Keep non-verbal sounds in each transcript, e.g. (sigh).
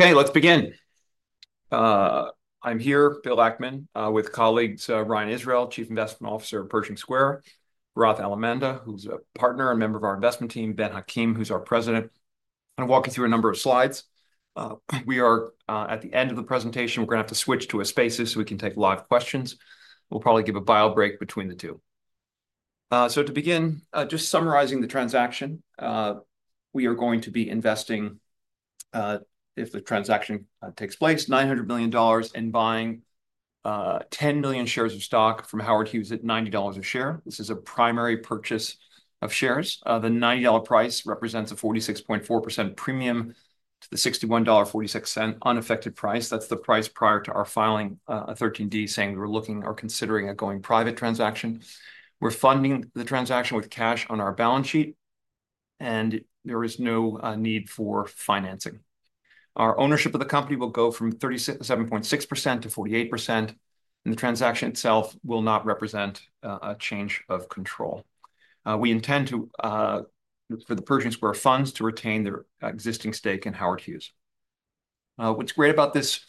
Okay, let's begin. I'm here, Bill Ackman, with colleagues, Ryan Israel, Chief Investment Officer of Pershing Square, Bharath Alamanda, who's a partner and member of our investment team, Ben Hakim, who's our President. I'm going to walk you through a number of slides. We are at the end of the presentation. We're going to have to switch to a Spaces so we can take live questions. We'll probably give a bio break between the two. To begin, just summarizing the transaction, we are going to be investing, if the transaction takes place, $900 million and buying 10 million shares of stock from Howard Hughes at $90 a share. This is a primary purchase of shares. The $90 price represents a 46.4% premium to the $61.46 unaffected price. That's the price prior to our filing a 13D saying we're looking or considering a going private transaction. We're funding the transaction with cash on our balance sheet, and there is no need for financing. Our ownership of the company will go from 37.6%-48%, and the transaction itself will not represent a change of control. We intend to, for the Pershing Square funds, to retain their existing stake in Howard Hughes. What's great about this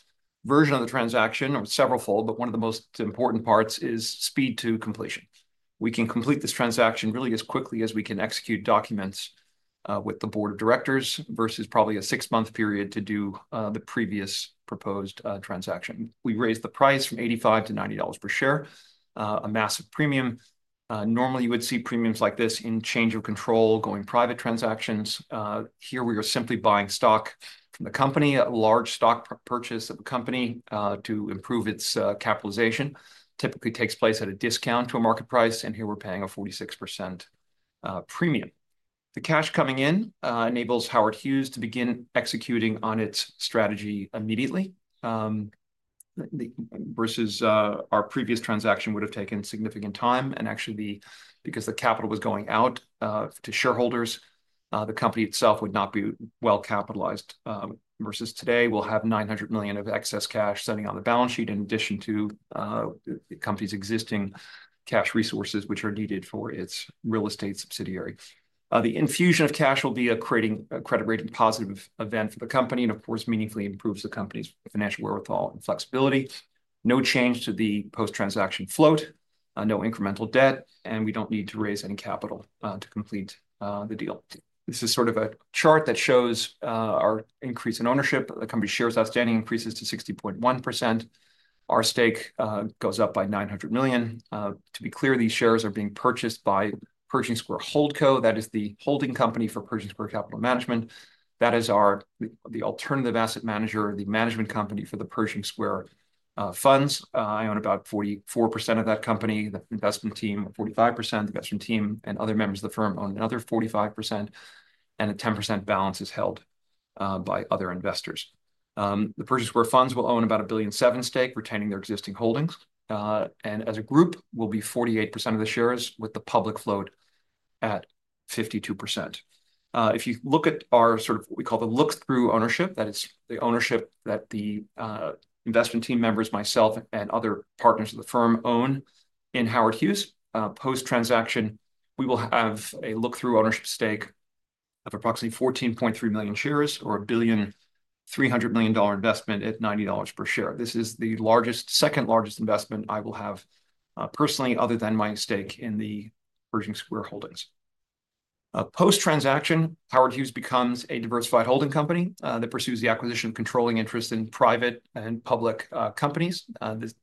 version of the transaction is several fold, but one of the most important parts is speed to completion. We can complete this transaction really as quickly as we can execute documents with the board of directors versus probably a six-month period to do the previous proposed transaction. We raised the price from $85-$90 per share, a massive premium. Normally, you would see premiums like this in change of control going private transactions. Here, we are simply buying stock from the company, a large stock purchase of the company to improve its capitalization. Typically, it takes place at a discount to a market price, and here we're paying a 46% premium. The cash coming in enables Howard Hughes to begin executing on its strategy immediately versus our previous transaction would have taken significant time and actually, because the capital was going out to shareholders, the company itself would not be well capitalized versus today, we'll have $900 million of excess cash sitting on the balance sheet in addition to the company's existing cash resources, which are needed for its real estate subsidiary. The infusion of cash will be a credit ratings positive event for the company and, of course, meaningfully improves the company's financial wherewithal and flexibility. No change to the post-transaction float, no incremental debt, and we don't need to raise any capital to complete the deal. This is sort of a chart that shows our increase in ownership. The company shares outstanding increases to 60.1%. Our stake goes up by 900 million. To be clear, these shares are being purchased by Pershing Square Holdco. That is the holding company for Pershing Square Capital Management. That is our alternative asset manager, the management company for the Pershing Square funds. I own about 44% of that company. The investment team 45%, the investment team and other members of the firm own another 45%, and a 10% balance is held by other investors. The Pershing Square funds will own about a billion seven stake, retaining their existing holdings, and as a group, we'll be 48% of the shares with the public float at 52%. If you look at our sort of what we call the look-through ownership, that is the ownership that the investment team members, myself, and other partners of the firm own in Howard Hughes. Post-transaction, we will have a look-through ownership stake of approximately 14.3 million shares or $1.3 billion investment at $90 per share. This is the second largest investment I will have personally other than my stake in the Pershing Square Holdings. Post-transaction, Howard Hughes becomes a diversified holding company that pursues the acquisition of controlling interest in private and public companies.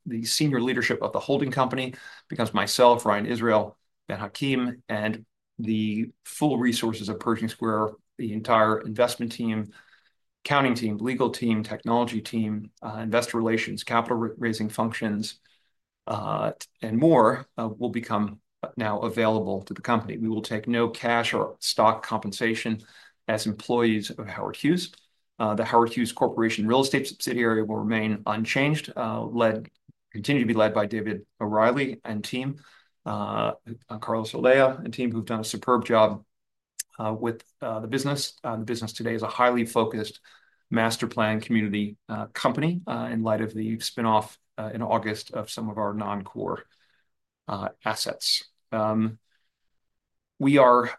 The senior leadership of the holding company becomes myself, Ryan Israel, Ben Hakim, and the full resources of Pershing Square, the entire investment team, accounting team, legal team, technology team, investor relations, capital raising functions, and more will become now available to the company. We will take no cash or stock compensation as employees of Howard Hughes. The Howard Hughes Corporation real estate subsidiary will remain unchanged, continued to be led by David O'Reilly and team, Carlos Olea, and team who've done a superb job with the business. The business today is a highly focused master plan community company in light of the spinoff in August of some of our non-core assets. We are,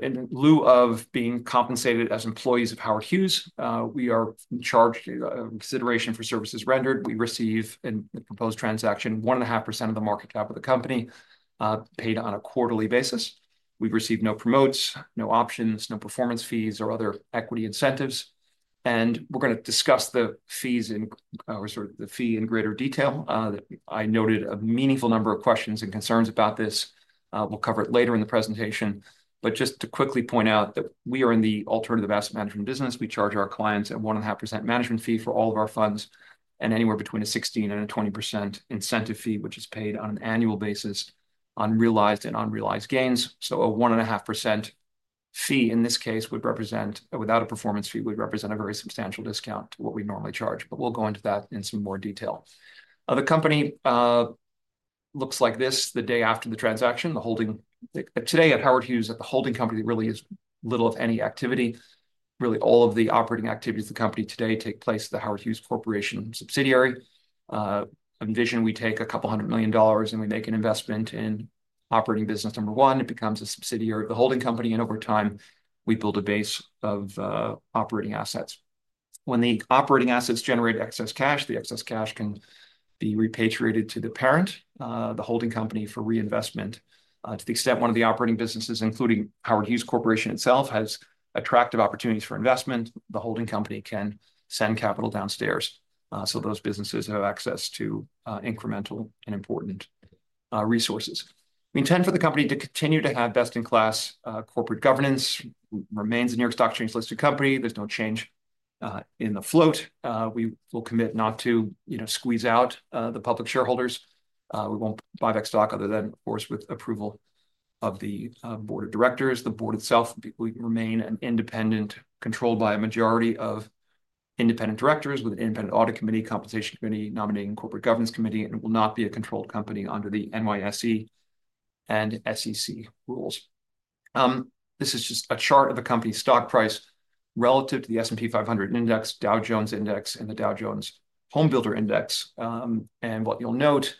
in lieu of being compensated as employees of Howard Hughes, we are paid consideration for services rendered. We receive in the proposed transaction 1.5% of the market cap of the company paid on a quarterly basis. We've received no promotes, no options, no performance fees, or other equity incentives. We're going to discuss the fees in greater detail. I noted a meaningful number of questions and concerns about this. We'll cover it later in the presentation. But just to quickly point out that we are in the alternative asset management business. We charge our clients a 1.5% management fee for all of our funds and anywhere between 16% and 20% incentive fee, which is paid on an annual basis on realized and unrealized gains. So a 1.5% fee in this case would represent, without a performance fee, a very substantial discount to what we normally charge. But we'll go into that in some more detail. The company looks like this the day after the transaction. Today at Howard Hughes, at the holding company, there really is little if any activity. Really, all of the operating activities of the company today take place at the Howard Hughes Corporation subsidiary. Envision we take a couple $100 million and we make an investment in operating business number one. It becomes a subsidiary of the holding company, and over time, we build a base of operating assets. When the operating assets generate excess cash, the excess cash can be repatriated to the parent, the holding company, for reinvestment. To the extent one of the operating businesses, including Howard Hughes Holdings itself, has attractive opportunities for investment, the holding company can send capital downstairs, so those businesses have access to incremental and important resources. We intend for the company to continue to have best-in-class corporate governance. Remains a New York Stock Exchange-listed company. There's no change in the float. We will commit not to squeeze out the public shareholders. We won't buy back stock other than, of course, with approval of the board of directors. The board itself will remain independent, controlled by a majority of independent directors with an independent audit committee, compensation committee, nominating corporate governance committee, and will not be a controlled company under the NYSE and SEC rules. This is just a chart of the company's stock price relative to the S&P 500 index, Dow Jones index, and the Dow Jones Homebuilder Index. And what you'll note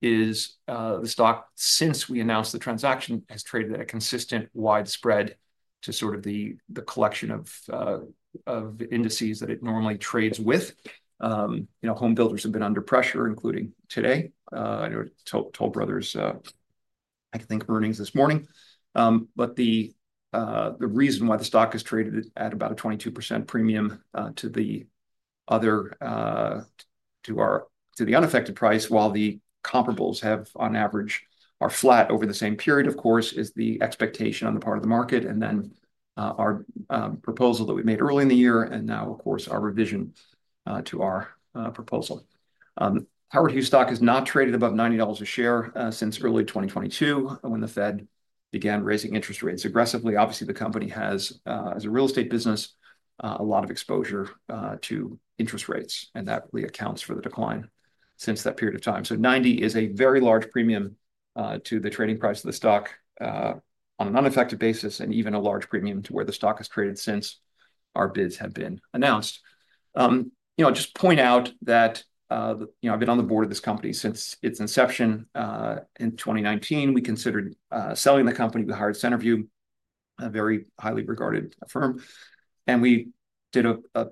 is the stock, since we announced the transaction, has traded at a consistent widespread to sort of the collection of indices that it normally trades with. Homebuilders have been under pressure, including today. I know Toll Brothers, I think, earnings this morning. But the reason why the stock is traded at about a 22% premium to the other to the unaffected price, while the comparables have on average are flat over the same period, of course, is the expectation on the part of the market and then our proposal that we made early in the year and now, of course, our revision to our proposal. Howard Hughes stock has not traded above $90 a share since early 2022 when the Fed began raising interest rates aggressively. Obviously, the company has, as a real estate business, a lot of exposure to interest rates, and that really accounts for the decline since that period of time. So 90 is a very large premium to the trading price of the stock on an unaffected basis and even a large premium to where the stock has traded since our bids have been announced. I'll just point out that I've been on the board of this company since its inception in 2019. We considered selling the company with Centerview, a very highly regarded firm. And we did a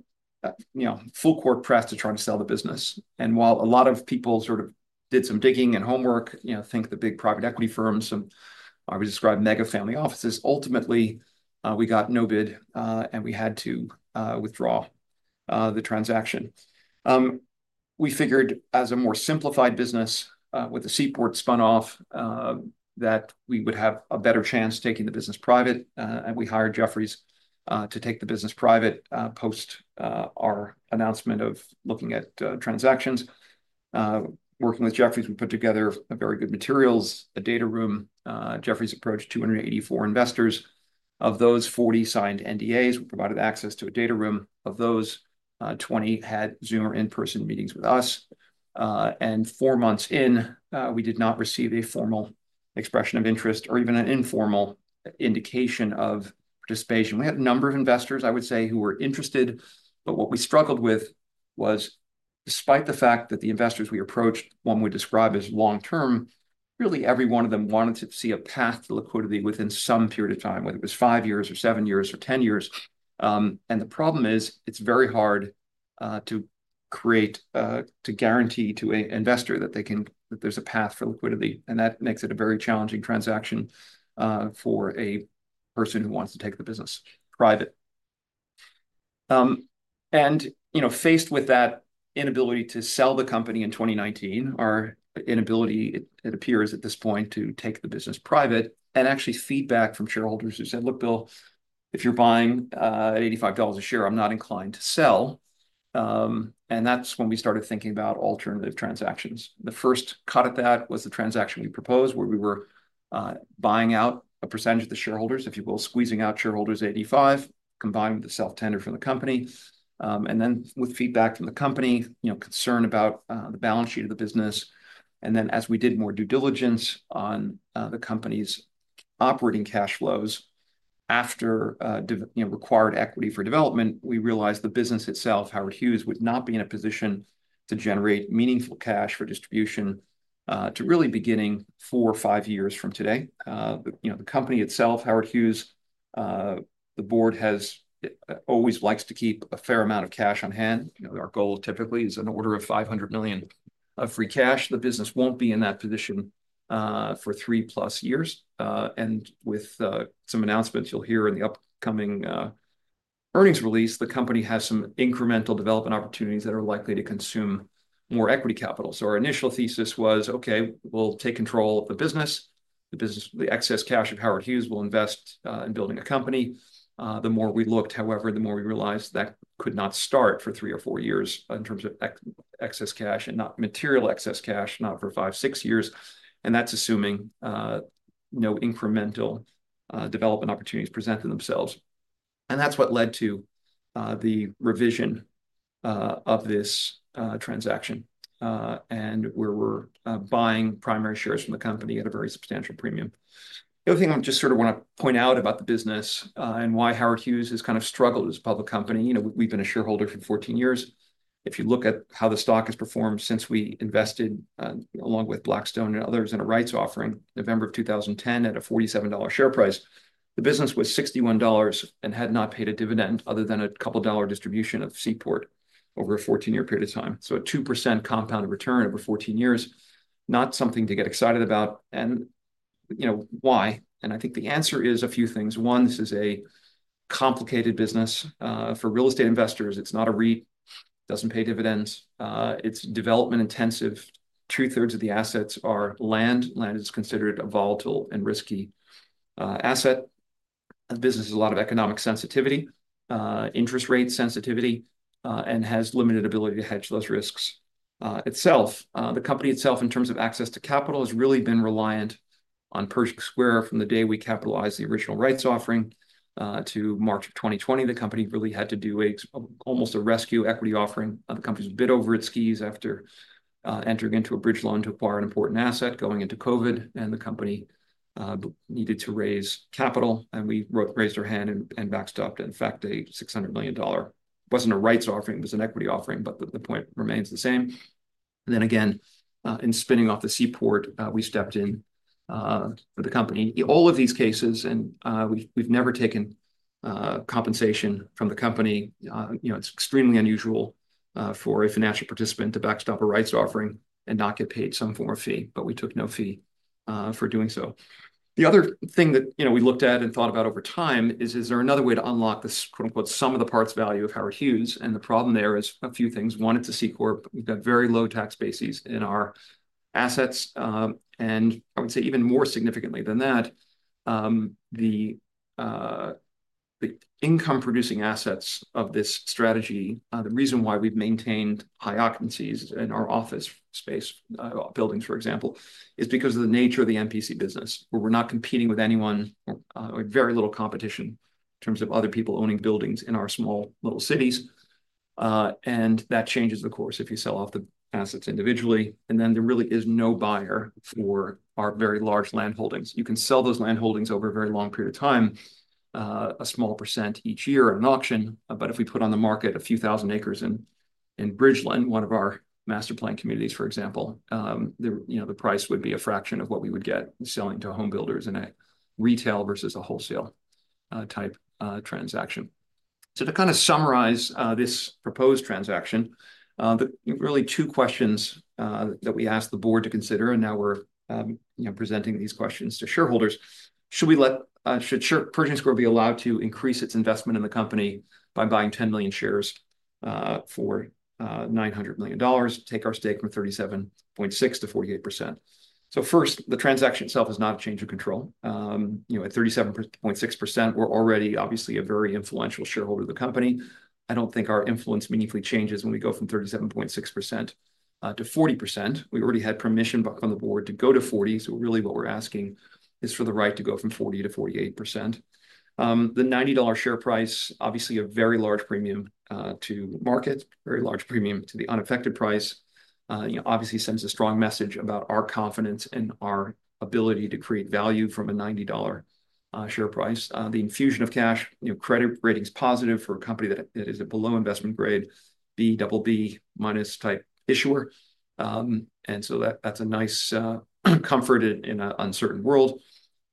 full court press to try to sell the business. And while a lot of people sort of did some digging and homework, think the big private equity firms, some I would describe mega family offices, ultimately, we got no bid and we had to withdraw the transaction. We figured as a more simplified business with a seaport spun off that we would have a better chance taking the business private. And we hired Jefferies to take the business private post our announcement of looking at transactions. Working with Jefferies, we put together a very good materials, a data room. Jefferies approached 284 investors. Of those, 40 signed NDAs. We provided access to a data room. Of those, 20 had Zoom or in-person meetings with us. Four months in, we did not receive a formal expression of interest or even an informal indication of participation. We had a number of investors, I would say, who were interested, but what we struggled with was, despite the fact that the investors we approached, one would describe as long-term, really every one of them wanted to see a path to liquidity within some period of time, whether it was five years or seven years or 10 years. The problem is it's very hard to create, to guarantee to an investor that there's a path for liquidity. That makes it a very challenging transaction for a person who wants to take the business private. And faced with that inability to sell the company in 2019, our inability, it appears at this point, to take the business private and actually feedback from shareholders who said, "Look, Bill, if you're buying at $85 a share, I'm not inclined to sell." And that's when we started thinking about alternative transactions. The first cut at that was the transaction we proposed where we were buying out a percentage of the shareholders, if you will, squeezing out shareholders at 85, combined with the self-tender from the company. And then with feedback from the company, concern about the balance sheet of the business. And then as we did more due diligence on the company's operating cash flows after required equity for development, we realized the business itself, Howard Hughes, would not be in a position to generate meaningful cash for distribution to really beginning four or five years from today. The company itself, Howard Hughes, the board always likes to keep a fair amount of cash on hand. Our goal typically is an order of $500 million of free cash. The business won't be in that position for three plus years, and with some announcements you'll hear in the upcoming earnings release, the company has some incremental development opportunities that are likely to consume more equity capital, so our initial thesis was, "Okay, we'll take control of the business. The excess cash of Howard Hughes will invest in building a company." The more we looked, however, the more we realized that could not start for three or four years in terms of excess cash and not material excess cash, not for five, six years, and that's assuming no incremental development opportunities presented themselves. And that's what led to the revision of this transaction and where we're buying primary shares from the company at a very substantial premium. The other thing I just sort of want to point out about the business and why Howard Hughes has kind of struggled as a public company. We've been a shareholder for 14 years. If you look at how the stock has performed since we invested along with Blackstone and others in a rights offering November of 2010 at a $47 share price, the business was $61 and had not paid a dividend other than a couple dollar distribution of Seaport over a 14-year period of time. So a 2% compound return over 14 years, not something to get excited about. And why? And I think the answer is a few things. One, this is a complicated business. For real estate investors, it's not a REIT. It doesn't pay dividends. It's development intensive. Two-thirds of the assets are land. Land is considered a volatile and risky asset. The business has a lot of economic sensitivity, interest rate sensitivity, and has limited ability to hedge those risks itself. The company itself, in terms of access to capital, has really been reliant on Pershing Square from the day we capitalized the original rights offering. To March of 2020, the company really had to do almost a rescue equity offering. The company's bid over its skis after entering into a bridge loan to acquire an important asset going into COVID, and the company needed to raise capital. And we raised our hand and backstopped it. In fact, a $600 million wasn't a rights offering. It was an equity offering, but the point remains the same. And then again, in spinning off the Seaport, we stepped in for the company. All of these cases, and we've never taken compensation from the company. It's extremely unusual for a financial participant to backstop a rights offering and not get paid some form of fee, but we took no fee for doing so. The other thing that we looked at and thought about over time is, is there another way to unlock this "some of the parts value" of Howard Hughes, and the problem there is a few things. One, it's a C Corp. We've got very low tax bases in our assets, and I would say even more significantly than that, the income-producing assets of this strategy, the reason why we've maintained high occupancies in our office space buildings, for example, is because of the nature of the MPC business, where we're not competing with anyone. We have very little competition in terms of other people owning buildings in our small little cities. And that changes the course if you sell off the assets individually. And then there really is no buyer for our very large land holdings. You can sell those land holdings over a very long period of time, a small percent each year at an auction. But if we put on the market a few thousand acres in Bridgeland, one of our master plan communities, for example, the price would be a fraction of what we would get selling to homebuilders in a retail versus a wholesale type transaction. So to kind of summarize this proposed transaction, really two questions that we asked the board to consider, and now we're presenting these questions to shareholders. Should Pershing Square be allowed to increase its investment in the company by buying 10 million shares for $900 million, take our stake from 37.6% to 48%? So first, the transaction itself is not a change of control. At 37.6%, we're already obviously a very influential shareholder of the company. I don't think our influence meaningfully changes when we go from 37.6% to 40%. We already had permission from the board to go to 40%. So really what we're asking is for the right to go from 40% to 48%. The $90 share price, obviously a very large premium to market, very large premium to the unaffected price, obviously sends a strong message about our confidence and our ability to create value from a $90 share price. The infusion of cash, credit ratings positive for a company that is a below investment grade, B, BB- type issuer. And so that's a nice comfort in an uncertain world.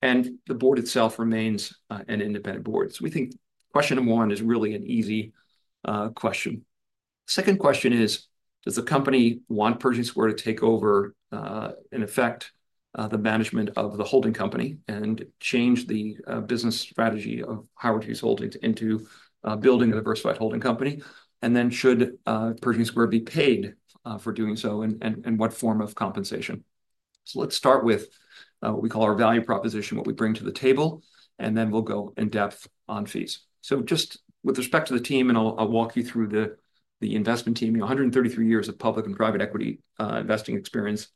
And the board itself remains an independent board. So we think question one is really an easy question. Second question is, does the company want Pershing Square to take over, in effect, the management of the holding company and change the business strategy of Howard Hughes Holdings into building a diversified holding company? And then should Pershing Square be paid for doing so and what form of compensation? So let's start with what we call our value proposition, what we bring to the table, and then we'll go in depth on fees. So just with respect to the team, and I'll walk you through the investment team, 133 years of public and private equity investing experience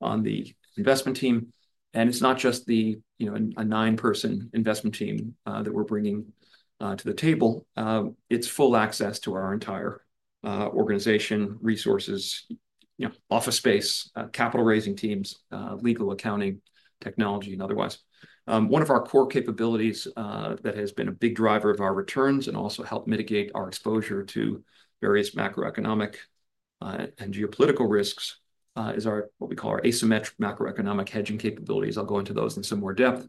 on the investment team. And it's not just a nine-person investment team that we're bringing to the table. It's full access to our entire organization, resources, office space, capital raising teams, legal, accounting, technology, and otherwise. One of our core capabilities that has been a big driver of our returns and also helped mitigate our exposure to various macroeconomic and geopolitical risks is what we call our asymmetric macroeconomic hedging capabilities. I'll go into those in some more depth.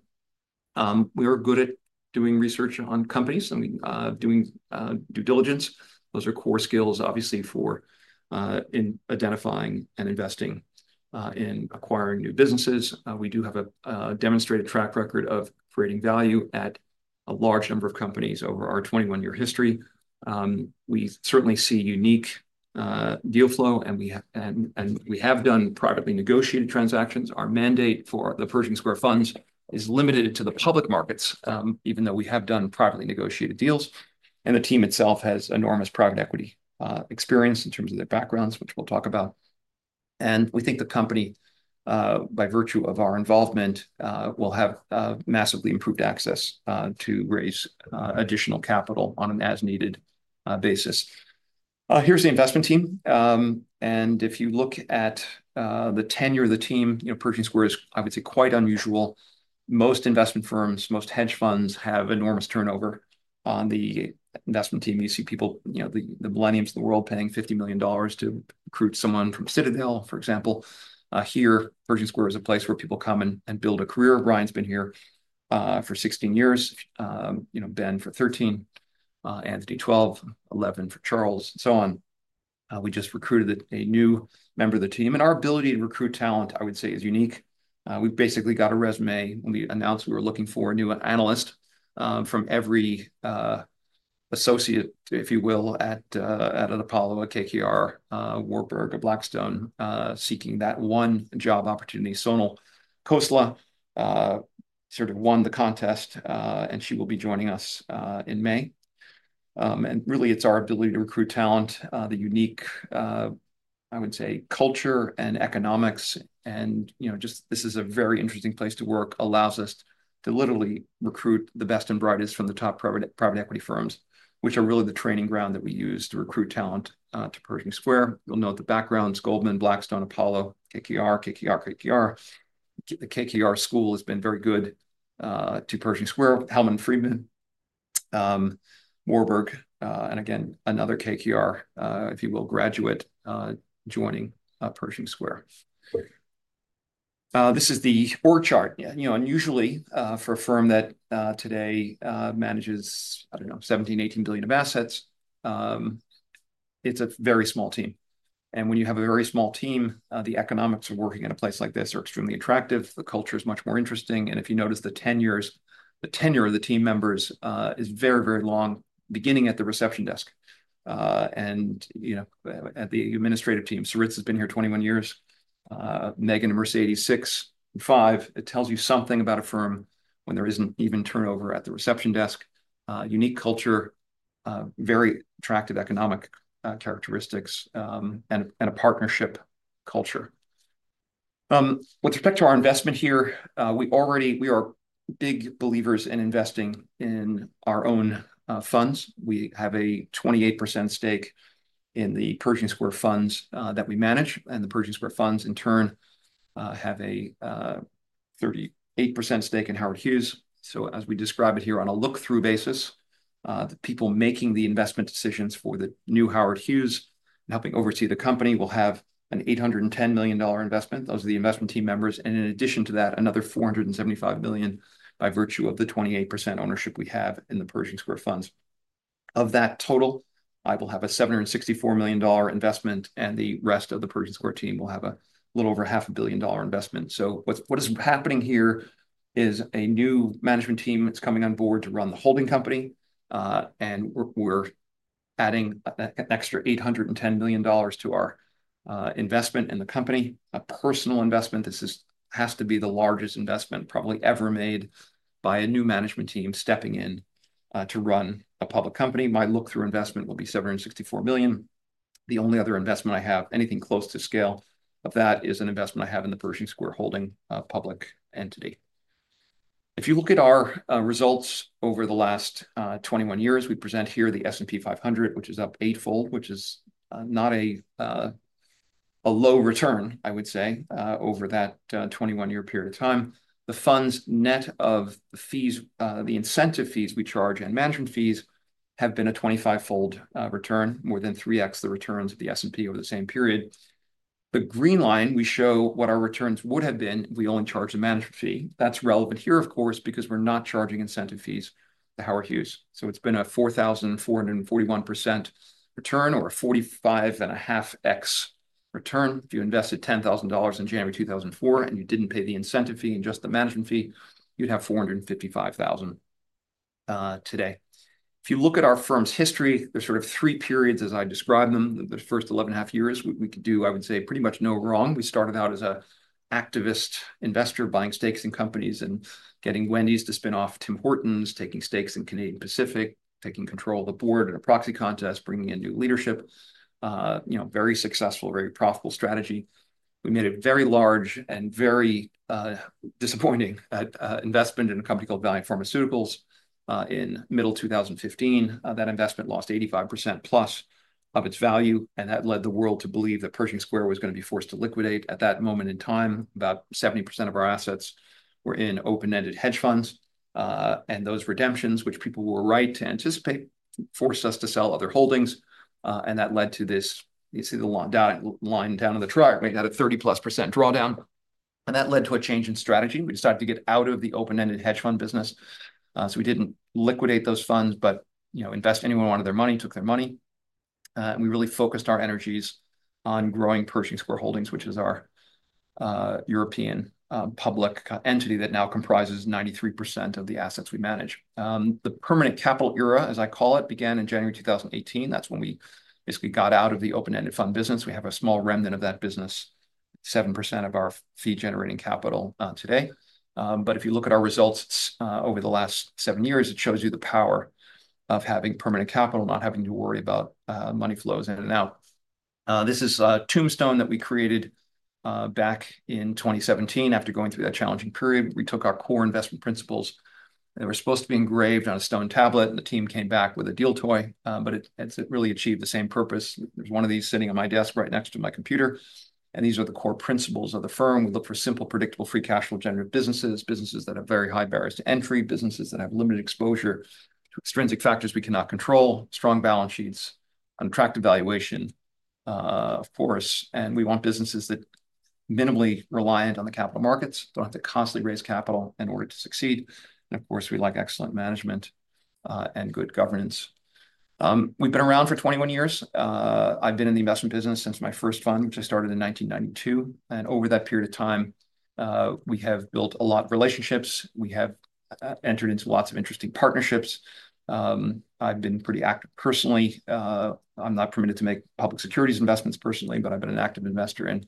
We are good at doing research on companies and doing due diligence. Those are core skills, obviously, for identifying and investing in acquiring new businesses. We do have a demonstrated track record of creating value at a large number of companies over our 21-year history. We certainly see unique deal flow, and we have done privately negotiated transactions. Our mandate for the Pershing Square funds is limited to the public markets, even though we have done privately negotiated deals. And the team itself has enormous private equity experience in terms of their backgrounds, which we'll talk about. And we think the company, by virtue of our involvement, will have massively improved access to raise additional capital on an as-needed basis. Here's the investment team. And if you look at the tenure of the team, Pershing Square is, I would say, quite unusual. Most investment firms, most hedge funds have enormous turnover on the investment team. You see people, the millennials of the world, paying $50 million to recruit someone from Citadel, for example. Here, Pershing Square is a place where people come and build a career. Ryan's been here for 16 years. Ben for 13. Anthony 12, 11 for Charles, and so on. We just recruited a new member of the team. And our ability to recruit talent, I would say, is unique. We basically got a resume. When we announced we were looking for a new analyst from every associate, if you will, at Apollo, a KKR, Warburg, a Blackstone, seeking that one job opportunity. Sonal Khosla sort of won the contest, and she will be joining us in May. And really, it's our ability to recruit talent, the unique, I would say, culture and economics. And just this is a very interesting place to work, allows us to literally recruit the best and brightest from the top private equity firms, which are really the training ground that we use to recruit talent to Pershing Square. You'll note the backgrounds: Goldman, Blackstone, Apollo, KKR, KKR, KKR. The KKR school has been very good to Pershing Square: Hellman & Friedman, Warburg, and again, another KKR, if you will, graduate joining Pershing Square. This is the org chart. Unusually for a firm that today manages, I don't know, $17 billion-18 billion of assets, it's a very small team, and when you have a very small team, the economics of working in a place like this are extremely attractive. The culture is much more interesting, and if you notice the tenure, the tenure of the team members is very, very long, beginning at the reception desk and at the administrative team. Sarit has been here 21 years. Megan and Mercedes, 6, 5. It tells you something about a firm when there isn't even turnover at the reception desk. Unique culture, very attractive economic characteristics, and a partnership culture. With respect to our investment here, we are big believers in investing in our own funds. We have a 28% stake in the Pershing Square funds that we manage. The Pershing Square funds, in turn, have a 38% stake in Howard Hughes. As we describe it here on a look-through basis, the people making the investment decisions for the new Howard Hughes and helping oversee the company will have an $810 million investment. Those are the investment team members. In addition to that, another $475 million by virtue of the 28% ownership we have in the Pershing Square funds. Of that total, I will have a $764 million investment, and the rest of the Pershing Square team will have a little over half a billion dollar investment. What is happening here is a new management team is coming on board to run the holding company, and we're adding an extra $810 million to our investment in the company, a personal investment. This has to be the largest investment probably ever made by a new management team stepping in to run a public company. My look-through investment will be $764 million. The only other investment I have, anything close to scale of that, is an investment I have in the Pershing Square Holdings public entity. If you look at our results over the last 21 years, we present here the S&P 500, which is up eightfold, which is not a low return, I would say, over that 21-year period of time. The funds net of the incentive fees we charge and management fees have been a 25-fold return, more than 3x the returns of the S&P over the same period. The green line, we show what our returns would have been if we only charged a management fee. That's relevant here, of course, because we're not charging incentive fees to Howard Hughes. It's been a 4,441% return or a 45.5x return. If you invested $10,000 in January 2004 and you didn't pay the incentive fee and just the management fee, you'd have $455,000 today. If you look at our firm's history, there's sort of three periods as I describe them. The first 11.5 years, we could do, I would say, pretty much no wrong. We started out as an activist investor buying stakes in companies and getting Wendy's to spin off Tim Hortons, taking stakes in Canadian Pacific, taking control of the board in a proxy contest, bringing in new leadership. Very successful, very profitable strategy. We made a very large and very disappointing investment in a company called Valeant Pharmaceuticals in middle 2015. That investment lost 85%+ of its value, and that led the world to believe that Pershing Square was going to be forced to liquidate. At that moment in time, about 70% of our assets were in open-ended hedge funds, and those redemptions, which people were right to anticipate, forced us to sell other holdings. And that led to this, you see the line down on the chart, right? We had a 30%+ drawdown, and that led to a change in strategy. We decided to get out of the open-ended hedge fund business, so we didn't liquidate those funds, but let anyone who wanted their money take their money. And we really focused our energies on growing Pershing Square Holdings, which is our European public entity that now comprises 93% of the assets we manage. The permanent capital era, as I call it, began in January 2018. That's when we basically got out of the open-ended fund business, we have a small remnant of that business, 7% of our fee-generating capital today. But if you look at our results over the last seven years, it shows you the power of having permanent capital, not having to worry about money flows in and out. This is a tombstone that we created back in 2017 after going through that challenging period. We took our core investment principles that were supposed to be engraved on a stone tablet, and the team came back with a deal toy, but it really achieved the same purpose. There's one of these sitting on my desk right next to my computer. And these are the core principles of the firm. We look for simple, predictable, free cash flow generative businesses, businesses that have very high barriers to entry, businesses that have limited exposure to extrinsic factors we cannot control, strong balance sheets, unattractive valuation, of course. We want businesses that are minimally reliant on the capital markets, don't have to constantly raise capital in order to succeed. And of course, we like excellent management and good governance. We've been around for 21 years. I've been in the investment business since my first fund, which I started in 1992. And over that period of time, we have built a lot of relationships. We have entered into lots of interesting partnerships. I've been pretty active personally. I'm not permitted to make public securities investments personally, but I've been an active investor in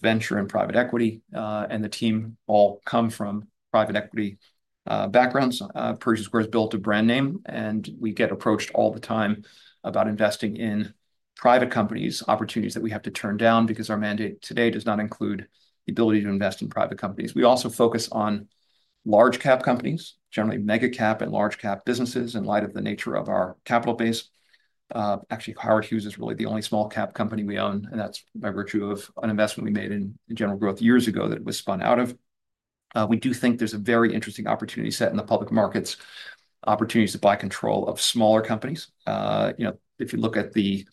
venture and private equity. And the team all come from private equity backgrounds. Pershing Square has built a brand name, and we get approached all the time about investing in private companies, opportunities that we have to turn down because our mandate today does not include the ability to invest in private companies. We also focus on large-cap companies, generally mega-cap and large-cap businesses in light of the nature of our capital base. Actually, Howard Hughes is really the only small-cap company we own, and that's by virtue of an investment we made in General Growth years ago that it was spun out of. We do think there's a very interesting opportunity set in the public markets, opportunities to buy control of smaller companies. If you look at the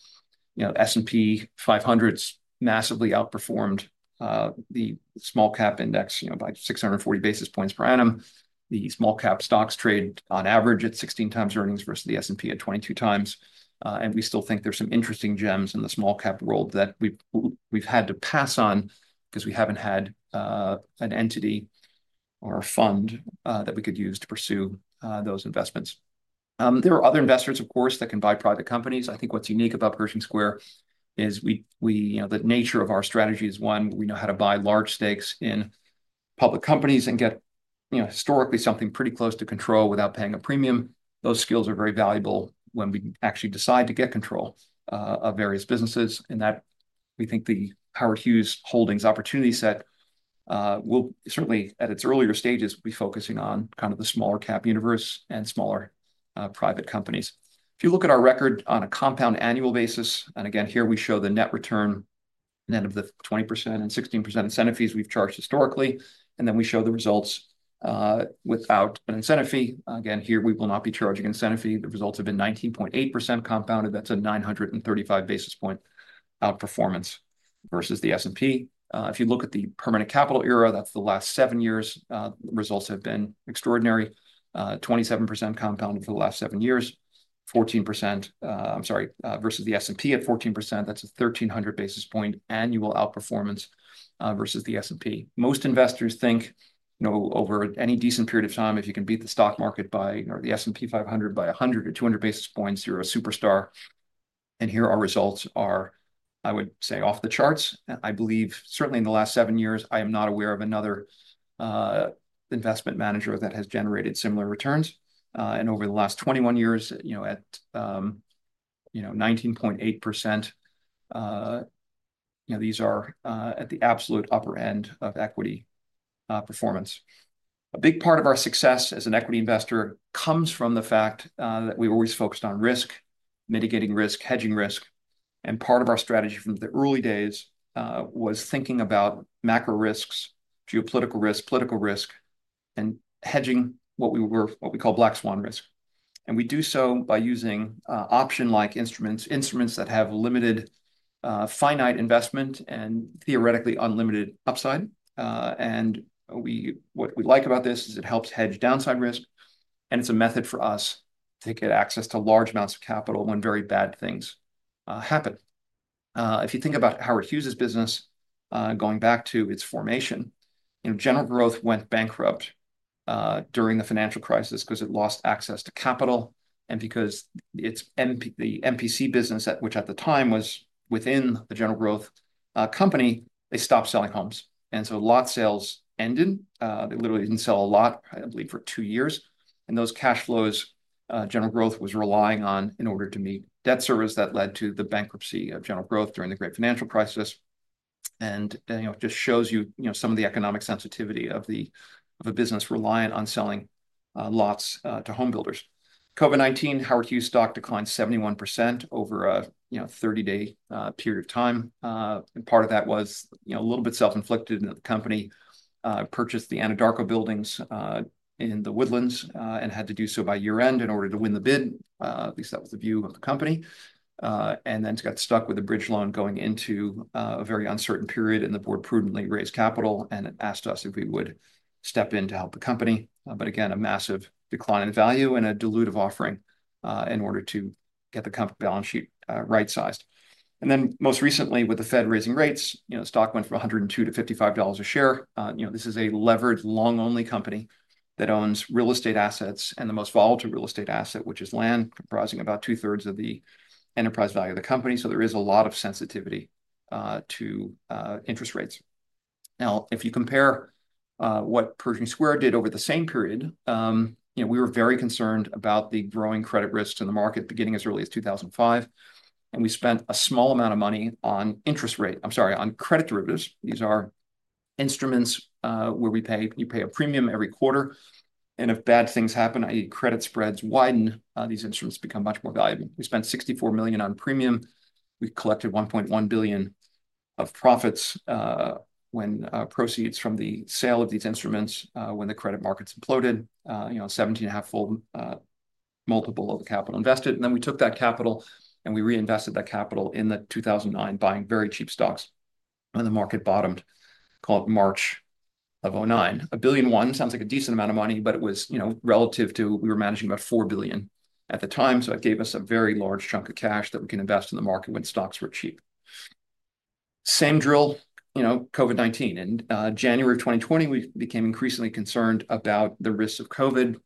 S&P 500, it's massively outperformed the small-cap index by 640 basis points per annum. The small-cap stocks trade on average at 16x earnings versus the S&P at 22x. We still think there's some interesting gems in the small-cap world that we've had to pass on because we haven't had an entity or a fund that we could use to pursue those investments. There are other investors, of course, that can buy private companies. I think what's unique about Pershing Square is the nature of our strategy is one, we know how to buy large stakes in public companies and get historically something pretty close to control without paying a premium. Those skills are very valuable when we actually decide to get control of various businesses. And that, we think the Howard Hughes Holdings opportunity set will certainly, at its earlier stages, be focusing on kind of the small-cap universe and smaller private companies. If you look at our record on a compound annual basis, and again, here we show the net return net of the 20% and 16% incentive fees we've charged historically. And then we show the results without an incentive fee. Again, here we will not be charging an incentive fee. The results have been 19.8% compounded. That's a 935 basis point outperformance versus the S&P. If you look at the permanent capital era, that's the last seven years, the results have been extraordinary. 27% compounded for the last seven years, 14%, I'm sorry, versus the S&P at 14%. That's a 1,300 basis point annual outperformance versus the S&P. Most investors think over any decent period of time, if you can beat the stock market by, or the S&P 500 by 100 or 200 basis points, you're a superstar. And here our results are, I would say, off the charts. I believe certainly in the last seven years, I am not aware of another investment manager that has generated similar returns. And over the last 21 years at 19.8%, these are at the absolute upper end of equity performance. A big part of our success as an equity investor comes from the fact that we're always focused on risk, mitigating risk, hedging risk, and part of our strategy from the early days was thinking about macro risks, geopolitical risk, political risk, and hedging what we call black swan risk. And we do so by using option-like instruments, instruments that have limited finite investment and theoretically unlimited upside. And what we like about this is it helps hedge downside risk. And it's a method for us to get access to large amounts of capital when very bad things happen. If you think about Howard Hughes' business, going back to its formation, General Growth went bankrupt during the financial crisis because it lost access to capital, and because the MPC business, which at the time was within the General Growth company, they stopped selling homes, and so lot sales ended. They literally didn't sell a lot, I believe, for two years. And those cash flows, General Growth was relying on in order to meet debt service that led to the bankruptcy of General Growth during the great financial crisis. And it just shows you some of the economic sensitivity of a business reliant on selling lots to homebuilders. COVID-19, Howard Hughes stock declined 71% over a 30-day period of time. And part of that was a little bit self-inflicted in that the company purchased the Anadarko buildings in The Woodlands and had to do so by year-end in order to win the bid. At least that was the view of the company. And then it got stuck with a bridge loan going into a very uncertain period, and the board prudently raised capital and asked us if we would step in to help the company. But again, a massive decline in value and a dilutive offering in order to get the company balance sheet right-sized. And then most recently, with the Fed raising rates, stock went from $102 to $55 a share. This is a leveraged long-only company that owns real estate assets and the most volatile real estate asset, which is land, comprising about two-thirds of the enterprise value of the company. So there is a lot of sensitivity to interest rates. Now, if you compare what Pershing Square did over the same period, we were very concerned about the growing credit risks in the market beginning as early as 2005. And we spent a small amount of money on interest rate, I'm sorry, on credit derivatives. These are instruments where you pay a premium every quarter. And if bad things happen, i.e., credit spreads widen, these instruments become much more valuable. We spent $64 million on premium. We collected $1.1 billion of profits from proceeds from the sale of these instruments when the credit markets imploded, a 17.5-fold multiple of the capital invested. And then we took that capital and we reinvested that capital in 2009, buying very cheap stocks. And the market bottomed in March of 2009. One billion sounds like a decent amount of money, but it was relative to we were managing about $4 billion at the time. So it gave us a very large chunk of cash that we can invest in the market when stocks were cheap. Same drill, COVID-19. In January of 2020, we became increasingly concerned about the risks of COVID.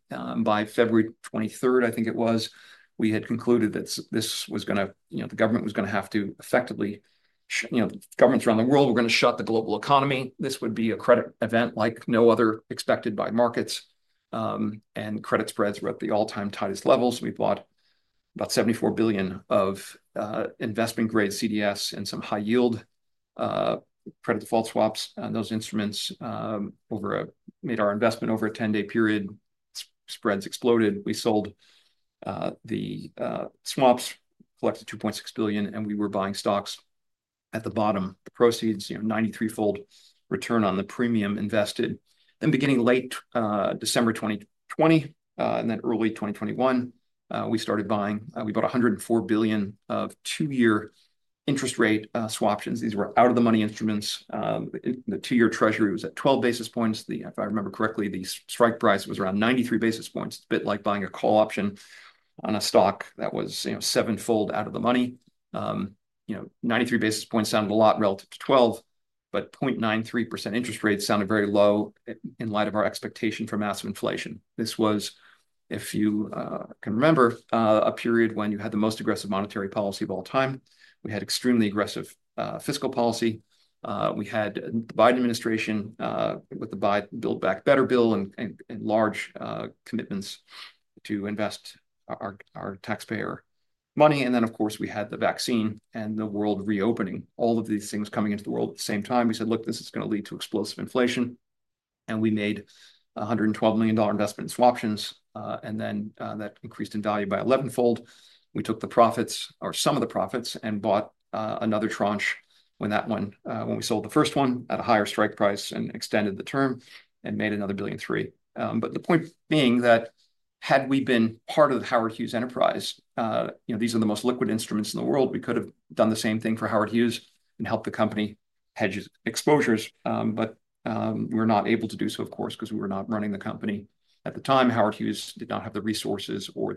By February 23rd, I think it was, we had concluded that this was going to, the government was going to have to effectively, governments around the world were going to shut the global economy. This would be a credit event like no other expected by markets. Credit spreads were at the all-time tightest levels. We bought about $74 billion of investment-grade CDS and some high-yield credit default swaps. Those instruments made our investment over a 10-day period. Spreads exploded. We sold the swaps, collected $2.6 billion, and we were buying stocks at the bottom. Proceeds, 93-fold return on the premium invested. Beginning late December 2020 and then early 2021, we started buying, we bought $104 billion of two-year interest rate swap options. These were out-of-the-money instruments. The two-year treasury was at 12 basis points. If I remember correctly, the strike price was around 93 basis points. It's a bit like buying a call option on a stock that was seven-fold out of the money. 93 basis points sounded a lot relative to 12, but 0.93% interest rates sounded very low in light of our expectation for massive inflation. This was, if you can remember, a period when you had the most aggressive monetary policy of all time. We had extremely aggressive fiscal policy. We had the Biden administration with the Build Back Better bill and large commitments to invest our taxpayer money. And then, of course, we had the vaccine and the world reopening. All of these things coming into the world at the same time. We said, "Look, this is going to lead to explosive inflation." And we made $112 million investment in swaptions. And then that increased in value by 11-fold. We took the profits or some of the profits and bought another tranche when that one, when we sold the first one at a higher strike price and extended the term and made another $1.3 billion. But the point being that had we been part of the Howard Hughes enterprise, these are the most liquid instruments in the world. We could have done the same thing for Howard Hughes and helped the company hedge exposures. But we were not able to do so, of course, because we were not running the company at the time. Howard Hughes did not have the resources or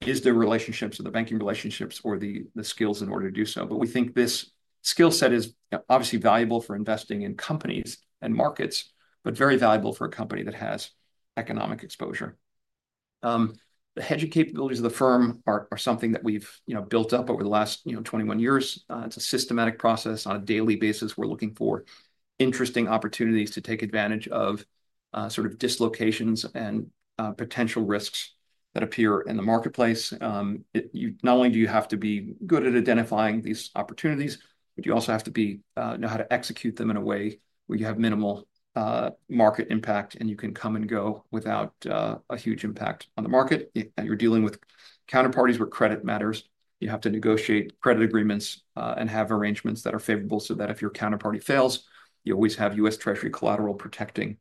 the relationships or the banking relationships or the skills in order to do so. But we think this skill set is obviously valuable for investing in companies and markets, but very valuable for a company that has economic exposure. The hedging capabilities of the firm are something that we've built up over the last 21 years. It's a systematic process on a daily basis. We're looking for interesting opportunities to take advantage of sort of dislocations and potential risks that appear in the marketplace. Not only do you have to be good at identifying these opportunities, but you also have to know how to execute them in a way where you have minimal market impact and you can come and go without a huge impact on the market, and you're dealing with counterparties where credit matters. You have to negotiate credit agreements and have arrangements that are favorable so that if your counterparty fails, you always have U.S. Treasury collateral protecting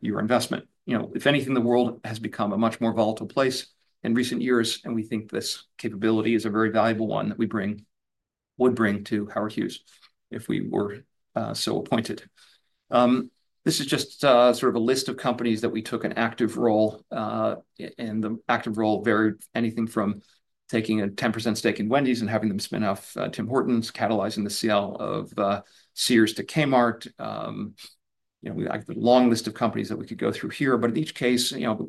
your investment. If anything, the world has become a much more volatile place in recent years, and we think this capability is a very valuable one that we would bring to Howard Hughes if we were so appointed. This is just sort of a list of companies that we took an active role in. The active role varied anything from taking a 10% stake in Wendy's and having them spin off Tim Hortons, catalyzing the sale of Sears to Kmart. We have a long list of companies that we could go through here, but in each case, a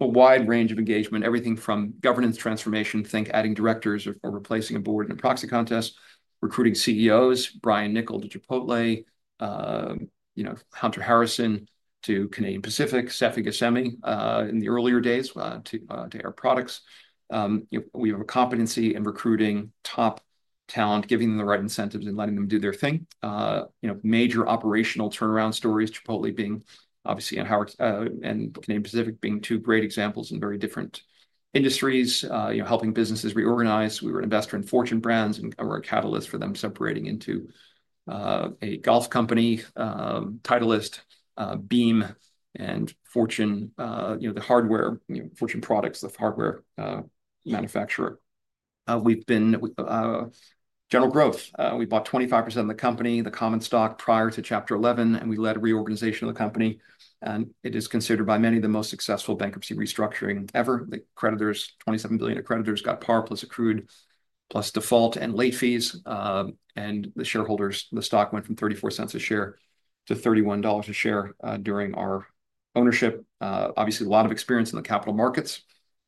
wide range of engagement, everything from governance transformation, think adding directors or replacing a board in a proxy contest, recruiting CEOs, Brian Niccol to Chipotle, Hunter Harrison to Canadian Pacific, Seifi Ghasemi in the earlier days to Air Products. We have a competency in recruiting top talent, giving them the right incentives and letting them do their thing. Major operational turnaround stories, Chipotle being, obviously, and Canadian Pacific being two great examples in very different industries, helping businesses reorganize. We were an investor in Fortune Brands and were a catalyst for them separating into a golf company, Titleist, Beam, and Fortune, the hardware, Fortune products, the hardware manufacturer. We've been General Growth. We bought 25% of the company, the common stock prior to Chapter 11, and we led reorganization of the company, and it is considered by many the most successful bankruptcy restructuring ever. The creditors, $27 billion of creditors, got par plus accrued plus default and late fees, and the shareholders, the stock went from $0.34 a share to $31 a share during our ownership. Obviously, a lot of experience in the capital markets.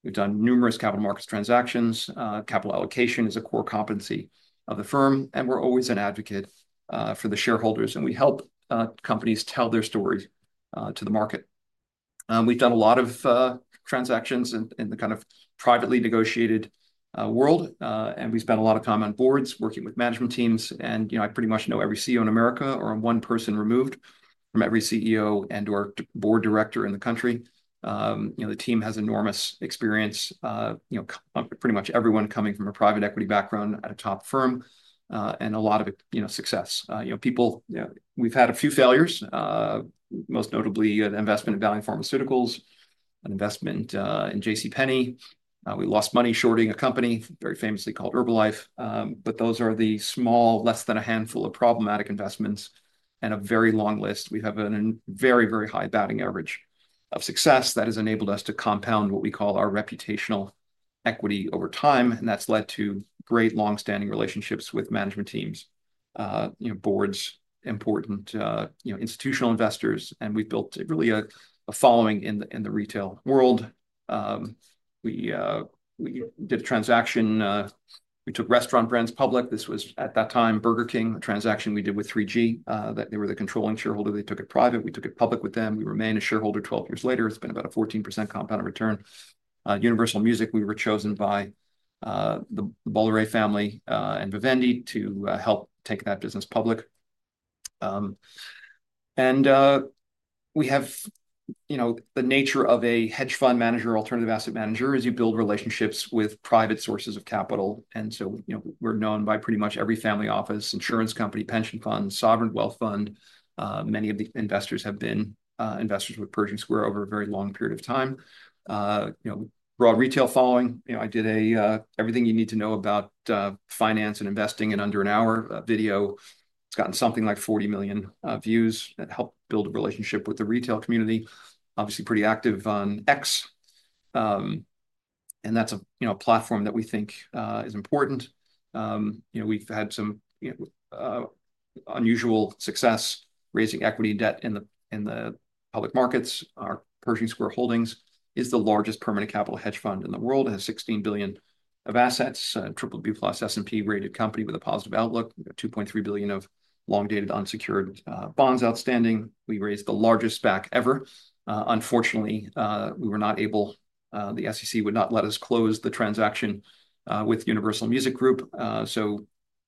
We've done numerous capital markets transactions. Capital allocation is a core competency of the firm, and we're always an advocate for the shareholders, and we help companies tell their story to the market. We've done a lot of transactions in the kind of privately negotiated world, and we spend a lot of time on boards working with management teams, and I pretty much know every CEO in America or one person removed from every CEO and/or board director in the country. The team has enormous experience, pretty much everyone coming from a private equity background at a top firm, and a lot of success. We've had a few failures, most notably an investment in Valeant Pharmaceuticals, an investment in J.C. Penney. We lost money shorting a company very famously called Herbalife, but those are the small, less than a handful of problematic investments and a very long list. We have a very, very high batting average of success that has enabled us to compound what we call our reputational equity over time, and that's led to great long-standing relationships with management teams, boards, important institutional investors, and we've built really a following in the retail world. We did a transaction. We took Restaurant Brands public. This was at that time Burger King, a transaction we did with 3G. They were the controlling shareholder. They took it private. We took it public with them. We remained a shareholder 12 years later. It's been about a 14% compound return. Universal Music, we were chosen by the Bolloré family and Vivendi to help take that business public, and we have the nature of a hedge fund manager, alternative asset manager as you build relationships with private sources of capital. And so we're known by pretty much every family office, insurance company, pension fund, sovereign wealth fund. Many of the investors have been investors with Pershing Square over a very long period of time. Broad retail following. I did everything you need to know about finance and investing in under an hour video. It's gotten something like 40 million views that helped build a relationship with the retail community. Obviously, pretty active on X. And that's a platform that we think is important. We've had some unusual success raising equity debt in the public markets. Pershing Square Holdings is the largest permanent capital hedge fund in the world. It has $16 billion of assets, a BBB+ S&P rated company with a positive outlook, $2.3 billion of long-dated unsecured bonds outstanding. We raised the largest SPAC ever. Unfortunately, we were not able, the SEC would not let us close the transaction with Universal Music Group. So,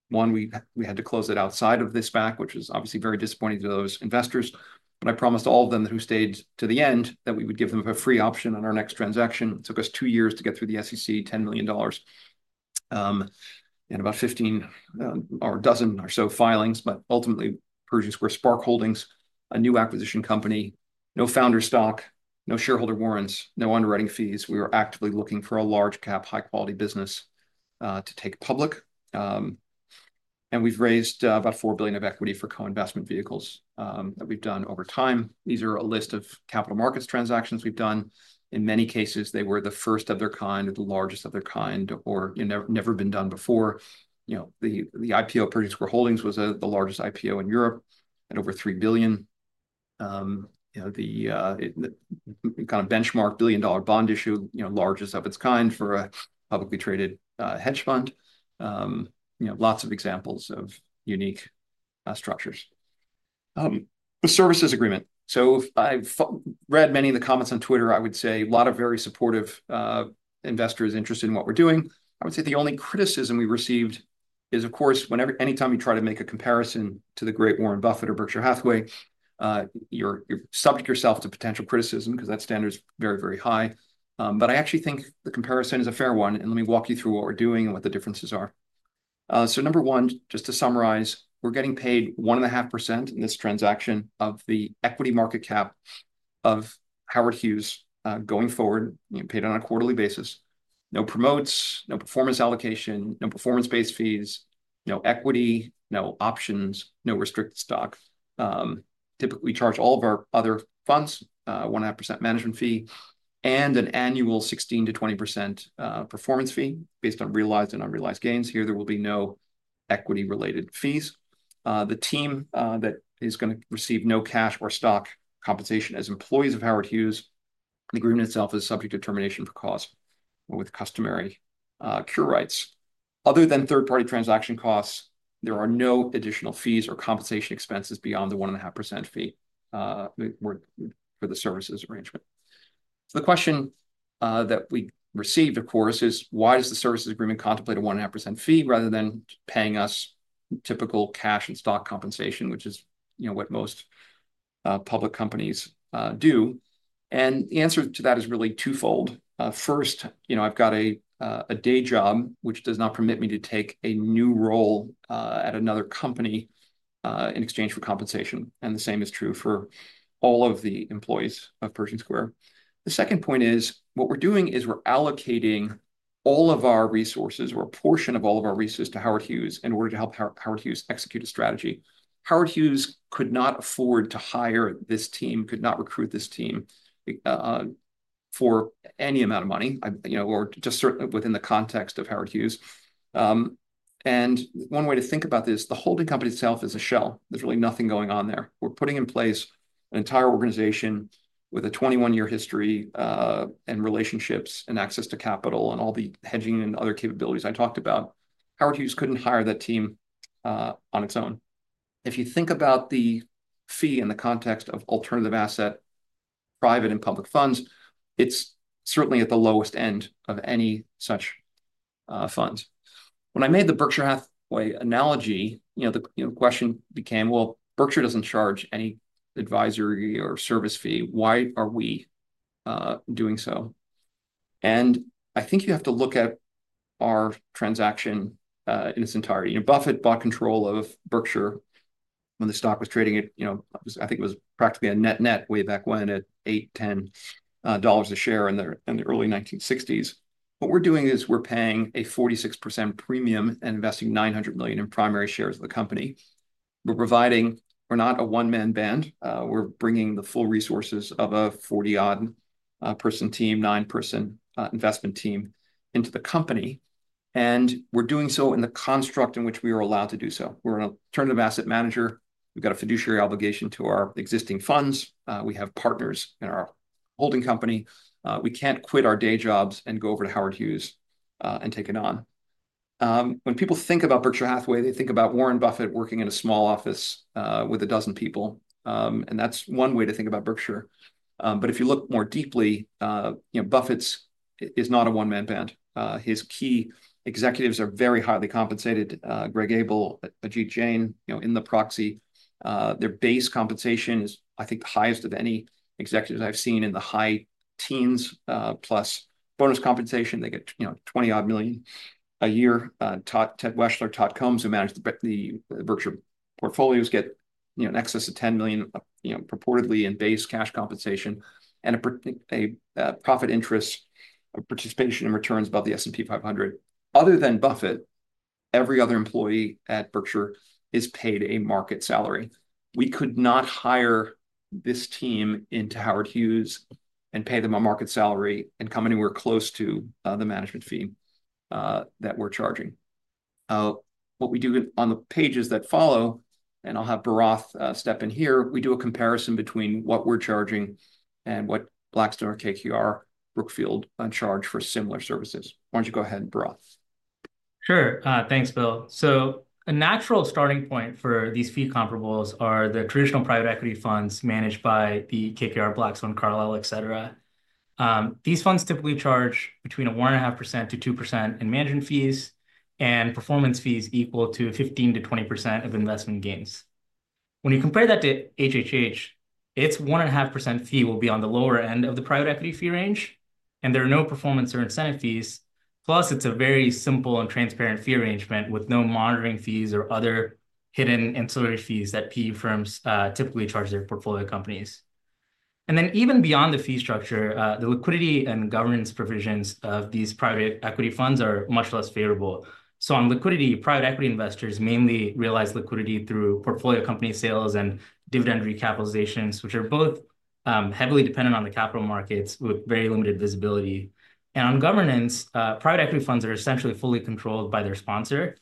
one, we had to close it outside of this SPAC, which was obviously very disappointing to those investors. But I promised all of them that who stayed to the end that we would give them a free option on our next transaction. It took us two years to get through the SEC, $10 million, and about 15 or a dozen or so filings. But ultimately, Pershing Square SPARC Holdings, a new acquisition company, no founder stock, no shareholder warrants, no underwriting fees. We were actively looking for a large-cap, high-quality business to take public. And we've raised about four billion of equity for co-investment vehicles that we've done over time. These are a list of capital markets transactions we've done. In many cases, they were the first of their kind, the largest of their kind, or never been done before. The IPO of Pershing Square Holdings was the largest IPO in Europe at over $3 billion. The kind of benchmark billion-dollar bond issue, largest of its kind for a publicly traded hedge fund. Lots of examples of unique structures. The services agreement. So I've read many of the comments on Twitter. I would say a lot of very supportive investors interested in what we're doing. I would say the only criticism we received is, of course, anytime you try to make a comparison to the great Warren Buffett of Berkshire Hathaway, you're subject yourself to potential criticism because that standard is very, very high. But I actually think the comparison is a fair one. And let me walk you through what we're doing and what the differences are. So number one, just to summarize, we're getting paid 1.5% in this transaction of the equity market cap of Howard Hughes going forward, paid on a quarterly basis. No promotes, no performance allocation, no performance-based fees, no equity, no options, no restricted stock. Typically, we charge all of our other funds a 1.5% management fee and an annual 16%-20% performance fee based on realized and unrealized gains. Here, there will be no equity-related fees. The team that is going to receive no cash or stock compensation as employees of Howard Hughes. The agreement itself is subject to termination for cause with customary cure rights. Other than third-party transaction costs, there are no additional fees or compensation expenses beyond the 1.5% fee for the services arrangement. The question that we received, of course, is why does the services agreement contemplate a 1.5% fee rather than paying us typical cash and stock compensation, which is what most public companies do? And the answer to that is really twofold. First, I've got a day job, which does not permit me to take a new role at another company in exchange for compensation. And the same is true for all of the employees of Pershing Square. The second point is what we're doing is we're allocating all of our resources or a portion of all of our resources to Howard Hughes in order to help Howard Hughes execute a strategy. Howard Hughes could not afford to hire this team, could not recruit this team for any amount of money or just within the context of Howard Hughes. One way to think about this, the holding company itself is a shell. There's really nothing going on there. We're putting in place an entire organization with a 21-year history and relationships and access to capital and all the hedging and other capabilities I talked about. Howard Hughes couldn't hire that team on its own. If you think about the fee in the context of alternative asset, private and public funds, it's certainly at the lowest end of any such funds. When I made the Berkshire Hathaway analogy, the question became, well, Berkshire doesn't charge any advisory or service fee. Why are we doing so? And I think you have to look at our transaction in its entirety. Buffett bought control of Berkshire when the stock was trading. I think it was practically a net-net way back when at $8-$10 a share in the early 1960s. What we're doing is we're paying a 46% premium and investing $900 million in primary shares of the company. We're providing. We're not a one-man band. We're bringing the full resources of a 40-odd person team, nine-person investment team into the company. And we're doing so in the construct in which we are allowed to do so. We're an alternative asset manager. We've got a fiduciary obligation to our existing funds. We have partners in our holding company. We can't quit our day jobs and go over to Howard Hughes and take it on. When people think about Berkshire Hathaway, they think about Warren Buffett working in a small office with a dozen people. And that's one way to think about Berkshire. But if you look more deeply, Buffett is not a one-man band. His key executives are very highly compensated, Greg Abel, Ajit Jain, in the proxy. Their base compensation is, I think, the highest of any executives I've seen in the high teens plus bonus compensation. They get $20-odd million a year. Ted Weschler, Todd Combs, who managed the Berkshire portfolios, get an excess of $10 million, purportedly in base cash compensation and a profit interest participation in returns above the S&P 500. Other than Buffett, every other employee at Berkshire is paid a market salary. We could not hire this team into Howard Hughes and pay them a market salary and come anywhere close to the management fee that we're charging. What we do on the pages that follow, and I'll have Bharath step in here, we do a comparison between what we're charging and what Blackstone, or KKR, Brookfield charge for similar services. Why don't you go ahead, Bharath? Sure. T hanks, Bill. A natural starting point for these fee comparables are the traditional private equity funds managed by the KKR, Blackstone, Carlyle, et cetera. These funds typically charge between a 1.5%-2% in management fees and performance fees equal to 15%-20% of investment gains. When you compare that to HHH, its 1.5% fee will be on the lower end of the private equity fee range, and there are no performance or incentive fees. Plus, it's a very simple and transparent fee arrangement with no monitoring fees or other hidden ancillary fees that PE firms typically charge their portfolio companies. Even beyond the fee structure, the liquidity and governance provisions of these private equity funds are much less favorable. On liquidity, private equity investors mainly realize liquidity through portfolio company sales and dividend recapitalizations, which are both heavily dependent on the capital markets with very limited visibility. On governance, private equity funds are essentially fully controlled by their sponsor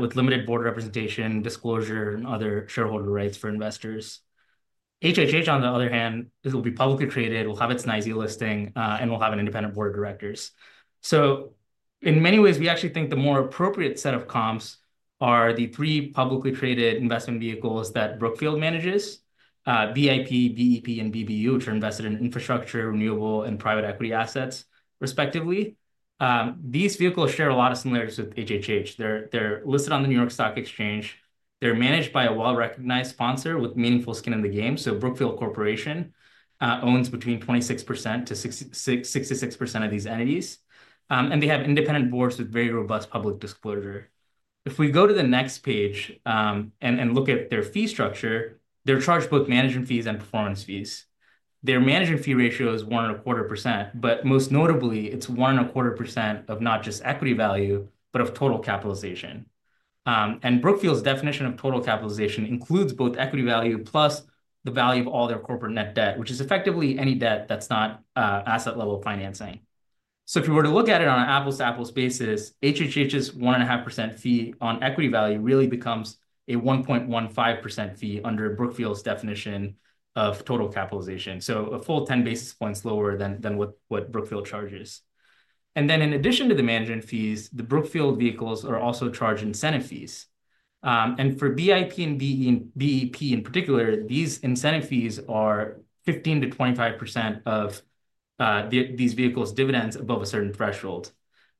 with limited board representation, disclosure, and other shareholder rights for investors. HHH, on the other hand, it will be publicly traded, will have its NYSE listing, and will have an independent board of directors. In many ways, we actually think the more appropriate set of comps are the three publicly traded investment vehicles that Brookfield manages, BIP, BEP, and BBU, which are invested in infrastructure, renewable, and private equity assets, respectively. These vehicles share a lot of similarities with HHH. They're listed on the New York Stock Exchange. They're managed by a well-recognized sponsor with meaningful skin in the game. Brookfield Corporation owns between 26%-66% of these entities. They have independent boards with very robust public disclosure. If we go to the next page and look at their fee structure, they're charged both management fees and performance fees. Their management fee ratio is 1.25%, but most notably, it's 1.25% of not just equity value, but of total capitalization, and Brookfield's definition of total capitalization includes both equity value plus the value of all their corporate net debt, which is effectively any debt that's not asset-level financing. So if you were to look at it on an apples to apples basis, HHH's 1.5% fee on equity value really becomes a 1.15% fee under Brookfield's definition of total capitalization, so a full 10 basis points lower than what Brookfield charges. Then in addition to the management fees, the Brookfield vehicles are also charged incentive fees, and for BIP and BEP in particular, these incentive fees are 15%-25% of these vehicles' dividends above a certain threshold.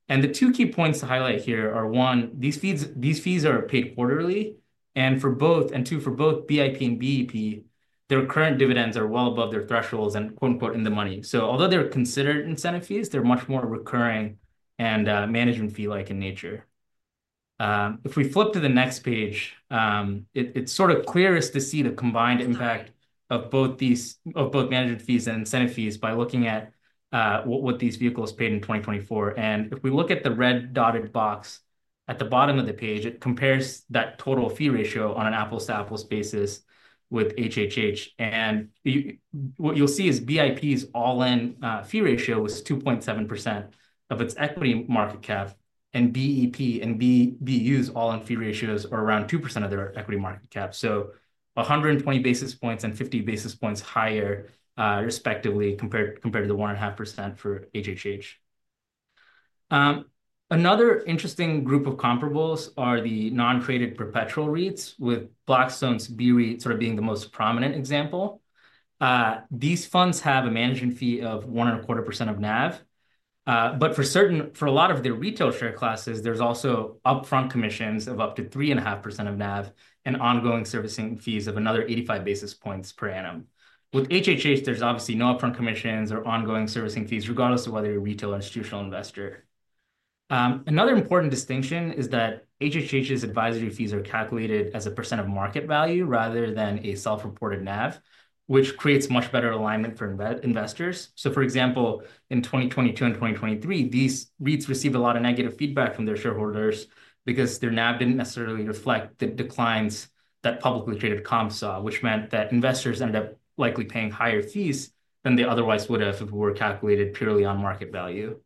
The two key points to highlight here are, one, these fees are paid quarterly, and two, for both BIP and BEP, their current dividends are well above their thresholds and "in the money." Although they're considered incentive fees, they're much more recurring and management fee-like in nature. If we flip to the next page, it's sort of clearest to see the combined impact of both management fees and incentive fees by looking at what these vehicles paid in 2024. If we look at the red dotted box at the bottom of the page, it compares that total fee ratio on an apples to apples basis with HHH. What you'll see is BIP's all-in fee ratio was 2.7% of its equity market cap. BEP and BBU's all-in fee ratios are around 2% of their equity market cap. 120 basis points and 50 basis points higher, respectively, compared to the 1.5% for HHH. Another interesting group of comparables are the non-traded perpetual REITs, with Blackstone's BREIT sort of being the most prominent example. These funds have a management fee of 1.25% of NAV. But for a lot of their retail share classes, there's also upfront commissions of up to 3.5% of NAV and ongoing servicing fees of another 85 basis points per annum. With HHH, there's obviously no upfront commissions or ongoing servicing fees, regardless of whether you're a retail or institutional investor. Another important distinction is that HHH's advisory fees are calculated as a percent of market value rather than a self-reported NAV, which creates much better alignment for investors. For example, in 2022 and 2023, these REITs received a lot of negative feedback from their shareholders because their NAV didn't necessarily reflect the declines that publicly traded comps saw, which meant that investors ended up likely paying higher fees than they otherwise would have if it were calculated purely on market value.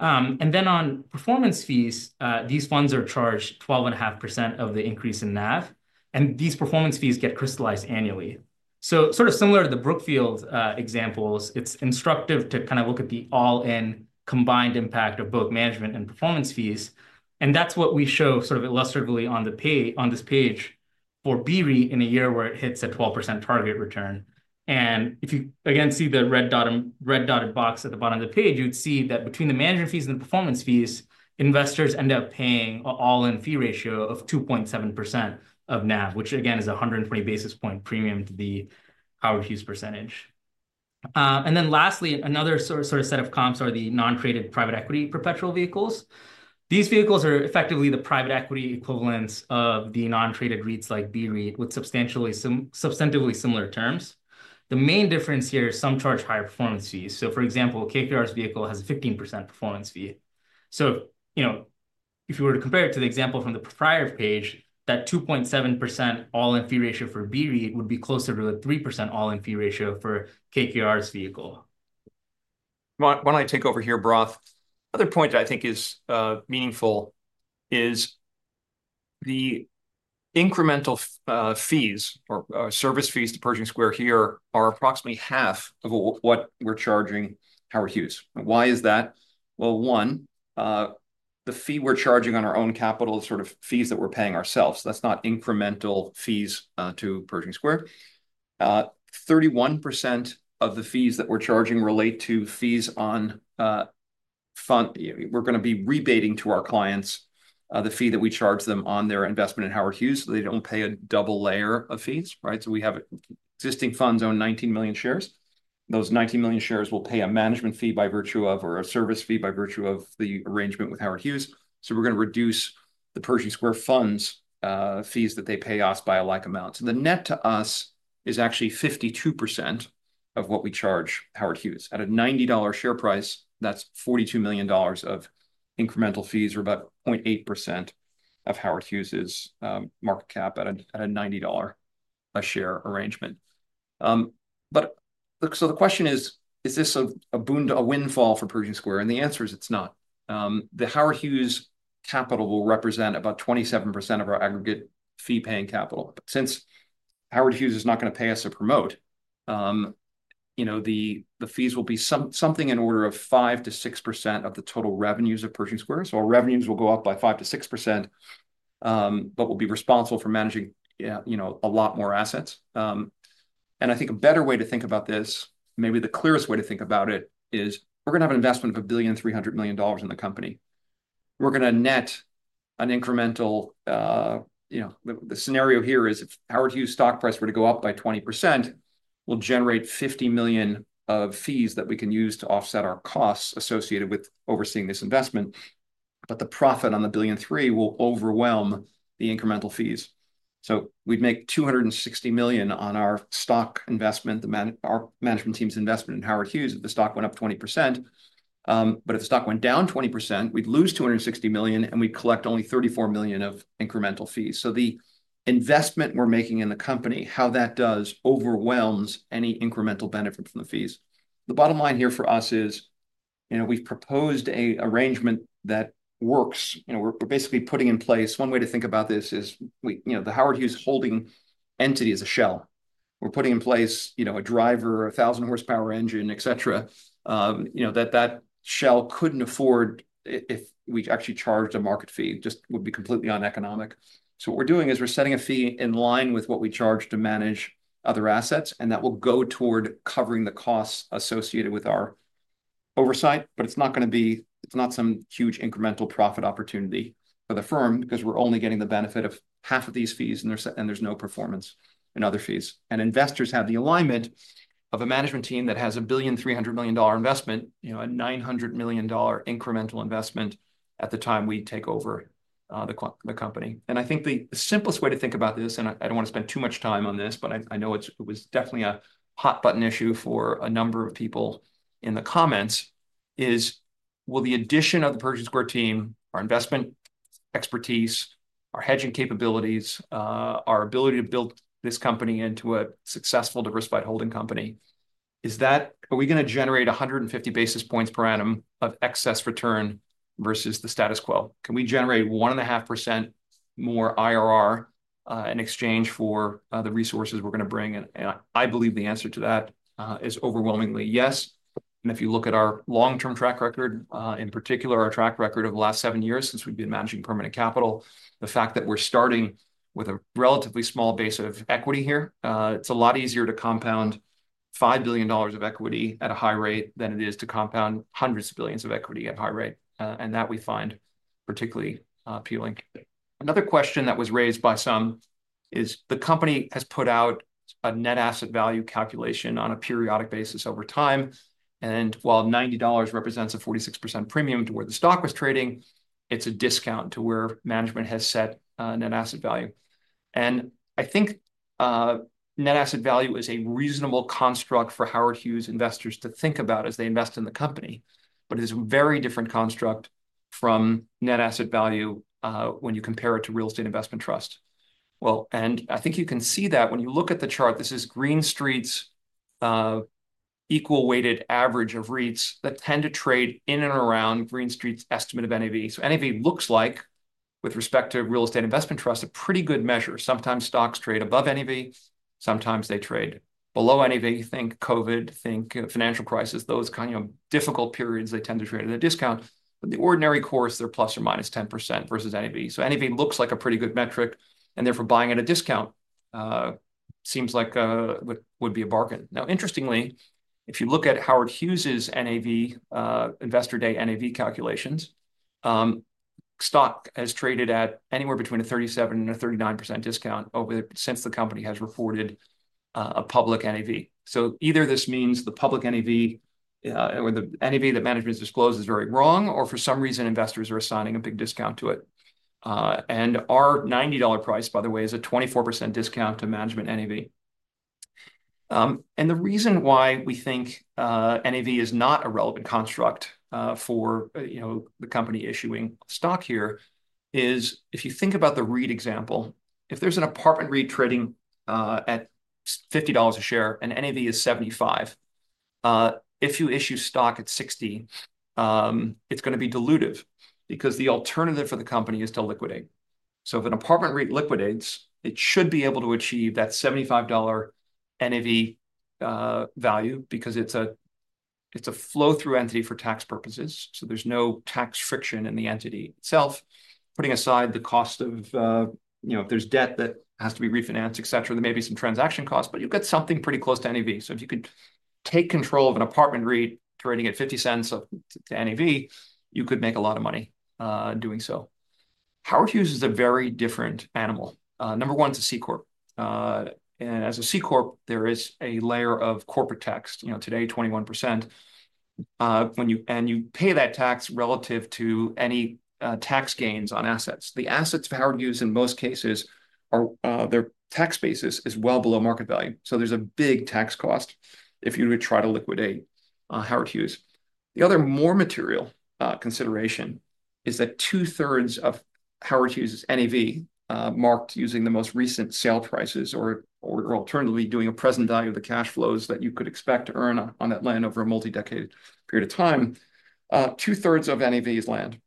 And then on performance fees, these funds are charged 12.5% of the increase in NAV. And these performance fees get crystallized annually. So sort of similar to the Brookfield examples, it's instructive to kind of look at the all-in combined impact of both management and performance fees. And that's what we show sort of illustratively on this page for BREIT in a year where it hits a 12% target return. If you again see the red dotted box at the bottom of the page, you'd see that between the management fees and the performance fees, investors end up paying an all-in fee ratio of 2.7% of NAV, which again is a 120 basis points premium to the Howard Hughes percentage. Then lastly, another sort of set of comps are the non-traded private equity perpetual vehicles. These vehicles are effectively the private equity equivalents of the non-traded REITs like BREIT with substantively similar terms. The main difference here is some charge higher performance fees. For example, KKR's vehicle has a 15% performance fee. If you were to compare it to the example from the prior page, that 2.7% all-in fee ratio for BREIT would be closer to a 3% all-in fee ratio for KKR's vehicle. Why don't I take over here, Bharath? Another point that I think is meaningful is the incremental fees or service fees to Pershing Square here are approximately half of what we're charging Howard Hughes. Why is that? Well, one, the fee we're charging on our own capital is sort of fees that we're paying ourselves. That's not incremental fees to Pershing Square. 31% of the fees that we're charging relate to fees on funds we're going to be rebating to our clients, the fee that we charge them on their investment in Howard Hughes. They don't pay a double layer of fees, right? So we have existing funds own 19 million shares. Those 19 million shares will pay a management fee by virtue of or a service fee by virtue of the arrangement with Howard Hughes. So we're going to reduce the Pershing Square funds fees that they pay us by a like amount. So the net to us is actually 52% of what we charge Howard Hughes. At a $90 share price, that's $42 million of incremental fees or about 0.8% of Howard Hughes's market cap at a $90 a share arrangement. But so the question is, is this a windfall for Pershing Square? And the answer is it's not. The Howard Hughes capital will represent about 27% of our aggregate fee-paying capital. Since Howard Hughes is not going to pay us to promote, the fees will be something in order of 5%-6% of the total revenues of Pershing Square. So our revenues will go up by 5%-6%, but we'll be responsible for managing a lot more assets. And I think a better way to think about this, maybe the clearest way to think about it, is we're going to have an investment of $1.3 billion in the company. We're going to net an incremental. The scenario here is if Howard Hughes' stock price were to go up by 20%, we'll generate $50 million of fees that we can use to offset our costs associated with overseeing this investment. But the profit on the $1.3 billion will overwhelm the incremental fees. So we'd make $260 million on our stock investment, our management team's investment in Howard Hughes if the stock went up 20%. But if the stock went down 20%, we'd lose $260 million and we'd collect only $34 million of incremental fees. So the investment we're making in the company, how that does overwhelms any incremental benefit from the fees. The bottom line here for us is we've proposed an arrangement that works. We're basically putting in place one way to think about this is the Howard Hughes Holdings entity is a shell. We're putting in place a driver, a thousand horsepower engine, et cetera, that shell couldn't afford if we actually charged a market fee. It just would be completely uneconomic. What we're doing is we're setting a fee in line with what we charge to manage other assets, and that will go toward covering the costs associated with our oversight. But it's not going to be some huge incremental profit opportunity for the firm because we're only getting the benefit of half of these fees and there's no performance in other fees. Investors have the alignment of a management team that has a $1.3 billion investment, a $900 million incremental investment at the time we take over the company. I think the simplest way to think about this, and I don't want to spend too much time on this, but I know it was definitely a hot button issue for a number of people in the comments, is will the addition of the Pershing Square team, our investment expertise, our hedging capabilities, our ability to build this company into a successful diversified holding company, are we going to generate 150 basis points per annum of excess return versus the status quo? Can we generate 1.5% more IRR in exchange for the resources we're going to bring? And I believe the answer to that is overwhelmingly yes. And if you look at our long-term track record, in particular our track record of the last seven years since we've been managing permanent capital, the fact that we're starting with a relatively small base of equity here, it's a lot easier to compound $5 billion of equity at a high rate than it is to compound hundreds of billions of equity at a high rate. And that we find particularly appealing. Another question that was raised by some is the company has put out a net asset value calculation on a periodic basis over time. And while $90 represents a 46% premium to where the stock was trading, it's a discount to where management has set net asset value. I think net asset value is a reasonable construct for Howard Hughes investors to think about as they invest in the company, but it is a very different construct from net asset value when you compare it to real estate investment trust. Well, and I think you can see that when you look at the chart. This is Green Street's equal-weighted average of REITs that tend to trade in and around Green Street's estimate of NAV. So NAV looks like, with respect to real estate investment trusts, a pretty good measure. Sometimes stocks trade above NAV. Sometimes they trade below NAV. Think COVID, think financial crisis. Those kind of difficult periods they tend to trade at a discount. But the ordinary course, they're plus or minus 10% versus NAV. So NAV looks like a pretty good metric. And therefore, buying at a discount seems like would be a bargain. Now, interestingly, if you look at Howard Hughes's investor day NAV calculations, stock has traded at anywhere between a 37%-39% discount since the company has reported a public NAV. So either this means the public NAV or the NAV that management disclosed is very wrong, or for some reason, investors are assigning a big discount to it. And our $90 price, by the way, is a 24% discount to management NAV. And the reason why we think NAV is not a relevant construct for the company issuing stock here is if you think about the REIT example, if there's an apartment REIT trading at $50 a share and NAV is $75, if you issue stock at $60, it's going to be dilutive because the alternative for the company is to liquidate. So if an apartment REIT liquidates, it should be able to achieve that $75 NAV value because it's a flow-through entity for tax purposes. So there's no tax friction in the entity itself. Putting aside the cost of if there's debt that has to be refinanced, et cetera, there may be some transaction costs, but you'll get something pretty close to NAV. So if you could take control of an apartment REIT trading at 50 cents to NAV, you could make a lot of money doing so. Howard Hughes is a very different animal. Number one is a C Corp. And as a C Corp, there is a layer of corporate tax. Today, 21%. And you pay that tax relative to any tax gains on assets. The assets of Howard Hughes in most cases, their tax basis is well below market value. So there's a big tax cost if you were to try to liquidate Howard Hughes. The other more material consideration is that two-thirds of Howard Hughes' NAV, marked using the most recent sale prices or alternatively doing a present value of the cash flows that you could expect to earn on that land over a multi-decade period of time, two-thirds of NAV is land.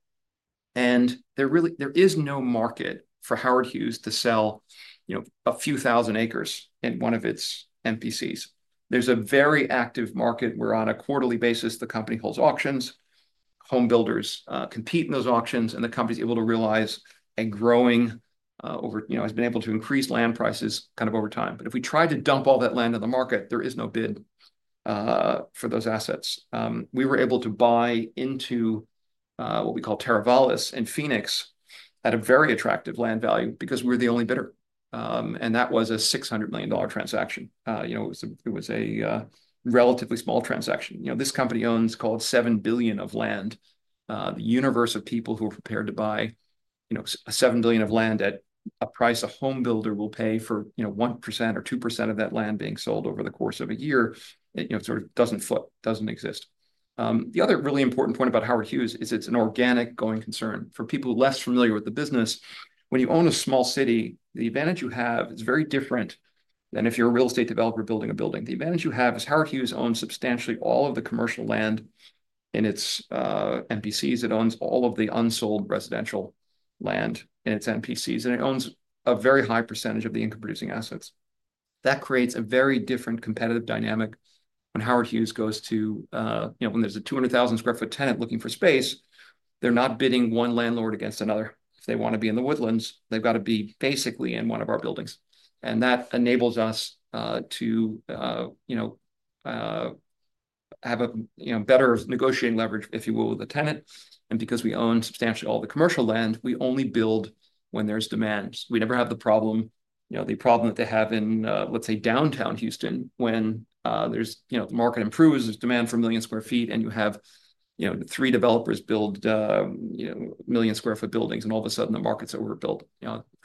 There is no market for Howard Hughes to sell a few thousand acres in one of its MPCs. There's a very active market where on a quarterly basis, the company holds auctions, homebuilders compete in those auctions, and the company's able to realize growing land prices over time. But if we tried to dump all that land on the market, there is no bid for those assets. We were able to buy into what we call Teravalis in Phoenix at a very attractive land value because we were the only bidder. That was a $600 million transaction. It was a relatively small transaction. This company owns what we call $7 billion of land. The universe of people who are prepared to buy $7 billion of land at a price a homebuilder will pay for 1% or 2% of that land being sold over the course of a year sort of doesn't exist. The other really important point about Howard Hughes is it's an organic going concern. For people less familiar with the business, when you own a small city, the advantage you have is very different than if you're a real estate developer building a building. The advantage you have is Howard Hughes owns substantially all of the commercial land in its MPCs. It owns all of the unsold residential land in its MPCs. And it owns a very high percentage of the income-producing assets. That creates a very different competitive dynamic when Howard Hughes goes to when there's a 200,000 sq ft tenant looking for space. They're not bidding one landlord against another. If they want to be in The Woodlands, they've got to be basically in one of our buildings. And that enables us to have a better negotiating leverage, if you will, with the tenant. And because we own substantially all the commercial land, we only build when there's demand. We never have the problem, the problem that they have in, let's say, downtown Houston when the market improves. There's demand for a million sq ft buildings, and all of a sudden, the market's overbuilt.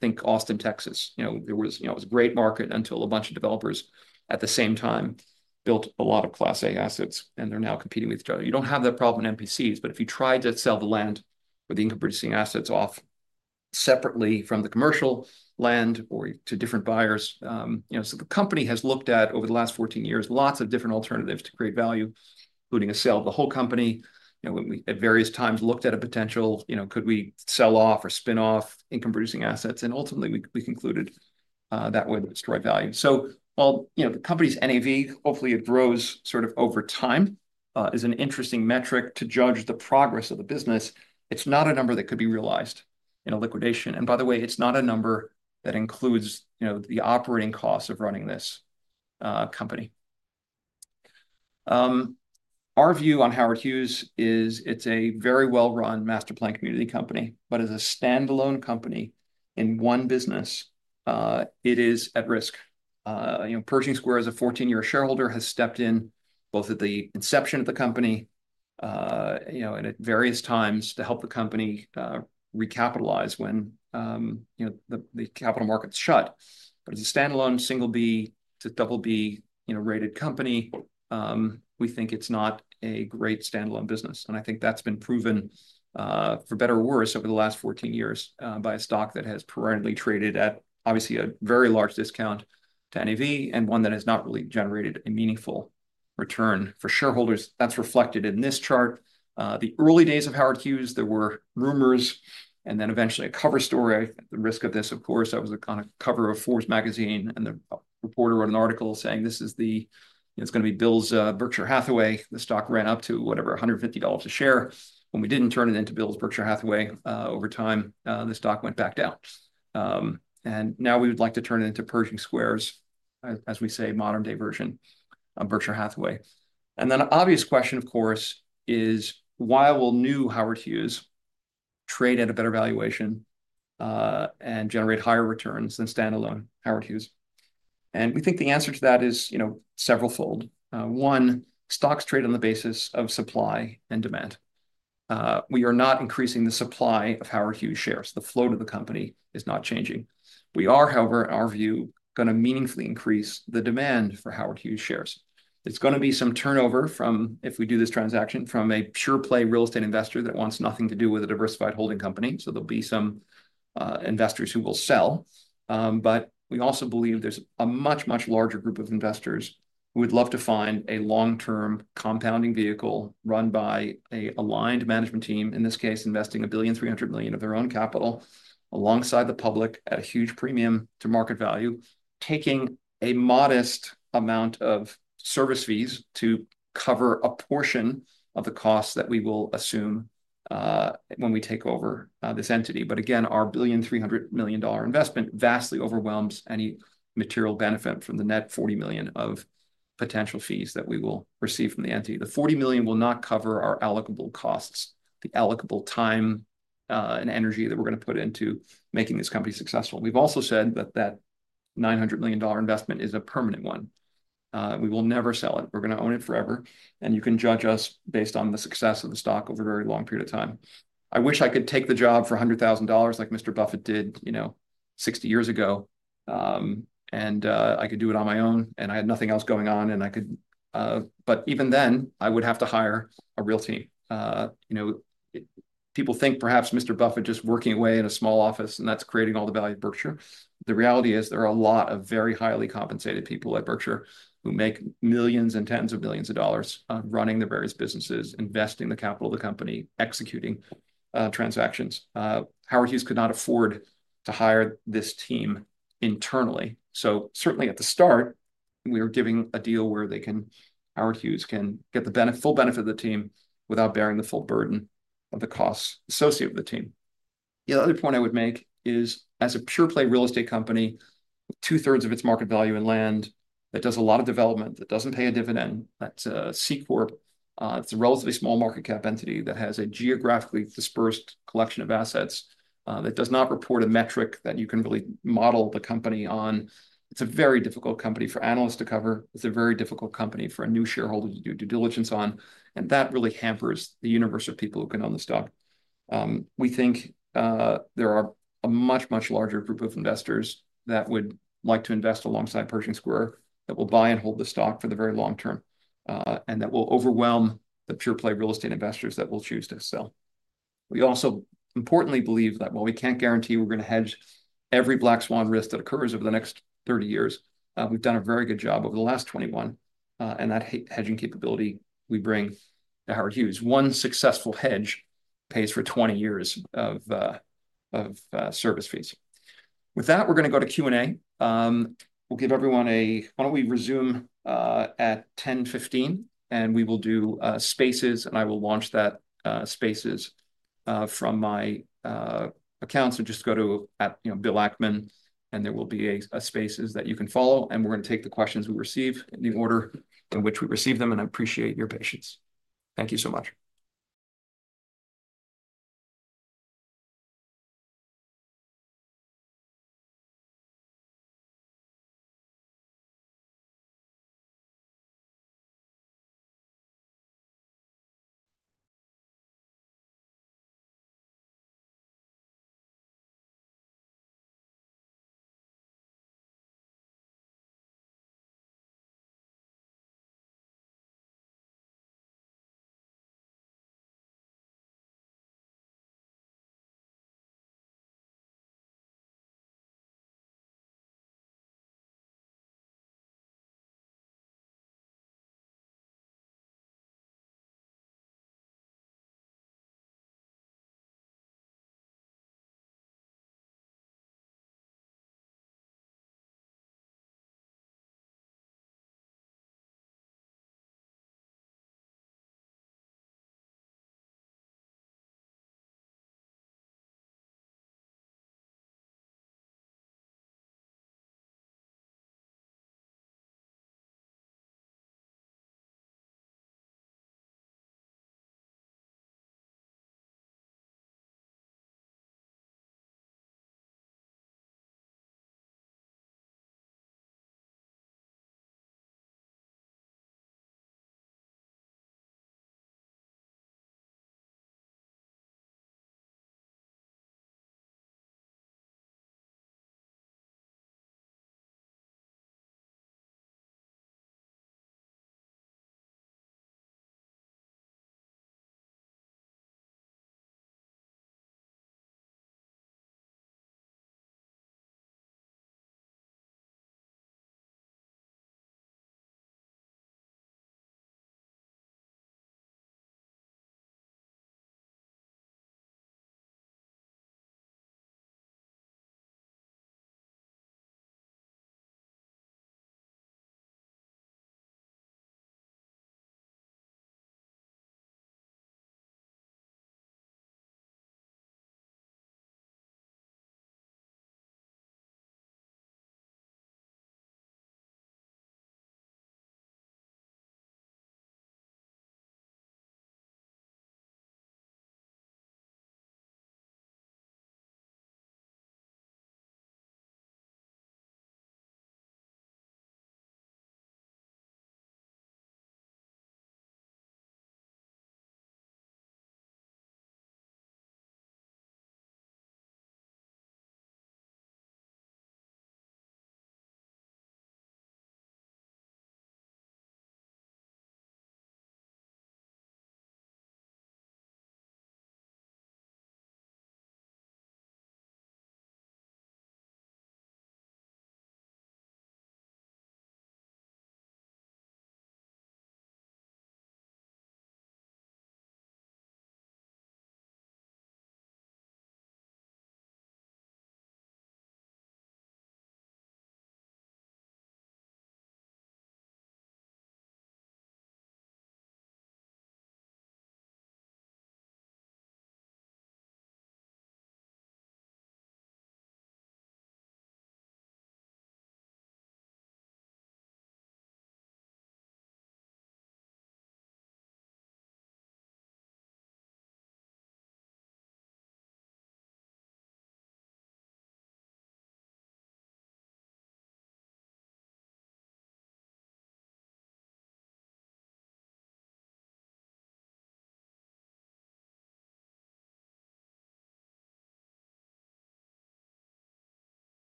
Think Austin, Texas. There was a great market until a bunch of developers at the same time built a lot of Class A assets, and they're now competing with each other. You don't have that problem in MPCs, but if you try to sell the land or the income-producing assets off separately from the commercial land or to different buyers. So the company has looked at, over the last 14 years, lots of different alternatives to create value, including a sale of the whole company. At various times, looked at a potential, could we sell off or spin off income-producing assets? And ultimately, we concluded that would destroy value. So while the company's NAV, hopefully, it grows sort of over time, is an interesting metric to judge the progress of the business, it's not a number that could be realized in a liquidation. By the way, it's not a number that includes the operating costs of running this company. Our view on Howard Hughes is it's a very well-run master planned community company. But as a standalone company in one business, it is at risk. Pershing Square, as a 14-year shareholder, has stepped in both at the inception of the company and at various times to help the company recapitalize when the capital markets shut. But as a standalone single B to BB rated company, we think it's not a great standalone business. I think that's been proven for better or worse over the last 14 years by a stock that has permanently traded at, obviously, a very large discount to NAV and one that has not really generated a meaningful return for shareholders. That's reflected in this chart. The early days of Howard Hughes, there were rumors and then eventually a cover story. The risk of this, of course, that was a kind of cover story of Forbes magazine. And the reporter wrote an article saying, "This is it, it's going to be Bill's Berkshire Hathaway." The stock ran up to whatever, $150 a share. When we didn't turn it into Bill's Berkshire Hathaway over time, the stock went back down. And now we would like to turn it into Pershing Square's, as we say, modern-day version of Berkshire Hathaway. And then the obvious question, of course, is why will new Howard Hughes trade at a better valuation and generate higher returns than standalone Howard Hughes? And we think the answer to that is several-fold. One, stocks trade on the basis of supply and demand. We are not increasing the supply of Howard Hughes shares. The flow to the company is not changing. We are, however, in our view, going to meaningfully increase the demand for Howard Hughes shares. It's going to be some turnover from, if we do this transaction, from a pure-play real estate investor that wants nothing to do with a diversified holding company. So there'll be some investors who will sell. But we also believe there's a much, much larger group of investors who would love to find a long-term compounding vehicle run by an aligned management team, in this case, investing $1.3 billion of their own capital alongside the public at a huge premium to market value, taking a modest amount of service fees to cover a portion of the costs that we will assume when we take over this entity. But again, our $1.3 billion investment vastly overwhelms any material benefit from the net $40 million of potential fees that we will receive from the entity. The $40 million will not cover our allocable costs, the allocable time and energy that we're going to put into making this company successful. We've also said that that $900 million investment is a permanent one. We will never sell it. We're going to own it forever. And you can judge us based on the success of the stock over a very long period of time. I wish I could take the job for $100,000 like Mr. Buffett did 60 years ago. And I could do it on my own. And I had nothing else going on. But even then, I would have to hire a real team. People think perhaps Mr. Buffett just working away in a small office, and that's creating all the value at Berkshire. The reality is there are a lot of very highly compensated people at Berkshire who make millions and tens of millions of dollars running their various businesses, investing the capital of the company, executing transactions. Howard Hughes could not afford to hire this team internally. So certainly at the start, we were giving a deal where Howard Hughes can get the full benefit of the team without bearing the full burden of the costs associated with the team. The other point I would make is as a pure-play real estate company, two-thirds of its market value in land that does a lot of development that doesn't pay a dividend, that's a C Corp. It's a relatively small market cap entity that has a geographically dispersed collection of assets that does not report a metric that you can really model the company on. It's a very difficult company for analysts to cover. It's a very difficult company for a new shareholder to do due diligence on. And that really hampers the universe of people who can own the stock. We think there are a much, much larger group of investors that would like to invest alongside Pershing Square that will buy and hold the stock for the very long term and that will overwhelm the pure-play real estate investors that will choose to sell. We also importantly believe that while we can't guarantee we're going to hedge every black swan risk that occurs over the next 30 years, we've done a very good job over the last 21. That hedging capability we bring to Howard Hughes. One successful hedge pays for 20 years of service fees. With that, we're going to go to Q&A. We'll give everyone a break. Why don't we resume at 10:15 A.M., and we will do Spaces, and I will launch that Spaces from my accounts. Just go to Bill Ackman, and there will be a Spaces that you can follow. We're going to take the questions we receive in the order in which we receive them. I appreciate your patience. Thank you so much.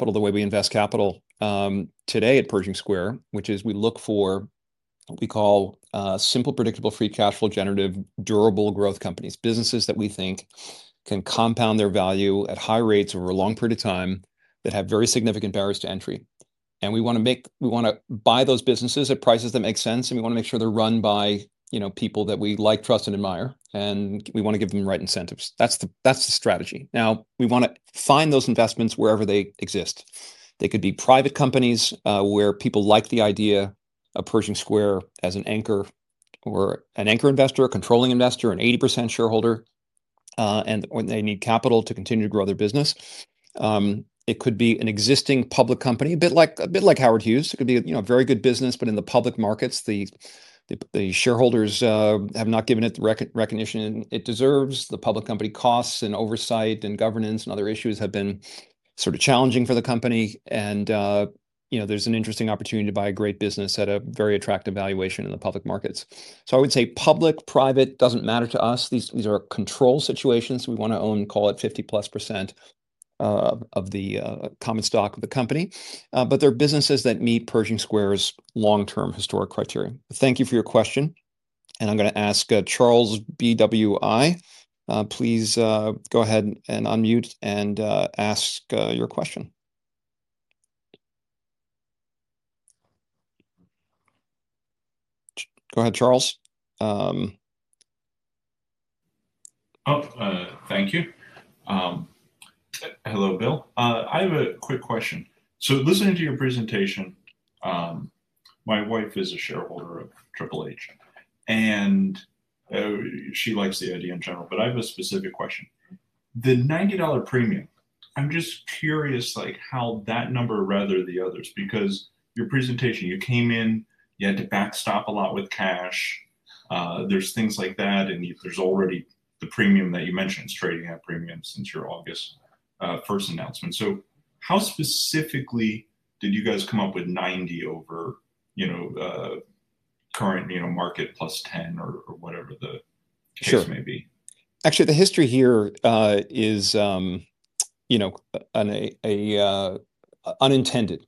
(audio distortion) Capital, the way we invest capital today at Pershing Square, which is we look for what we call simple, predictable, free cash flow, generative, durable growth companies, businesses that we think can compound their value at high rates over a long period of time that have very significant barriers to entry. And we want to buy those businesses at prices that make sense. And we want to make sure they're run by people that we like, trust, and admire. And we want to give them the right incentives. That's the strategy. Now, we want to find those investments wherever they exist. They could be private companies where people like the idea of Pershing Square as an anchor or an anchor investor, a controlling investor, an 80% shareholder. And when they need capital to continue to grow their business, it could be an existing public company, a bit like Howard Hughes. It could be a very good business, but in the public markets, the shareholders have not given it the recognition it deserves. The public company costs and oversight and governance and other issues have been sort of challenging for the company. There's an interesting opportunity to buy a great business at a very attractive valuation in the public markets. So I would say public, private doesn't matter to us. These are control situations. We want to own, call it, 50%+ of the common stock of the company. But they're businesses that meet Pershing Square's long-term historic criteria. Thank you for your question. And I'm going to ask Charles, BWI. Please go ahead and unmute and ask your question. Go ahead, Charles. Oh, thank you. Hello, Bill. I have a quick question. So listening to your presentation, my wife is a shareholder of HHH. And she likes the idea in general. But I have a specific question. The $90 premium, I'm just curious how that number rather than the others, because your presentation, you came in, you had to backstop a lot with cash. There's things like that. There's already the premium that you mentioned is trading at premium since your August 1st announcement. So how specifically did you guys come up with 90 over current market plus 10 or whatever the case may be? Sure. Actually, the history here is an unintended.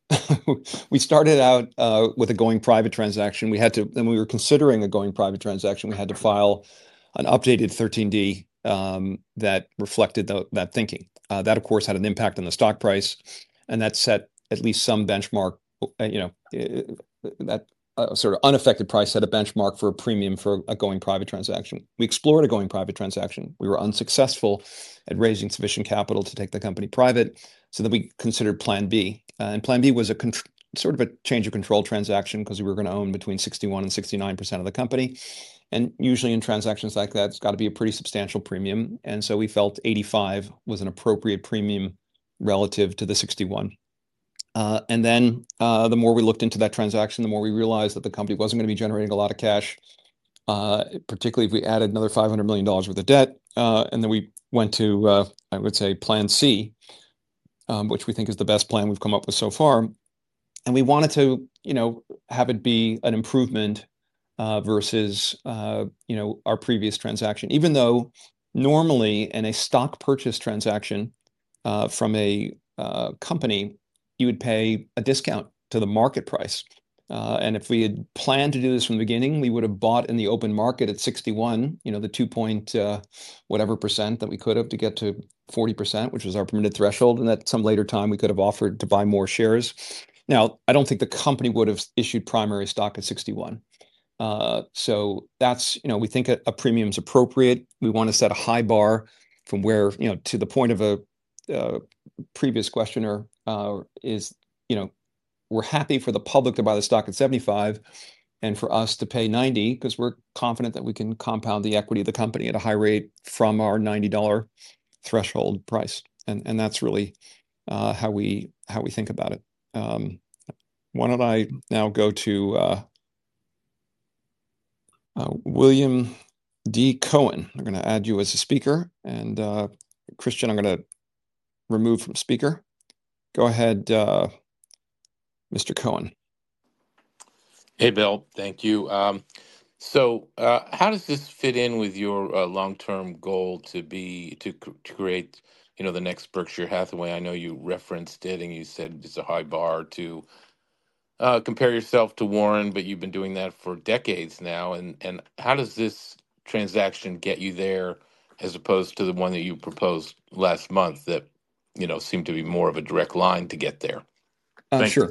We started out with a going private transaction. We were considering a going private transaction. We had to file an updated 13D that reflected that thinking. That, of course, had an impact on the stock price. And that set at least some benchmark, that sort of unaffected price set a benchmark for a premium for a going private transaction. We explored a going private transaction. We were unsuccessful at raising sufficient capital to take the company private. So then we considered Plan B. And Plan B was sort of a change of control transaction because we were going to own between 61% and 69% of the company. And usually, in transactions like that, it's got to be a pretty substantial premium. And so we felt 85 was an appropriate premium relative to the 61. And then the more we looked into that transaction, the more we realized that the company wasn't going to be generating a lot of cash, particularly if we added another $500 million worth of debt. And then we went to, I would say, Plan C, which we think is the best plan we've come up with so far. And we wanted to have it be an improvement versus our previous transaction, even though normally in a stock purchase transaction from a company, you would pay a discount to the market price. And if we had planned to do this from the beginning, we would have bought in the open market at $61, the 2-point whatever % that we could have to get to 40%, which was our permitted threshold. And at some later time, we could have offered to buy more shares. Now, I don't think the company would have issued primary stock at $61. So we think a premium is appropriate. We want to set a high bar from where to the point of a previous questioner is we're happy for the public to buy the stock at $75 and for us to pay $90 because we're confident that we can compound the equity of the company at a high rate from our $90 threshold price. And that's really how we think about it. Why don't I now go to William D. Cohan? I'm going to add you as a speaker, and Christian, I'm going to remove from speaker. Go ahead, Mr. Cohan. Hey, Bill. Thank you. So how does this fit in with your long-term goal to create the next Berkshire Hathaway? I know you referenced it, and you said it's a high bar to compare yourself to Warren, but you've been doing that for decades now. And how does this transaction get you there as opposed to the one that you proposed last month that seemed to be more of a direct line to get there? Sure.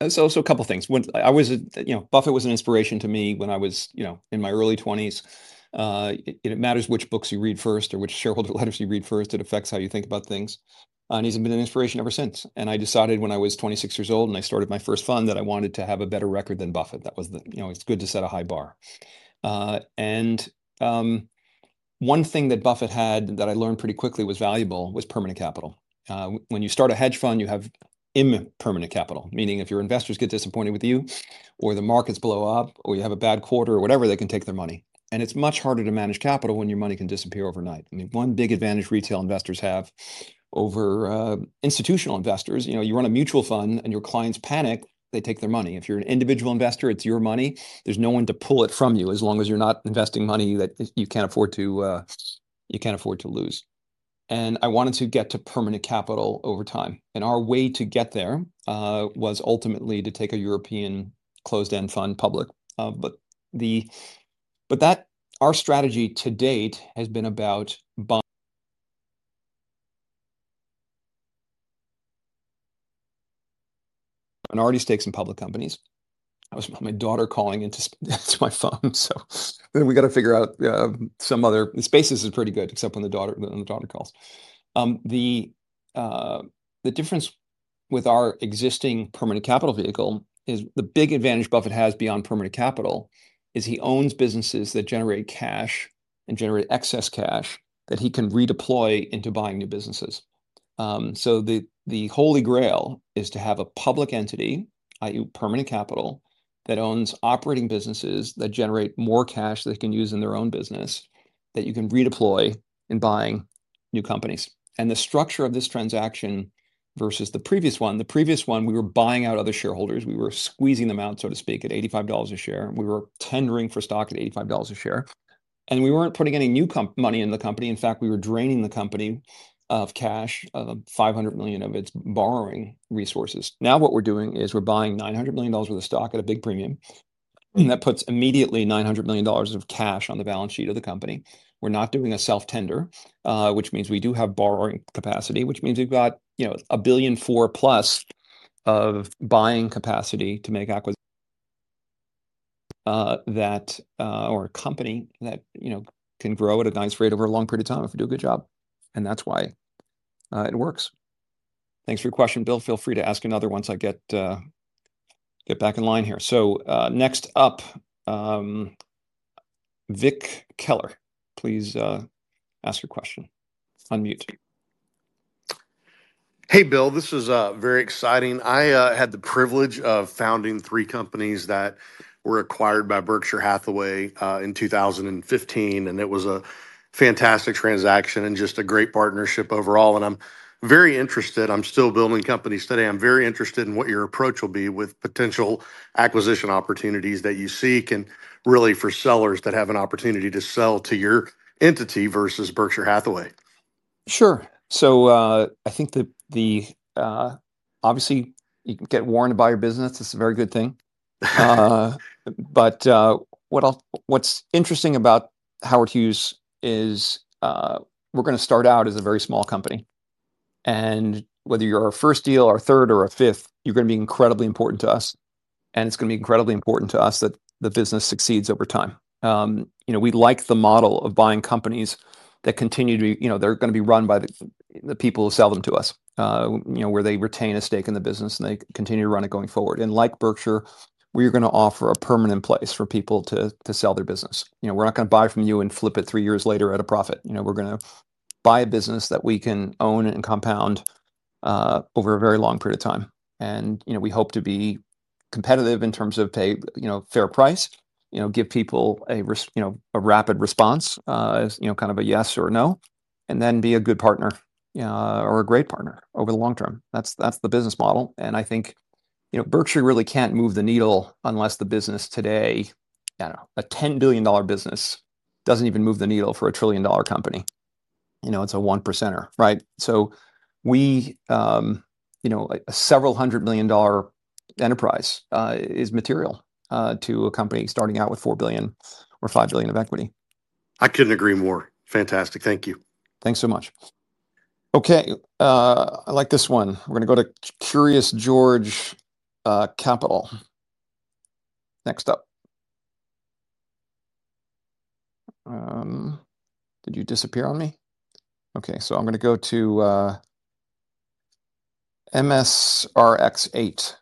That's also a couple of things. Buffett was an inspiration to me when I was in my early 20s. It matters which books you read first or which shareholder letters you read first. It affects how you think about things. And he's been an inspiration ever since. And I decided when I was 26 years old and I started my first fund that I wanted to have a better record than Buffett. It's good to set a high bar. And one thing that Buffett had that I learned pretty quickly was valuable was permanent capital. When you start a hedge fund, you have impermanent capital, meaning if your investors get disappointed with you or the markets blow up or you have a bad quarter or whatever, they can take their money. And it's much harder to manage capital when your money can disappear overnight. I mean, one big advantage retail investors have over institutional investors. You run a mutual fund and your clients panic, they take their money. If you're an individual investor, it's your money. There's no one to pull it from you as long as you're not investing money that you can't afford to lose. I wanted to get to permanent capital over time. Our way to get there was ultimately to take a European closed-end fund public. Our strategy to date has been about. (audio distortion) I already staked some public companies. It was my daughter calling on my phone. Then we got to figure out some other Spaces is pretty good except when the daughter calls. The difference with our existing permanent capital vehicle is the big advantage Buffett has beyond permanent capital is he owns businesses that generate cash and generate excess cash that he can redeploy into buying new businesses. The Holy Grail is to have a public entity, i.e., permanent capital that owns operating businesses that generate more cash that they can use in their own business that you can redeploy in buying new companies. The structure of this transaction versus the previous one, the previous one, we were buying out other shareholders. We were squeezing them out, so to speak, at $85 a share. We were tendering for stock at $85 a share. We weren't putting any new money in the company. In fact, we were draining the company of cash, $500 million of its borrowing resources. Now what we're doing is we're buying $900 million worth of stock at a big premium. That puts immediately $900 million of cash on the balance sheet of the company. We're not doing a self-tender, which means we do have borrowing capacity, which means we've got $1.4 billion plus of buying capacity to make or a company that can grow at a nice rate over a long period of time if we do a good job. That's why it works. Thanks for your question, Bill. Feel free to ask another once I get back in line here. So next up, Vic Keller, please ask your question. Unmute. Hey, Bill. This is very exciting. I had the privilege of founding three companies that were acquired by Berkshire Hathaway in 2015. And it was a fantastic transaction and just a great partnership overall. And I'm very interested. I'm still building companies today. I'm very interested in what your approach will be with potential acquisition opportunities that you seek and really for sellers that have an opportunity to sell to your entity versus Berkshire Hathaway. Sure. So I think obviously you can get Warren to buy your business. It's a very good thing. But what's interesting about Howard Hughes is we're going to start out as a very small company. Whether you're our first deal, our third, or our fifth, you're going to be incredibly important to us. It's going to be incredibly important to us that the business succeeds over time. We like the model of buying companies that continue to be they're going to be run by the people who sell them to us, where they retain a stake in the business and they continue to run it going forward. Like Berkshire, we're going to offer a permanent place for people to sell their business. We're not going to buy from you and flip it three years later at a profit. We're going to buy a business that we can own and compound over a very long period of time. We hope to be competitive in terms of pay, fair price, give people a rapid response, kind of a yes or no, and then be a good partner or a great partner over the long term. That's the business model. I think Berkshire really can't move the needle unless the business today, a $10 billion business, doesn't even move the needle for a trillion-dollar company. It's a 1%er, right? A several hundred million-dollar enterprise is material to a company starting out with 4 billion or 5 billion of equity. I couldn't agree more. Fantastic. Thank you. Thanks so much. Okay. I like this one. We're going to go to Curious George Capital. Next up. Did you disappear on me? Okay. I'm going to go to MSRX8.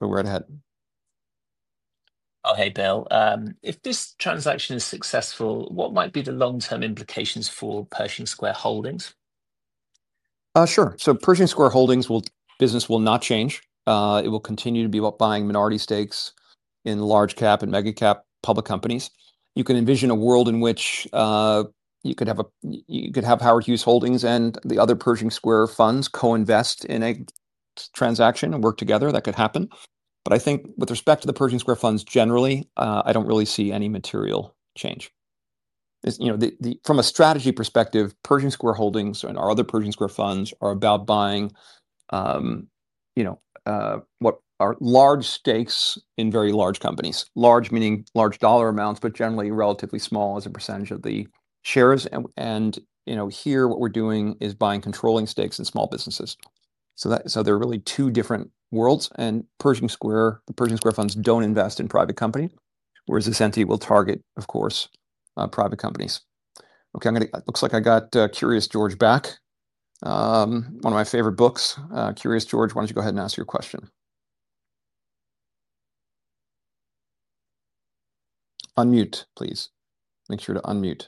Go right ahead. Oh, hey, Bill. If this transaction is successful, what might be the long-term implications for Pershing Square Holdings? Sure. So Pershing Square Holdings business will not change. It will continue to be about buying minority stakes in large-cap and mega-cap public companies. You can envision a world in which you could have Howard Hughes Holdings and the other Pershing Square funds co-invest in a transaction and work together. That could happen. But I think with respect to the Pershing Square funds generally, I don't really see any material change. From a strategy perspective, Pershing Square Holdings and our other Pershing Square funds are about buying what are large stakes in very large companies. Large meaning large dollar amounts, but generally relatively small as a percentage of the shares. And here, what we're doing is buying controlling stakes in small businesses. So they're really two different worlds. And Pershing Square funds don't invest in private companies, whereas this entity will target, of course, private companies. Okay. It looks like I got Curious George back. One of my favorite books. Curious George, why don't you go ahead and ask your question? Unmute, please. Make sure to unmute.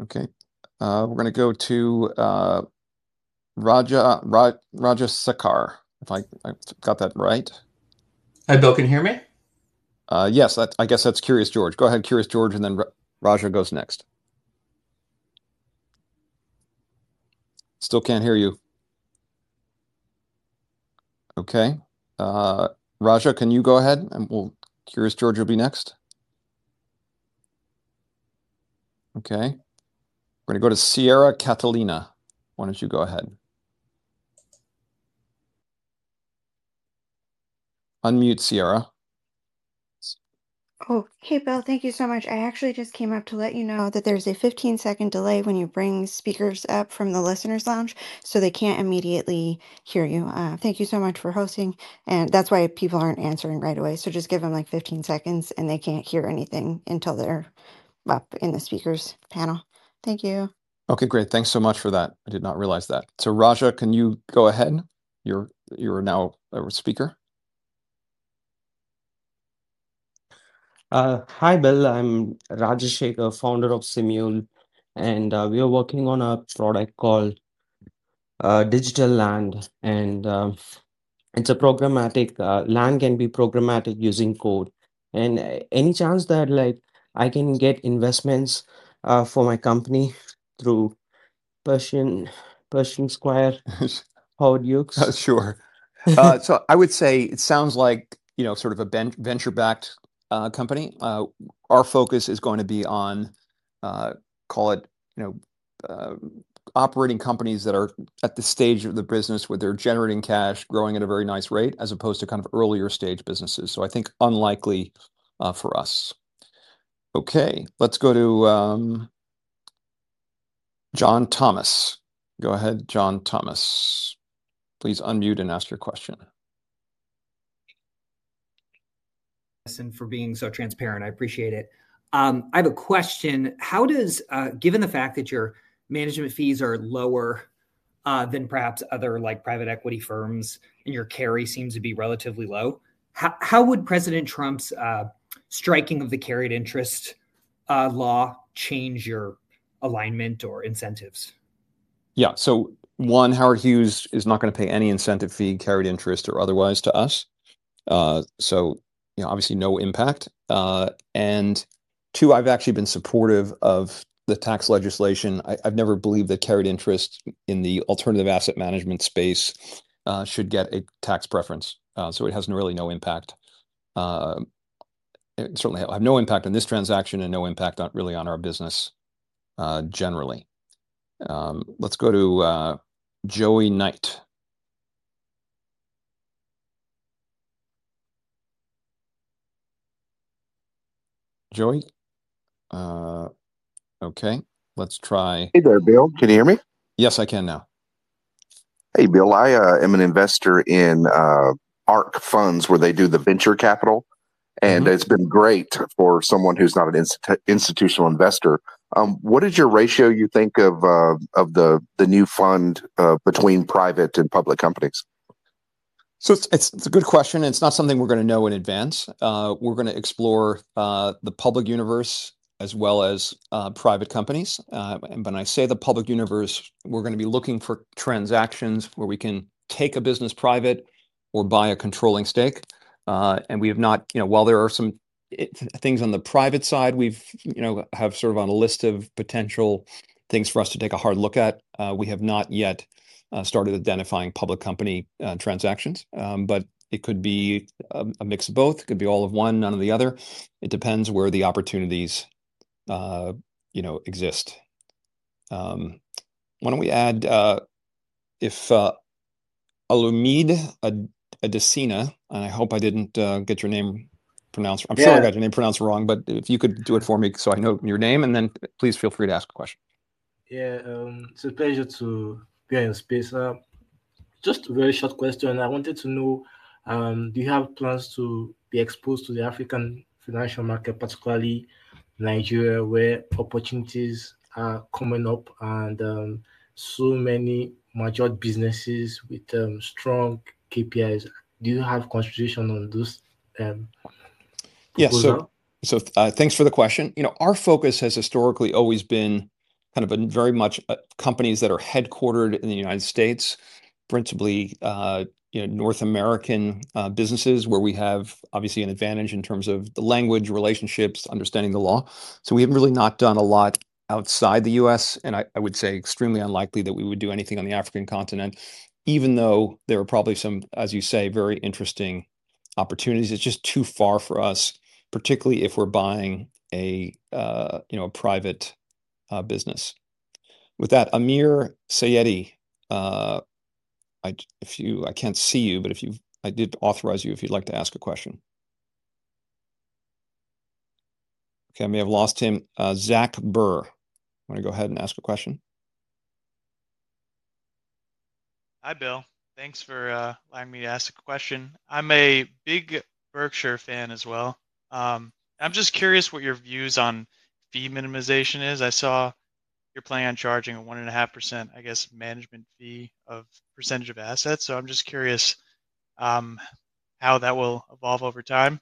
Okay. We're going to go to Rajasekar. If I got that right. Hi, Bill. Can you hear me? Yes. I guess that's Curious George. Go ahead, Curious George, and then Raja goes next. Still can't hear you. Okay. Raja, can you go ahead? And Curious George will be next. Okay. We're going to go to Sierra Catalina. Why don't you go ahead? Unmute, Sierra. Oh, hey, Bill. Thank you so much. I actually just came up to let you know that there's a 15-second delay when you bring speakers up from the listeners lounge, so they can't immediately hear you. Thank you so much for hosting. And that's why people aren't answering right away. So just give them like 15 seconds, and they can't hear anything until they're up in the speakers panel. Thank you. Okay. Great. Thanks so much for that. I did not realize that. So Raja, can you go ahead? You're now a speaker. Hi, Bill. I'm Rajasekar, founder of Simule. And we are working on a product called Digital Land. And it's a programmatic land can be programmatic using code. And any chance that I can get investments for my company through Pershing Square Holdings? Sure. So I would say it sounds like sort of a venture-backed company. Our focus is going to be on, call it operating companies that are at the stage of the business where they're generating cash, growing at a very nice rate, as opposed to kind of earlier stage businesses. So I think unlikely for us. Okay. Let's go to John Thomas. Go ahead, John Thomas. Please unmute and ask your question. And for being so transparent. I appreciate it. I have a question. Given the fact that your management fees are lower than perhaps other private equity firms and your carry seems to be relatively low, how would President Trump's striking of the carried interest law change your alignment or incentives? Yeah. So one, Howard Hughes is not going to pay any incentive fee, carried interest, or otherwise to us. So obviously no impact. And two, I've actually been supportive of the tax legislation. I've never believed that carried interest in the alternative asset management space should get a tax preference. So it has really no impact. Certainly, I have no impact on this transaction and no impact really on our business generally. Let's go to Joey Knight. Joey? Okay. Let's try. Hey there, Bill. Can you hear me? Yes, I can now. Hey, Bill. I am an investor in ARK Funds, where they do the venture capital. And it's been great for someone who's not an institutional investor. What is your ratio, you think, of the new fund between private and public companies? So it's a good question. It's not something we're going to know in advance. We're going to explore the public universe as well as private companies. And when I say the public universe, we're going to be looking for transactions where we can take a business private or buy a controlling stake. And while there are some things on the private side, we have sort of on a list of potential things for us to take a hard look at. We have not yet started identifying public company transactions. But it could be a mix of both. It could be all of one, none of the other. It depends where the opportunities exist. Why don't we add, if Olumide Adesina, and I hope I didn't get your name pronounced. I'm sure I got your name pronounced wrong, but if you could do it for me so I know your name, and then please feel free to ask a question. Yeah. It's a pleasure to be in your space. Just a very short question. I wanted to know, do you have plans to be exposed to the African financial market, particularly Nigeria, where opportunities are coming up and so many major businesses with strong KPIs? Do you have consideration on those? Yeah. So thanks for the question. Our focus has historically always been kind of very much companies that are headquartered in the United States, principally North American businesses, where we have obviously an advantage in terms of the language, relationships, understanding the law. So we have really not done a lot outside the U.S. And I would say extremely unlikely that we would do anything on the African continent, even though there are probably some, as you say, very interesting opportunities. It's just too far for us, particularly if we're buying a private business. With that, Amir Sayedi, I can't see you, but I did authorize you if you'd like to ask a question. Okay. I may have lost him. Zach Burr. Want to go ahead and ask a question? Hi, Bill. Thanks for allowing me to ask a question. I'm a big Berkshire fan as well. I'm just curious what your views on fee minimization is? I saw you're planning on charging a 1.5%, I guess, management fee of percentage of assets. So I'm just curious how that will evolve over time.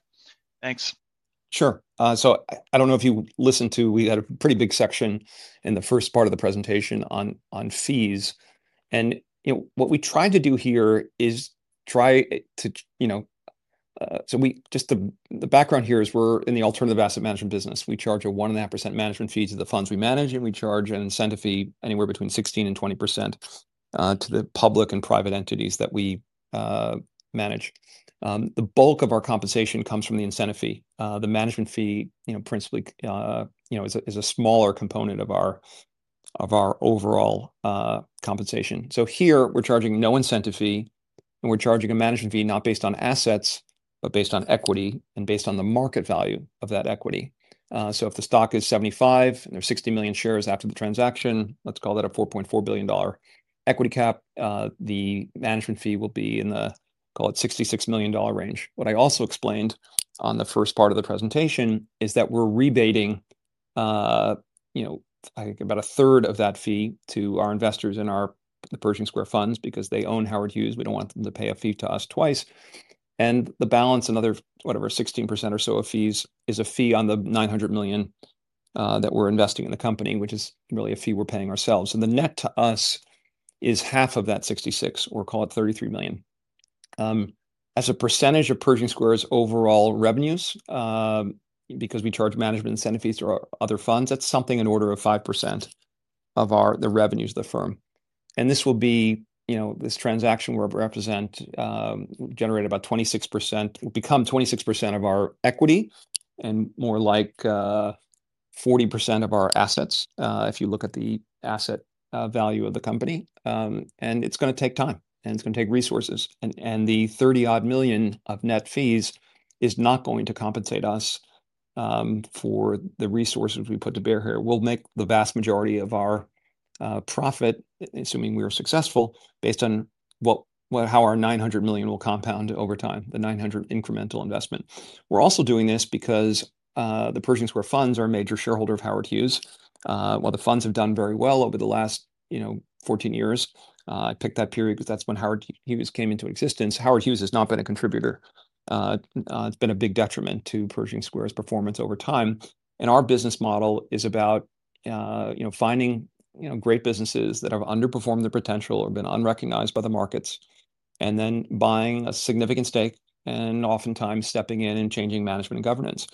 Thanks. Sure, so I don't know if you listened to we had a pretty big section in the first part of the presentation on fees and what we tried to do here is try to so just the background here is we're in the alternative asset management business. We charge a 1.5% management fee to the funds we manage, and we charge an incentive fee anywhere between 16%-20% to the public and private entities that we manage. The bulk of our compensation comes from the incentive fee. The management fee, principally, is a smaller component of our overall compensation. So here, we're charging no incentive fee, and we're charging a management fee not based on assets, but based on equity and based on the market value of that equity. So if the stock is 75 and there's 60 million shares after the transaction, let's call that a $4.4 billion equity cap, the management fee will be in the, call it, $66 million range. What I also explained on the first part of the presentation is that we're rebating, I think, about a third of that fee to our investors in the Pershing Square Funds because they own Howard Hughes. We don't want them to pay a fee to us twice. And the balance, another whatever, 16% or so of fees is a fee on the $900 million that we're investing in the company, which is really a fee we're paying ourselves. The net to us is half of that $66 million, or call it $33 million. As a percentage of Pershing Square's overall revenues, because we charge management incentive fees through other funds, that's something in order of 5% of the revenues of the firm. And this will be this transaction where we represent generated about 26%, will become 26% of our equity and more like 40% of our assets if you look at the asset value of the company. And it's going to take time, and it's going to take resources. And the 30-odd million of net fees is not going to compensate us for the resources we put to bear here. We'll make the vast majority of our profit, assuming we are successful, based on how our $900 million will compound over time, the $900 million incremental investment. We're also doing this because the Pershing Square Funds are a major shareholder of Howard Hughes. While the funds have done very well over the last 14 years, I picked that period because that's when Howard Hughes came into existence. Howard Hughes has not been a contributor. It's been a big detriment to Pershing Square's performance over time. And our business model is about finding great businesses that have underperformed their potential or been unrecognized by the markets, and then buying a significant stake and oftentimes stepping in and changing management and governance.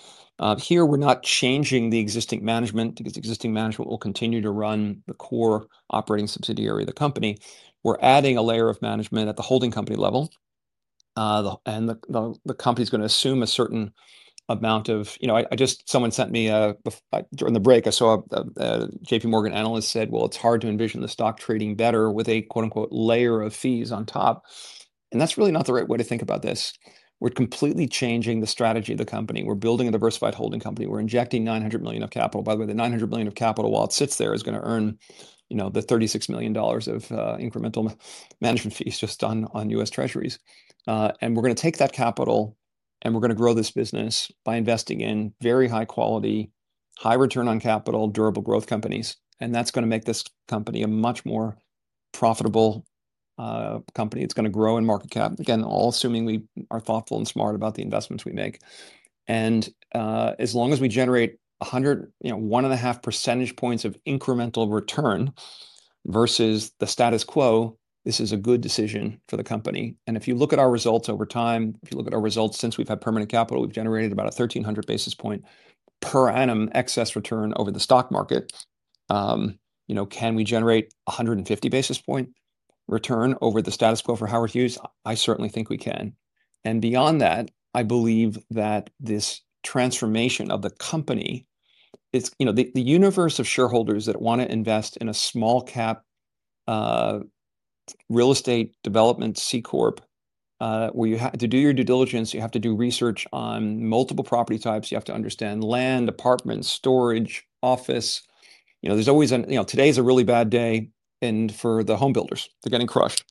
Here, we're not changing the existing management because existing management will continue to run the core operating subsidiary of the company. We're adding a layer of management at the holding company level. The company's going to assume a certain amount. Someone sent me during the break. I saw a J.P. Morgan analyst said, "Well, it's hard to envision the stock trading better with a "layer of fees" on top." That's really not the right way to think about this. We're completely changing the strategy of the company. We're building a diversified holding company. We're injecting $900 million of capital. By the way, the $900 million of capital while it sits there is going to earn the $36 million of incremental management fees just on U.S. Treasuries. We're going to take that capital, and we're going to grow this business by investing in very high-quality, high-return on capital, durable growth companies. That's going to make this company a much more profitable company. It's going to grow in market cap. Again, all assuming we are thoughtful and smart about the investments we make. And as long as we generate 1.5 percentage points of incremental return versus the status quo, this is a good decision for the company. And if you look at our results over time, if you look at our results since we've had permanent capital, we've generated about a 1,300 basis point per annum excess return over the stock market. Can we generate 150 basis point return over the status quo for Howard Hughes? I certainly think we can. And beyond that, I believe that this transformation of the company, the universe of shareholders that want to invest in a small-cap real estate development C Corp, where you have to do your due diligence, you have to do research on multiple property types, you have to understand land, apartments, storage, office. Today is a really bad day for the Homebuilders. They're getting crushed.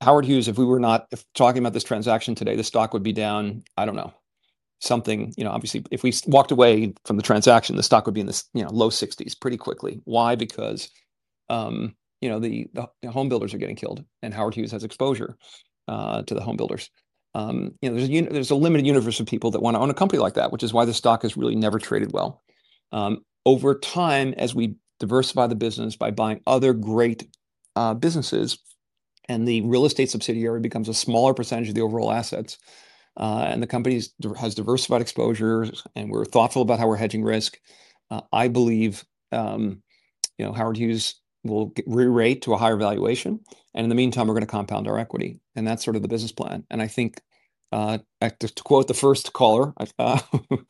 Howard Hughes, if we were not talking about this transaction today, the stock would be down, I don't know, something. Obviously, if we walked away from the transaction, the stock would be in the low 60s pretty quickly. Why? Because the Homebuilders are getting killed, and Howard Hughes has exposure to the Homebuilders. There's a limited universe of people that want to own a company like that, which is why the stock has really never traded well. Over time, as we diversify the business by buying other great businesses and the real estate subsidiary becomes a smaller percentage of the overall assets and the company has diversified exposures and we're thoughtful about how we're hedging risk, I believe Howard Hughes will re-rate to a higher valuation. In the meantime, we're going to compound our equity. That's sort of the business plan. I think, to quote the first caller, the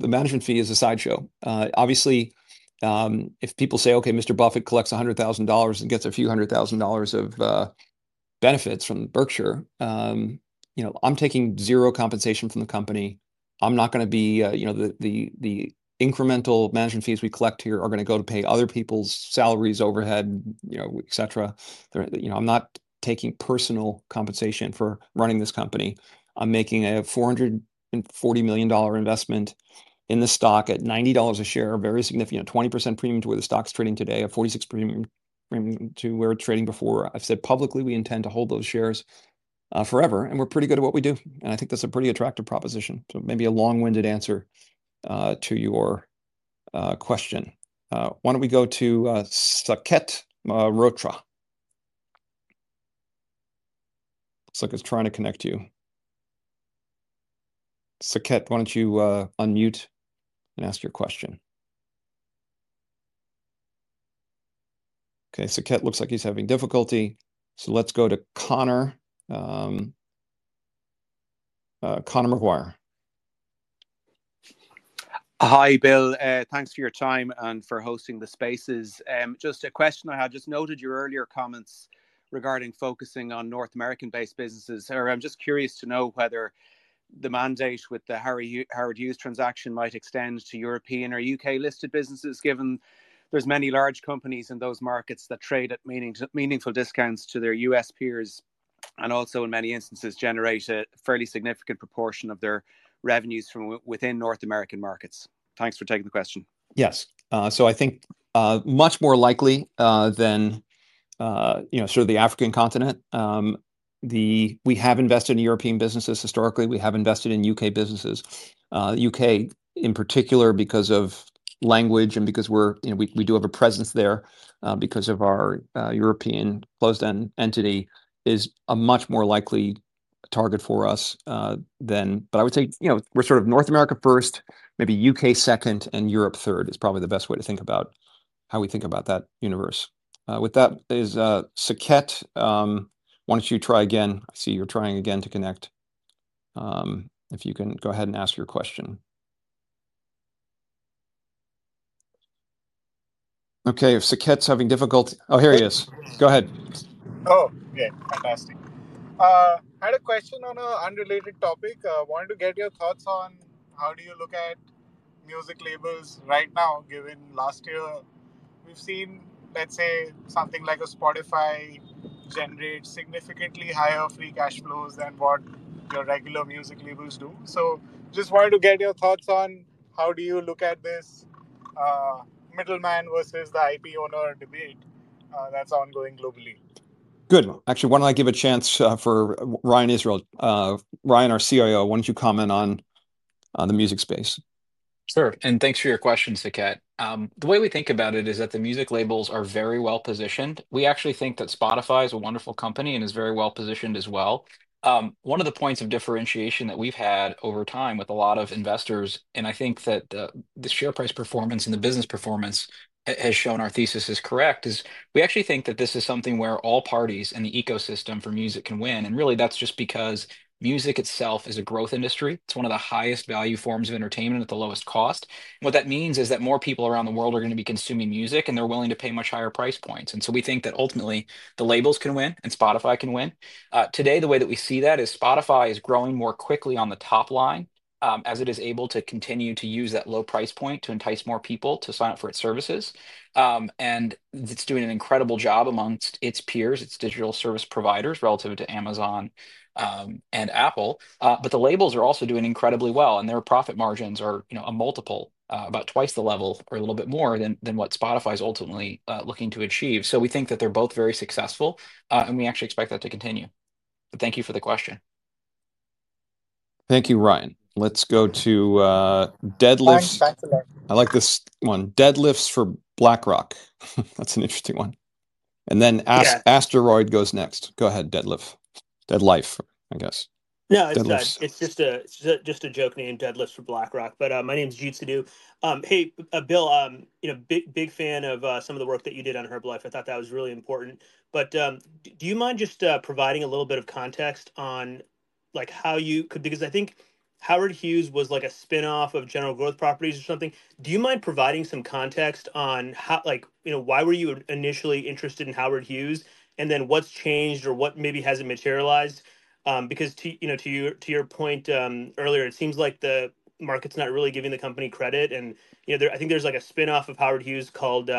management fee is a sideshow. Obviously, if people say, "Okay, Mr. Buffett collects $100,000 and gets a few hundred thousand dollars of benefits from Berkshire," I'm taking zero compensation from the company. I'm not going to be the incremental management fees we collect here are going to go to pay other people's salaries, overhead, et cetera. I'm not taking personal compensation for running this company. I'm making a $440 million investment in the stock at $90 a share, a very significant 20% premium to where the stock's trading today, a 46% premium to where it's trading before. I've said publicly we intend to hold those shares forever, and we're pretty good at what we do. I think that's a pretty attractive proposition. So maybe a long-winded answer to your question. Why don't we go to Saket Rotra? Looks like it's trying to connect you. Saket, why don't you unmute and ask your question? Okay. Saket looks like he's having difficulty. So let's go to Connor. Connor McGuire. Hi, Bill. Thanks for your time and for hosting the spaces. Just a question I had. Just noted your earlier comments regarding focusing on North American-based businesses. I'm just curious to know whether the mandate with the Howard Hughes transaction might extend to European or U.K.-listed businesses, given there's many large companies in those markets that trade at meaningful discounts to their U.S. peers and also, in many instances, generate a fairly significant proportion of their revenues from within North American markets. Thanks for taking the question. Yes. I think much more likely than sort of the African continent, we have invested in European businesses historically. We have invested in UK businesses. UK, in particular, because of language and because we do have a presence there because of our European closed-end entity, is a much more likely target for us than. But I would say we're sort of North America first, maybe UK second, and Europe third is probably the best way to think about how we think about that universe. With that is Saket. Why don't you try again? I see you're trying again to connect. If you can go ahead and ask your question. Okay. If Saket's having difficulty, oh, here he is. Go ahead. Oh, okay. Fantastic. I had a question on an unrelated topic. I wanted to get your thoughts on how do you look at music labels right now, given last year we've seen, let's say, something like Spotify generate significantly higher free cash flows than what your regular music labels do. So just wanted to get your thoughts on how do you look at this middleman versus the IP owner debate that's ongoing globally. Good. Actually, why don't I give a chance for Ryan Israel? Ryan, our CIO, why don't you comment on the music space? Sure. And thanks for your question, Saket. The way we think about it is that the music labels are very well positioned. We actually think that Spotify is a wonderful company and is very well positioned as well. One of the points of differentiation that we've had over time with a lot of investors, and I think that the share price performance and the business performance has shown our thesis is correct, is we actually think that this is something where all parties in the ecosystem for music can win. And really, that's just because music itself is a growth industry. It's one of the highest value forms of entertainment at the lowest cost. What that means is that more people around the world are going to be consuming music, and they're willing to pay much higher price points. And so we think that ultimately, the labels can win and Spotify can win. Today, the way that we see that is Spotify is growing more quickly on the top line as it is able to continue to use that low price point to entice more people to sign up for its services. And it's doing an incredible job amongst its peers, its digital service providers relative to Amazon and Apple. But the labels are also doing incredibly well, and their profit margins are a multiple, about twice the level or a little bit more than what Spotify is ultimately looking to achieve. So we think that they're both very successful, and we actually expect that to continue. But thank you for the question. Thank you, Ryan. Let's go to Deadlift. I like this one. Deadlifts for BlackRock. That's an interesting one. And then Asteroid goes next. Go ahead, Deadlift. Deadlife, I guess. No, it's just a joke named Deadlift for BlackRock. But my name's Jude Sado. Hey, Bill, big fan of some of the work that you did on Herbalife. I thought that was really important. But do you mind just providing a little bit of context on how you could because I think Howard Hughes was like a spinoff of General Growth Properties or something. Do you mind providing some context on why were you initially interested in Howard Hughes and then what's changed or what maybe hasn't materialized? Because to your point earlier, it seems like the market's not really giving the company credit. And I think there's a spinoff of Howard Hughes called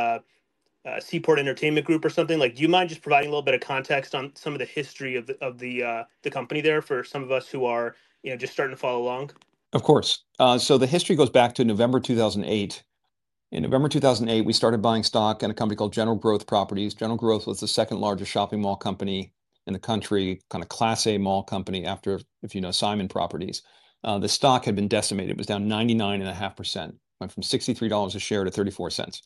Seaport Entertainment Group or something. Do you mind just providing a little bit of context on some of the history of the company there for some of us who are just starting to follow along? Of course. The history goes back to November 2008. In November 2008, we started buying stock in a company called General Growth Properties. General Growth was the second largest shopping mall company in the country, kind of class A mall company after, if you know, Simon Properties. The stock had been decimated. It was down 99.5%, went from $63 a share to $0.34.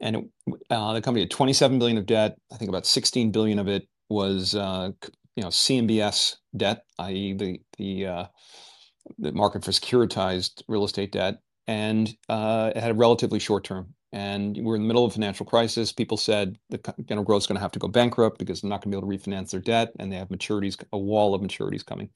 And the company had $27 billion of debt. I think about $16 billion of it was CMBS debt, i.e., the market for securitized real estate debt. And it had a relatively short term. And we're in the middle of a financial crisis. People said General Growth's going to have to go bankrupt because they're not going to be able to refinance their debt, and they have a wall of maturities coming.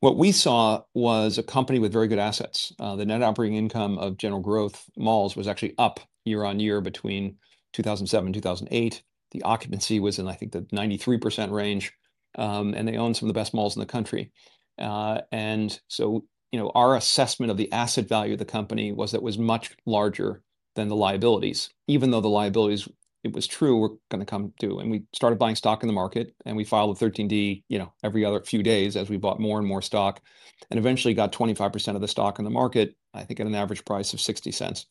What we saw was a company with very good assets. The net operating income of General Growth malls was actually up year on year between 2007 and 2008. The occupancy was in, I think, the 93% range, and they own some of the best malls in the country, and so our assessment of the asset value of the company was that it was much larger than the liabilities, even though the liabilities, it was true, were going to come due, and we started buying stock in the market, and we filed a 13D every other few days as we bought more and more stock and eventually got 25% of the stock in the market, I think, at an average price of $0.60,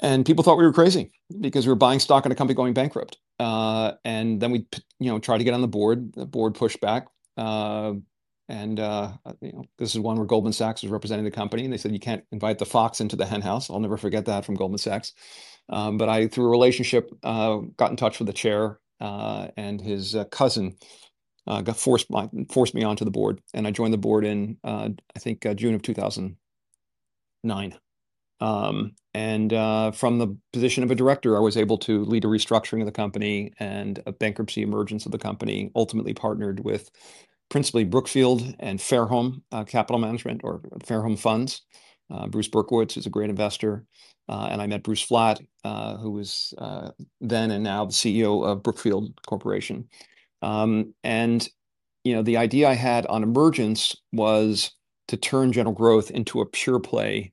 and people thought we were crazy because we were buying stock in a company going bankrupt, and then we tried to get on the board. The board pushed back. And this is one where Goldman Sachs was representing the company. And they said, "You can't invite the fox into the henhouse." I'll never forget that from Goldman Sachs. But I, through a relationship, got in touch with the chair, and his cousin forced me onto the board. And I joined the board in, I think, June of 2009. And from the position of a director, I was able to lead a restructuring of the company and a bankruptcy emergence of the company, ultimately partnered with principally Brookfield and Fairholme Capital Management or Fairholme Funds. Bruce Berkowitz is a great investor. And I met Bruce Flatt, who was then and now the CEO of Brookfield Corporation. And the idea I had on emergence was to turn General Growth Properties into a pure-play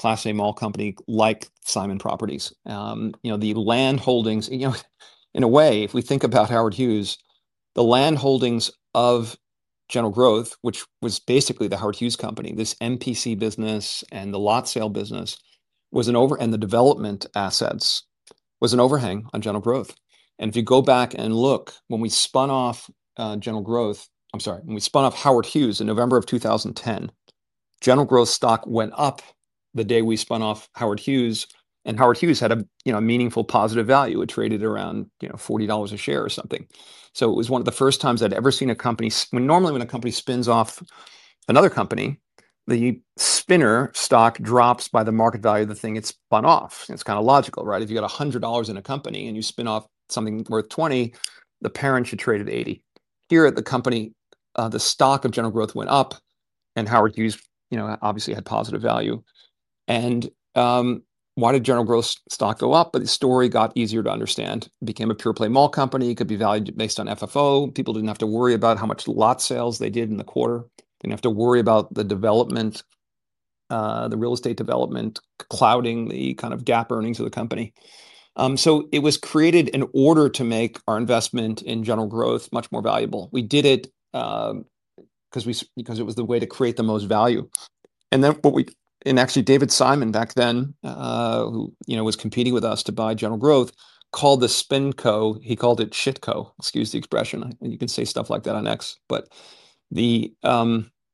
class A mall company like Simon Properties. The land holdings, in a way, if we think about Howard Hughes, the land holdings of General Growth, which was basically the Howard Hughes company, this MPC business and the lot sale business, and the development assets was an overhang on General Growth. If you go back and look, when we spun off General Growth, I'm sorry, when we spun off Howard Hughes in November of 2010, General Growth stock went up the day we spun off Howard Hughes. Howard Hughes had a meaningful positive value. It traded around $40 a share or something. It was one of the first times I'd ever seen a company. Normally, when a company spins off another company, the spinner stock drops by the market value of the thing it's spun off. It's kind of logical, right? If you got $100 in a company and you spin off something worth 20, the parent should trade at 80. Here at the company, the stock of General Growth went up, and Howard Hughes obviously had positive value. And why did General Growth's stock go up? But the story got easier to understand. It became a pure-play mall company. It could be valued based on FFO. People didn't have to worry about how much lot sales they did in the quarter. They didn't have to worry about the development, the real estate development, clouding the kind of GAAP earnings of the company. So it was created in order to make our investment in General Growth much more valuable. We did it because it was the way to create the most value. And actually, David Simon back then, who was competing with us to buy General Growth, called the SpinCo. He called it ShitCo. Excuse the expression. You can say stuff like that on X.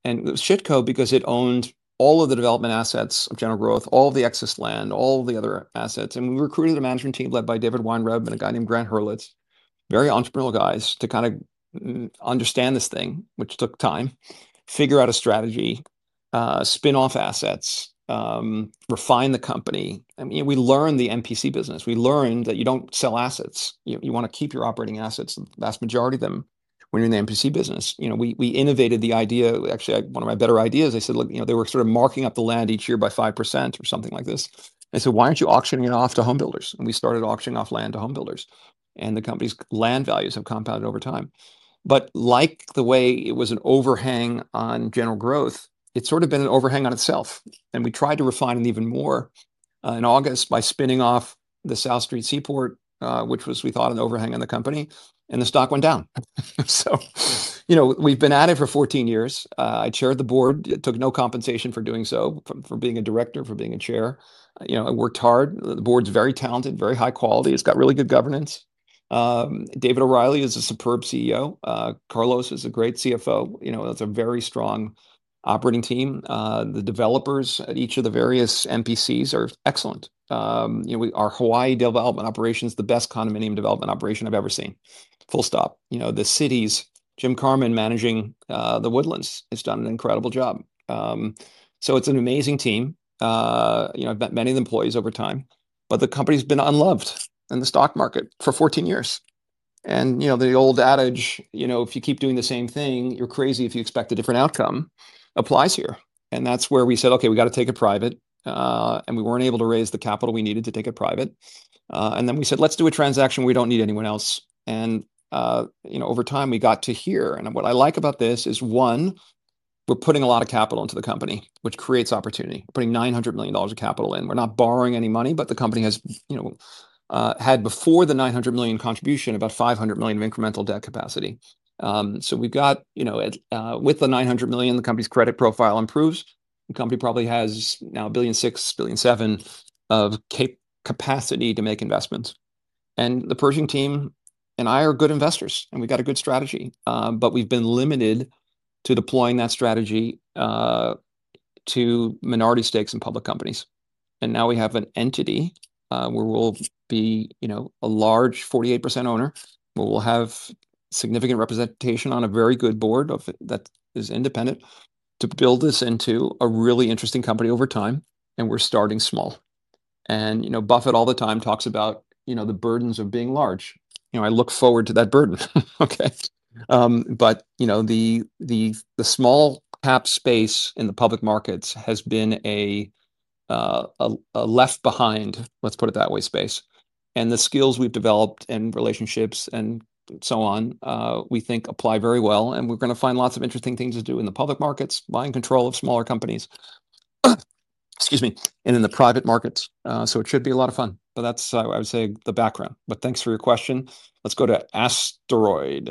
And it was ShitCo because it owned all of the development assets of General Growth, all of the excess land, all of the other assets. And we recruited a management team led by David Weinreb and a guy named Grant Herlitz, very entrepreneurial guys, to kind of understand this thing, which took time, figure out a strategy, spin off assets, refine the company. We learned the MPC business. We learned that you don't sell assets. You want to keep your operating assets, the vast majority of them, when you're in the MPC business. We innovated the idea. Actually, one of my better ideas, I said, "Look, they were sort of marking up the land each year by 5% or something like this." I said, "Why aren't you auctioning it off to home builders?" And we started auctioning off land to home builders. And the company's land values have compounded over time. But like the way it was an overhang on General Growth, it's sort of been an overhang on itself. And we tried to refine it even more in August by spinning off the South Street Seaport, which was, we thought, an overhang on the company. And the stock went down. So we've been at it for 14 years. I chaired the board. I took no compensation for doing so, for being a director, for being a chair. I worked hard. The board's very talented, very high quality. It's got really good governance. David O'Reilly is a superb CEO. Carlos is a great CFO. That's a very strong operating team. The developers at each of the various MPCs are excellent. Our Hawaii development operation is the best condominium development operation I've ever seen. Full stop. The cities, Jim Carman managing The Woodlands has done an incredible job, so it's an amazing team. I've met many of the employees over time, but the company's been unloved in the stock market for 14 years. The old adage, "If you keep doing the same thing, you're crazy if you expect a different outcome," applies here, and that's where we said, "Okay, we got to take it private." We weren't able to raise the capital we needed to take it private, and then we said, "Let's do a transaction. We don't need anyone else." Over time, we got to here. What I like about this is, one, we're putting a lot of capital into the company, which creates opportunity. We're putting $900 million of capital in. We're not borrowing any money, but the company has had, before the $900 million contribution, about $500 million of incremental debt capacity. So with the $900 million, the company's credit profile improves. The company probably has now $1.6 billion-$1.7 billion of capacity to make investments. And the Pershing team and I are good investors. And we've got a good strategy. But we've been limited to deploying that strategy to minority stakes in public companies. And now we have an entity where we'll be a large 48% owner. We'll have significant representation on a very good board that is independent to build this into a really interesting company over time. And we're starting small. Buffett all the time talks about the burdens of being large. I look forward to that burden. Okay. The small cap space in the public markets has been a left-behind, let's put it that way, space. The skills we've developed and relationships and so on, we think apply very well. We're going to find lots of interesting things to do in the public markets, buying control of smaller companies, excuse me, and in the private markets. It should be a lot of fun. That's, I would say, the background. Thanks for your question. Let's go to Asteroid.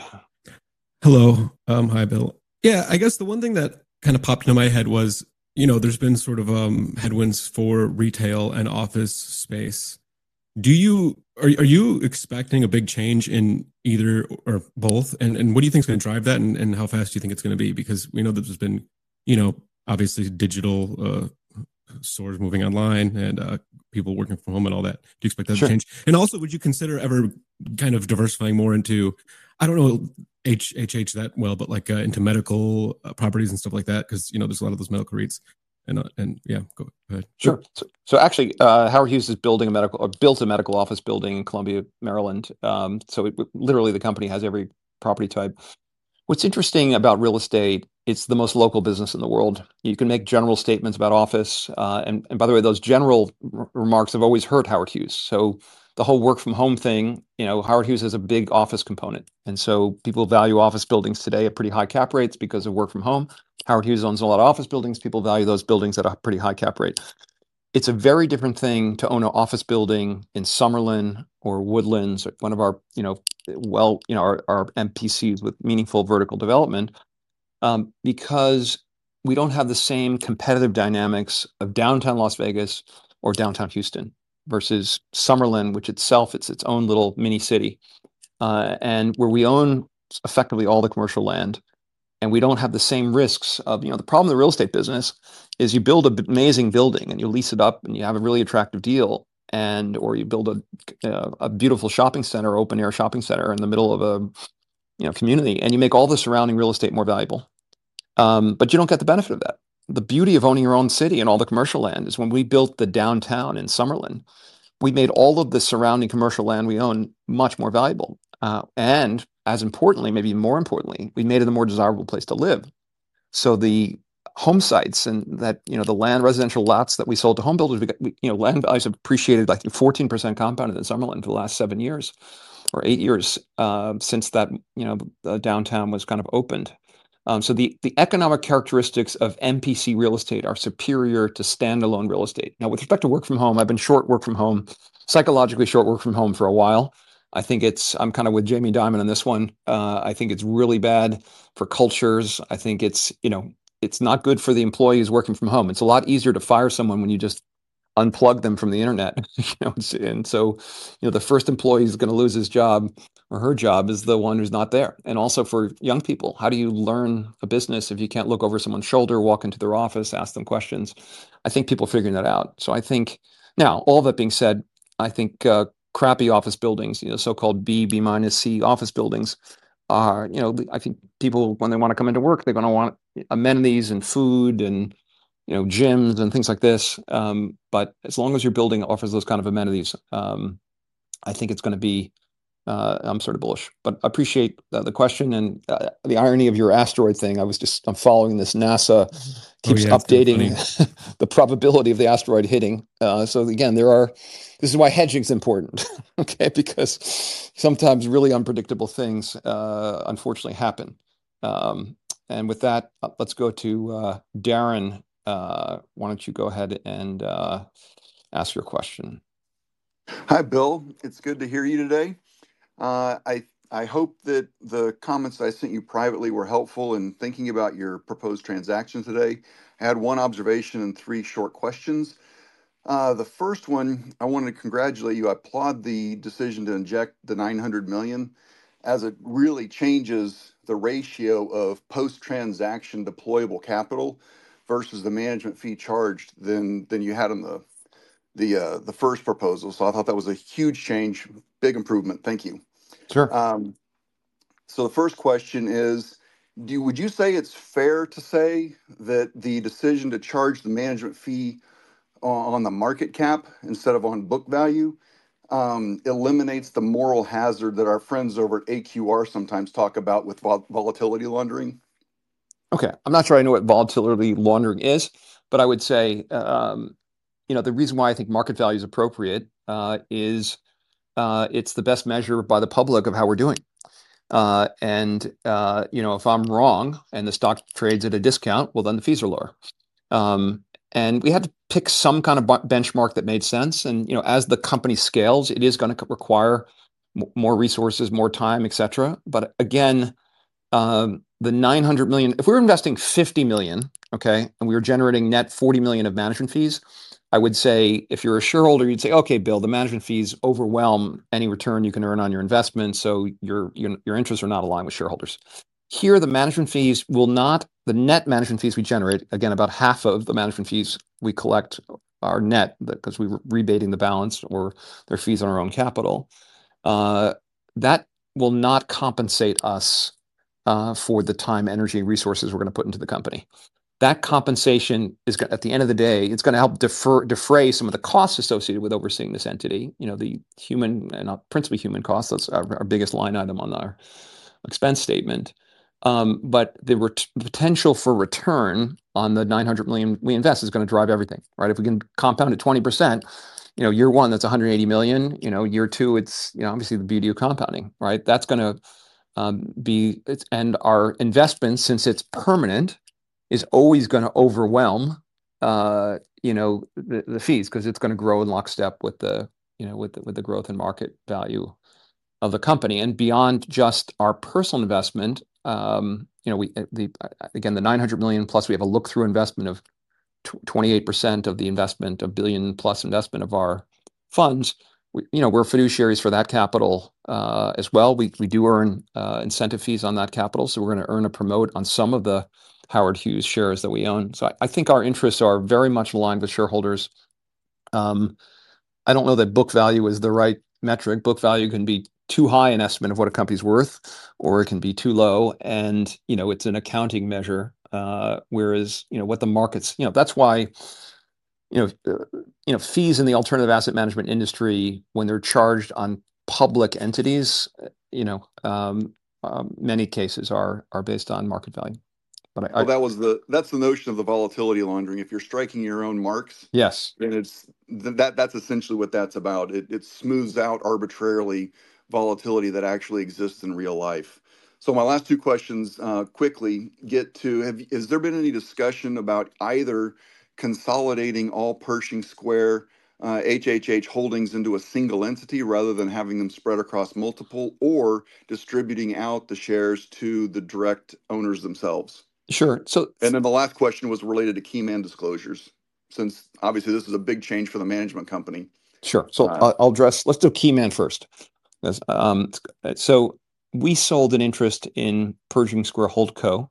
Hello. Hi, Bill. Yeah. I guess the one thing that kind of popped into my head was there's been sort of headwinds for retail and office space. Are you expecting a big change in either or both? What do you think's going to drive that, and how fast do you think it's going to be? Because we know that there's been, obviously, digital stores moving online and people working from home and all that. Do you expect that to change? And also, would you consider ever kind of diversifying more into, I don't know HHH that well, but into medical properties and stuff like that? Because there's a lot of those medical REITs. And yeah, go ahead. Sure. So actually, Howard Hughes has built a medical office building in Columbia, Maryland. So literally, the company has every property type. What's interesting about real estate, it's the most local business in the world. You can make general statements about office. And by the way, those general remarks have always hurt Howard Hughes. So the whole work-from-home thing, Howard Hughes has a big office component. And so people value office buildings today at pretty high cap rates because of work-from-home. Howard Hughes owns a lot of office buildings. People value those buildings at a pretty high cap rate. It's a very different thing to own an office building in Summerlin or Woodlands, one of our MPCs with meaningful vertical development, because we don't have the same competitive dynamics of downtown Las Vegas or downtown Houston versus Summerlin, which itself, it's its own little mini city. And where we own effectively all the commercial land, and we don't have the same risks of the problem of the real estate business is you build an amazing building and you lease it up and you have a really attractive deal, or you build a beautiful shopping center, open-air shopping center in the middle of a community, and you make all the surrounding real estate more valuable. But you don't get the benefit of that. The beauty of owning your own city and all the commercial land is when we built the downtown in Summerlin, we made all of the surrounding commercial land we own much more valuable. And as importantly, maybe more importantly, we made it a more desirable place to live. So the home sites and the land residential lots that we sold to home builders, land values have appreciated like 14% compound in Summerlin for the last seven years or eight years since that downtown was kind of opened. So the economic characteristics of MPC real estate are superior to standalone real estate. Now, with respect to work-from-home, I've been short work-from-home, psychologically short work-from-home for a while. I'm kind of with Jamie Dimon on this one. I think it's really bad for cultures. I think it's not good for the employees working from home. It's a lot easier to fire someone when you just unplug them from the internet. And so the first employee is going to lose his job or her job is the one who's not there. And also for young people, how do you learn a business if you can't look over someone's shoulder, walk into their office, ask them questions? I think people are figuring that out. So I think now, all that being said, I think crappy office buildings, so-called B, B minus C office buildings, I think people, when they want to come into work, they're going to want amenities and food and gyms and things like this. But as long as your building offers those kind of amenities, I think it's going to be. I'm sort of bullish. But I appreciate the question and the irony of your asteroid thing. I'm following this. NASA keeps updating the probability of the asteroid hitting. So again, this is why hedging is important, okay? Because sometimes really unpredictable things unfortunately happen. And with that, let's go to Darren. Why don't you go ahead and ask your question? Hi, Bill. It's good to hear you today. I hope that the comments I sent you privately were helpful in thinking about your proposed transaction today. I had one observation and three short questions. The first one, I wanted to congratulate you. I applaud the decision to inject the $900 million as it really changes the ratio of post-transaction deployable capital versus the management fee charged than you had in the first proposal. So I thought that was a huge change, big improvement. Thank you. Sure. The first question is, would you say it's fair to say that the decision to charge the management fee on the market cap instead of on book value eliminates the moral hazard that our friends over at AQR sometimes talk about with volatility laundering? Okay. I'm not sure I know what volatility laundering is, but I would say the reason why I think market value is appropriate is it's the best measure by the public of how we're doing. And if I'm wrong and the stock trades at a discount, well, then the fees are lower. And we had to pick some kind of benchmark that made sense. And as the company scales, it is going to require more resources, more time, et cetera. But again, the $900 million, if we were investing $50 million, okay, and we were generating net $40 million of management fees, I would say if you're a shareholder, you'd say, "Okay, Bill, the management fees overwhelm any return you can earn on your investment, so your interests are not aligned with shareholders." Here, the management fees will not, the net management fees we generate, again, about half of the management fees we collect are net because we're rebating the balance or their fees on our own capital. That will not compensate us for the time, energy, and resources we're going to put into the company. That compensation, at the end of the day, it's going to help defray some of the costs associated with overseeing this entity, the human and principally human costs. That's our biggest line item on our expense statement. But the potential for return on the $900 million we invest is going to drive everything, right? If we can compound at 20%, year one, that's $180 million. Year two, it's obviously the beauty of compounding, right? That's going to be, and our investment, since it's permanent, is always going to overwhelm the fees because it's going to grow in lockstep with the growth and market value of the company. And beyond just our personal investment, again, the $900 million plus, we have a look-through investment of 28% of the investment, a billion-plus investment of our funds. We're fiduciaries for that capital as well. We do earn incentive fees on that capital. So we're going to earn a promote on some of the Howard Hughes shares that we own. So I think our interests are very much aligned with shareholders. I don't know that book value is the right metric. Book value can be too high an estimate of what a company's worth, or it can be too low. And it's an accounting measure, whereas what the markets, that's why fees in the alternative asset management industry, when they're charged on public entities, many cases are based on market value. Well, that's the notion of the volatility laundering. If you're marking your own marks, then that's essentially what that's about. It smooths out arbitrary volatility that actually exists in real life. So my last two questions quickly get to, has there been any discussion about either consolidating all Pershing Square HHH holdings into a single entity rather than having them spread across multiple or distributing out the shares to the direct owners themselves? Sure. And then the last question was related to key man disclosures, since obviously this is a big change for the management company. Sure. Let's do key man first. We sold an interest in Pershing Square Holdco,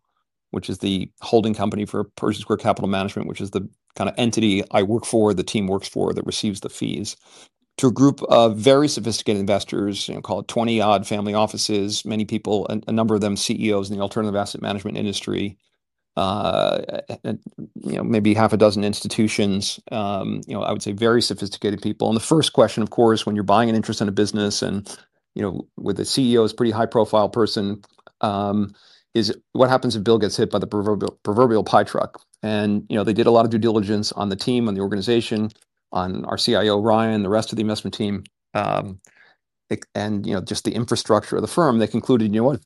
which is the holding company for Pershing Square Capital Management, which is the kind of entity I work for, the team works for that receives the fees, to a group of very sophisticated investors called 20-odd family offices, many people, a number of them CEOs in the alternative asset management industry, maybe half a dozen institutions. I would say very sophisticated people. The first question, of course, when you're buying an interest in a business and with a CEO, it's a pretty high-profile person, is what happens if Bill gets hit by the proverbial pie truck? They did a lot of due diligence on the team, on the organization, on our CIO, Ryan, the rest of the investment team, and just the infrastructure of the firm. They concluded, you know what?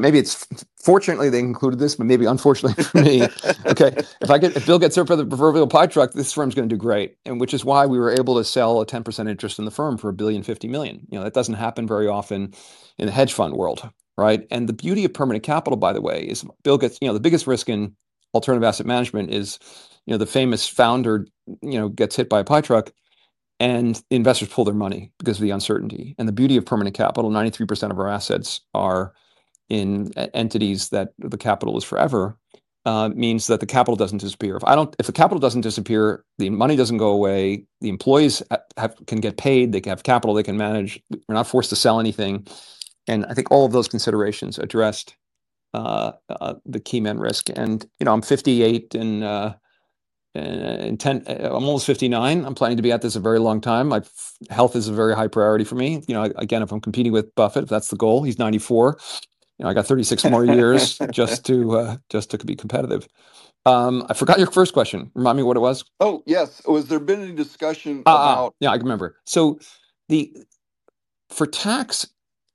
Maybe it's fortunate they included this, but maybe unfortunately for me. Okay. If Bill gets hit by the proverbial pie truck, this firm's going to do great, which is why we were able to sell a 10% interest in the firm for $1.05 billion. That doesn't happen very often in the hedge fund world, right? And the beauty of permanent capital, by the way, is. Bill, the biggest risk in alternative asset management is the famous founder gets hit by a pie truck, and investors pull their money because of the uncertainty. And the beauty of permanent capital, 93% of our assets are in entities that the capital is forever, means that the capital doesn't disappear. If the capital doesn't disappear, the money doesn't go away, the employees can get paid, they can have capital, they can manage, we're not forced to sell anything. I think all of those considerations addressed the key man risk. I'm 58, and I'm almost 59. I'm planning to be at this a very long time. Health is a very high priority for me. Again, if I'm competing with Buffett, if that's the goal, he's 94. I got 36 more years just to be competitive. I forgot your first question. Remind me what it was. Oh, yes. Has there been any discussion about? Yeah, I can remember. For tax,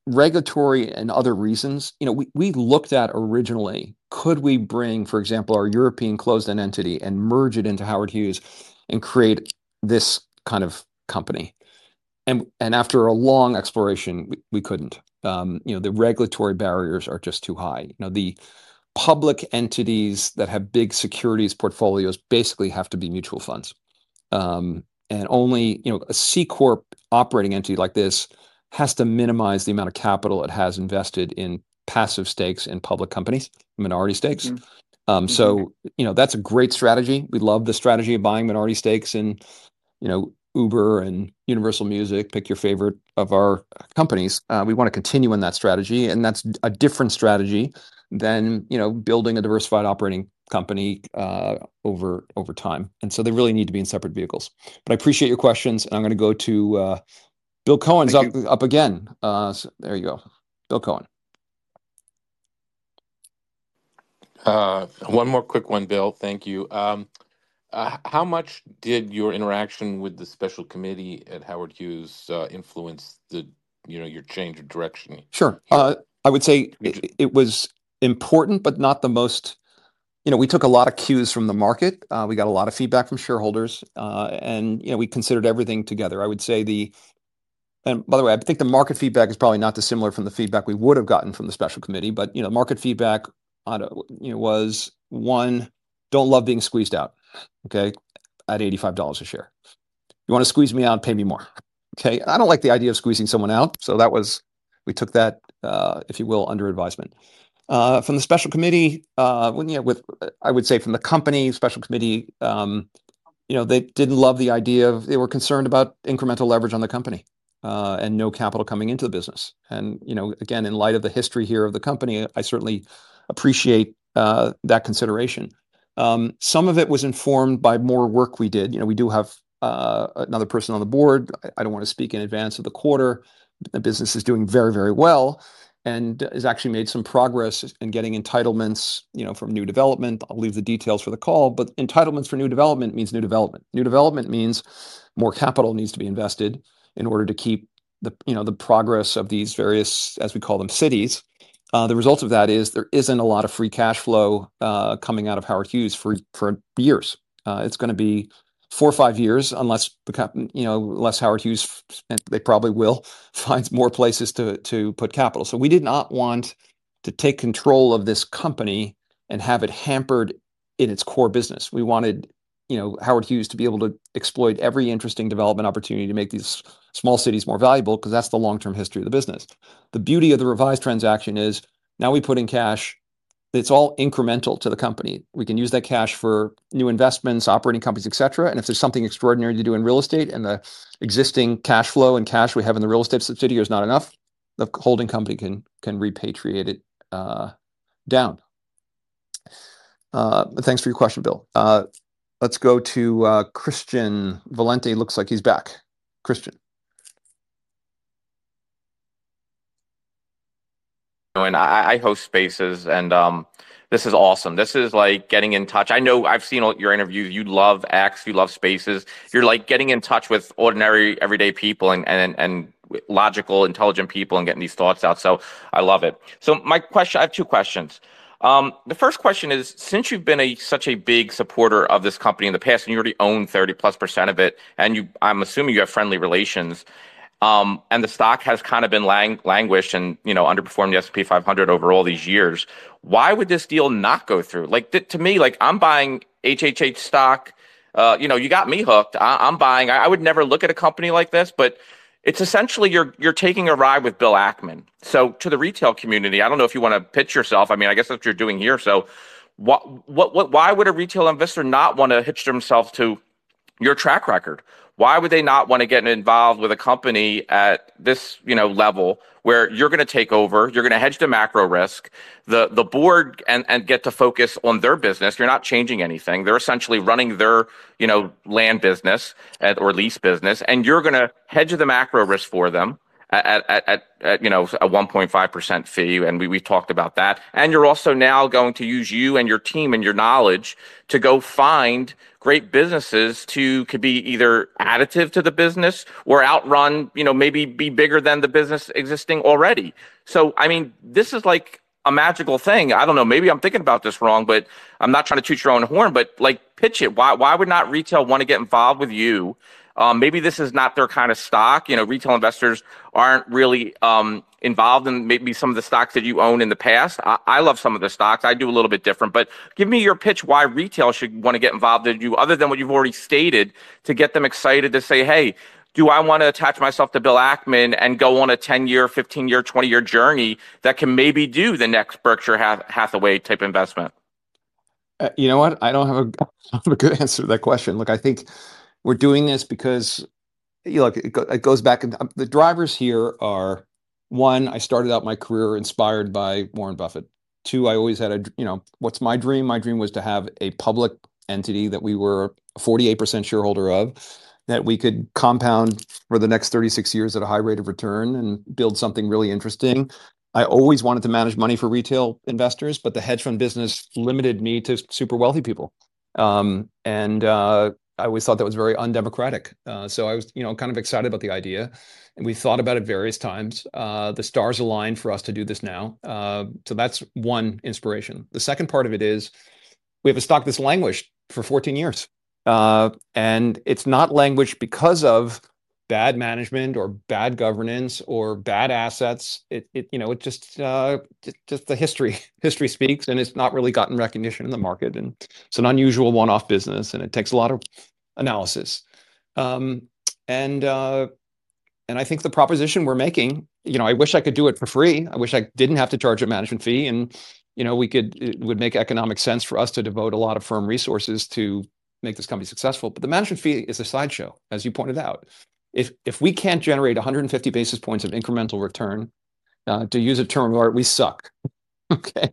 regulatory, and other reasons, we looked at originally, could we bring, for example, our European closed-end entity and merge it into Howard Hughes and create this kind of company? After a long exploration, we couldn't. The regulatory barriers are just too high. The public entities that have big securities portfolios basically have to be mutual funds. Only a C Corp operating entity like this has to minimize the amount of capital it has invested in passive stakes in public companies, minority stakes. So that's a great strategy. We love the strategy of buying minority stakes in Uber and Universal Music, pick your favorite of our companies. We want to continue in that strategy. And that's a different strategy than building a diversified operating company over time. And so they really need to be in separate vehicles. But I appreciate your questions. And I'm going to go to Bill Cohan's up again. There you go. Bill Cohan. One more quick one, Bill. Thank you. How much did your interaction with the special committee at Howard Hughes influence your change of direction? Sure. I would say it was important, but not the most. We took a lot of cues from the market. We got a lot of feedback from shareholders. And we considered everything together. I would say the, and by the way, I think the market feedback is probably not dissimilar from the feedback we would have gotten from the special committee. But market feedback was, one, don't love being squeezed out, okay, at $85 a share. You want to squeeze me out, pay me more. Okay? I don't like the idea of squeezing someone out. So we took that, if you will, under advisement. From the special committee, I would say from the company special committee, they didn't love the idea of they were concerned about incremental leverage on the company and no capital coming into the business. And again, in light of the history here of the company, I certainly appreciate that consideration. Some of it was informed by more work we did. We do have another person on the board. I don't want to speak in advance of the quarter. The business is doing very, very well and has actually made some progress in getting entitlements from new development. I'll leave the details for the call. But entitlements for new development means new development. New development means more capital needs to be invested in order to keep the progress of these various, as we call them, cities. The result of that is there isn't a lot of free cash flow coming out of Howard Hughes for years. It's going to be four or five years unless Howard Hughes, they probably will find more places to put capital. So we did not want to take control of this company and have it hampered in its core business. We wanted Howard Hughes to be able to exploit every interesting development opportunity to make these small cities more valuable because that's the long-term history of the business. The beauty of the revised transaction is now we put in cash. It's all incremental to the company. We can use that cash for new investments, operating companies, et cetera, and if there's something extraordinary to do in real estate and the existing cash flow and cash we have in the real estate subsidiary is not enough, the holding company can repatriate it down. Thanks for your question, Bill. Let's go to Christian Valente. Looks like he's back. Christian. I host Spaces, and this is awesome. This is like getting in touch. I know I've seen your interviews. You love X. You love Spaces. You're like getting in touch with ordinary, everyday people and logical, intelligent people and getting these thoughts out. So I love it. So my question, I have two questions. The first question is, since you've been such a big supporter of this company in the past, and you already own 30%+ of it, and I'm assuming you have friendly relations, and the stock has kind of been languished and underperformed the S&P 500 over all these years, why would this deal not go through? To me, I'm buying HHH stock. You got me hooked. I would never look at a company like this, but it's essentially you're taking a ride with Bill Ackman. So to the retail community, I don't know if you want to pitch yourself. I mean, I guess that's what you're doing here. So why would a retail investor not want to hitch themselves to your track record? Why would they not want to get involved with a company at this level where you're going to take over, you're going to hedge the macro risk, the board, and get to focus on their business? You're not changing anything. They're essentially running their land business or lease business, and you're going to hedge the macro risk for them at a 1.5% fee. And we've talked about that. And you're also now going to use you and your team and your knowledge to go find great businesses to be either additive to the business or outrun, maybe be bigger than the business existing already. I mean, this is like a magical thing. I don't know. Maybe I'm thinking about this wrong, but I'm not trying to toot your own horn, but pitch it. Why would not retail want to get involved with you? Maybe this is not their kind of stock. Retail investors aren't really involved in maybe some of the stocks that you own in the past. I love some of the stocks. I do a little bit different. But give me your pitch why retail should want to get involved in you other than what you've already stated to get them excited to say, "Hey, do I want to attach myself to Bill Ackman and go on a 10-year, 15-year, 20-year journey that can maybe do the next Berkshire Hathaway type investment?" You know what? I don't have a good answer to that question. Look, I think we're doing this because it goes back. The drivers here are, one, I started out my career inspired by Warren Buffett. Two, I always had a, what's my dream? My dream was to have a public entity that we were a 48% shareholder of, that we could compound for the next 36 years at a high rate of return and build something really interesting. I always wanted to manage money for retail investors, but the hedge fund business limited me to super wealthy people, and I always thought that was very undemocratic. So I was kind of excited about the idea, and we thought about it various times. The stars aligned for us to do this now, so that's one inspiration. The second part of it is we have a stock that's languished for 14 years, and it's not languished because of bad management or bad governance or bad assets. It's just the history. History speaks, and it's not really gotten recognition in the market, and it's an unusual one-off business, and it takes a lot of analysis. I think the proposition we're making. I wish I could do it for free. I wish I didn't have to charge a management fee. It would make economic sense for us to devote a lot of firm resources to make this company successful. The management fee is a sideshow, as you pointed out. If we can't generate 150 basis points of incremental return, to use a term of art, we suck. Okay?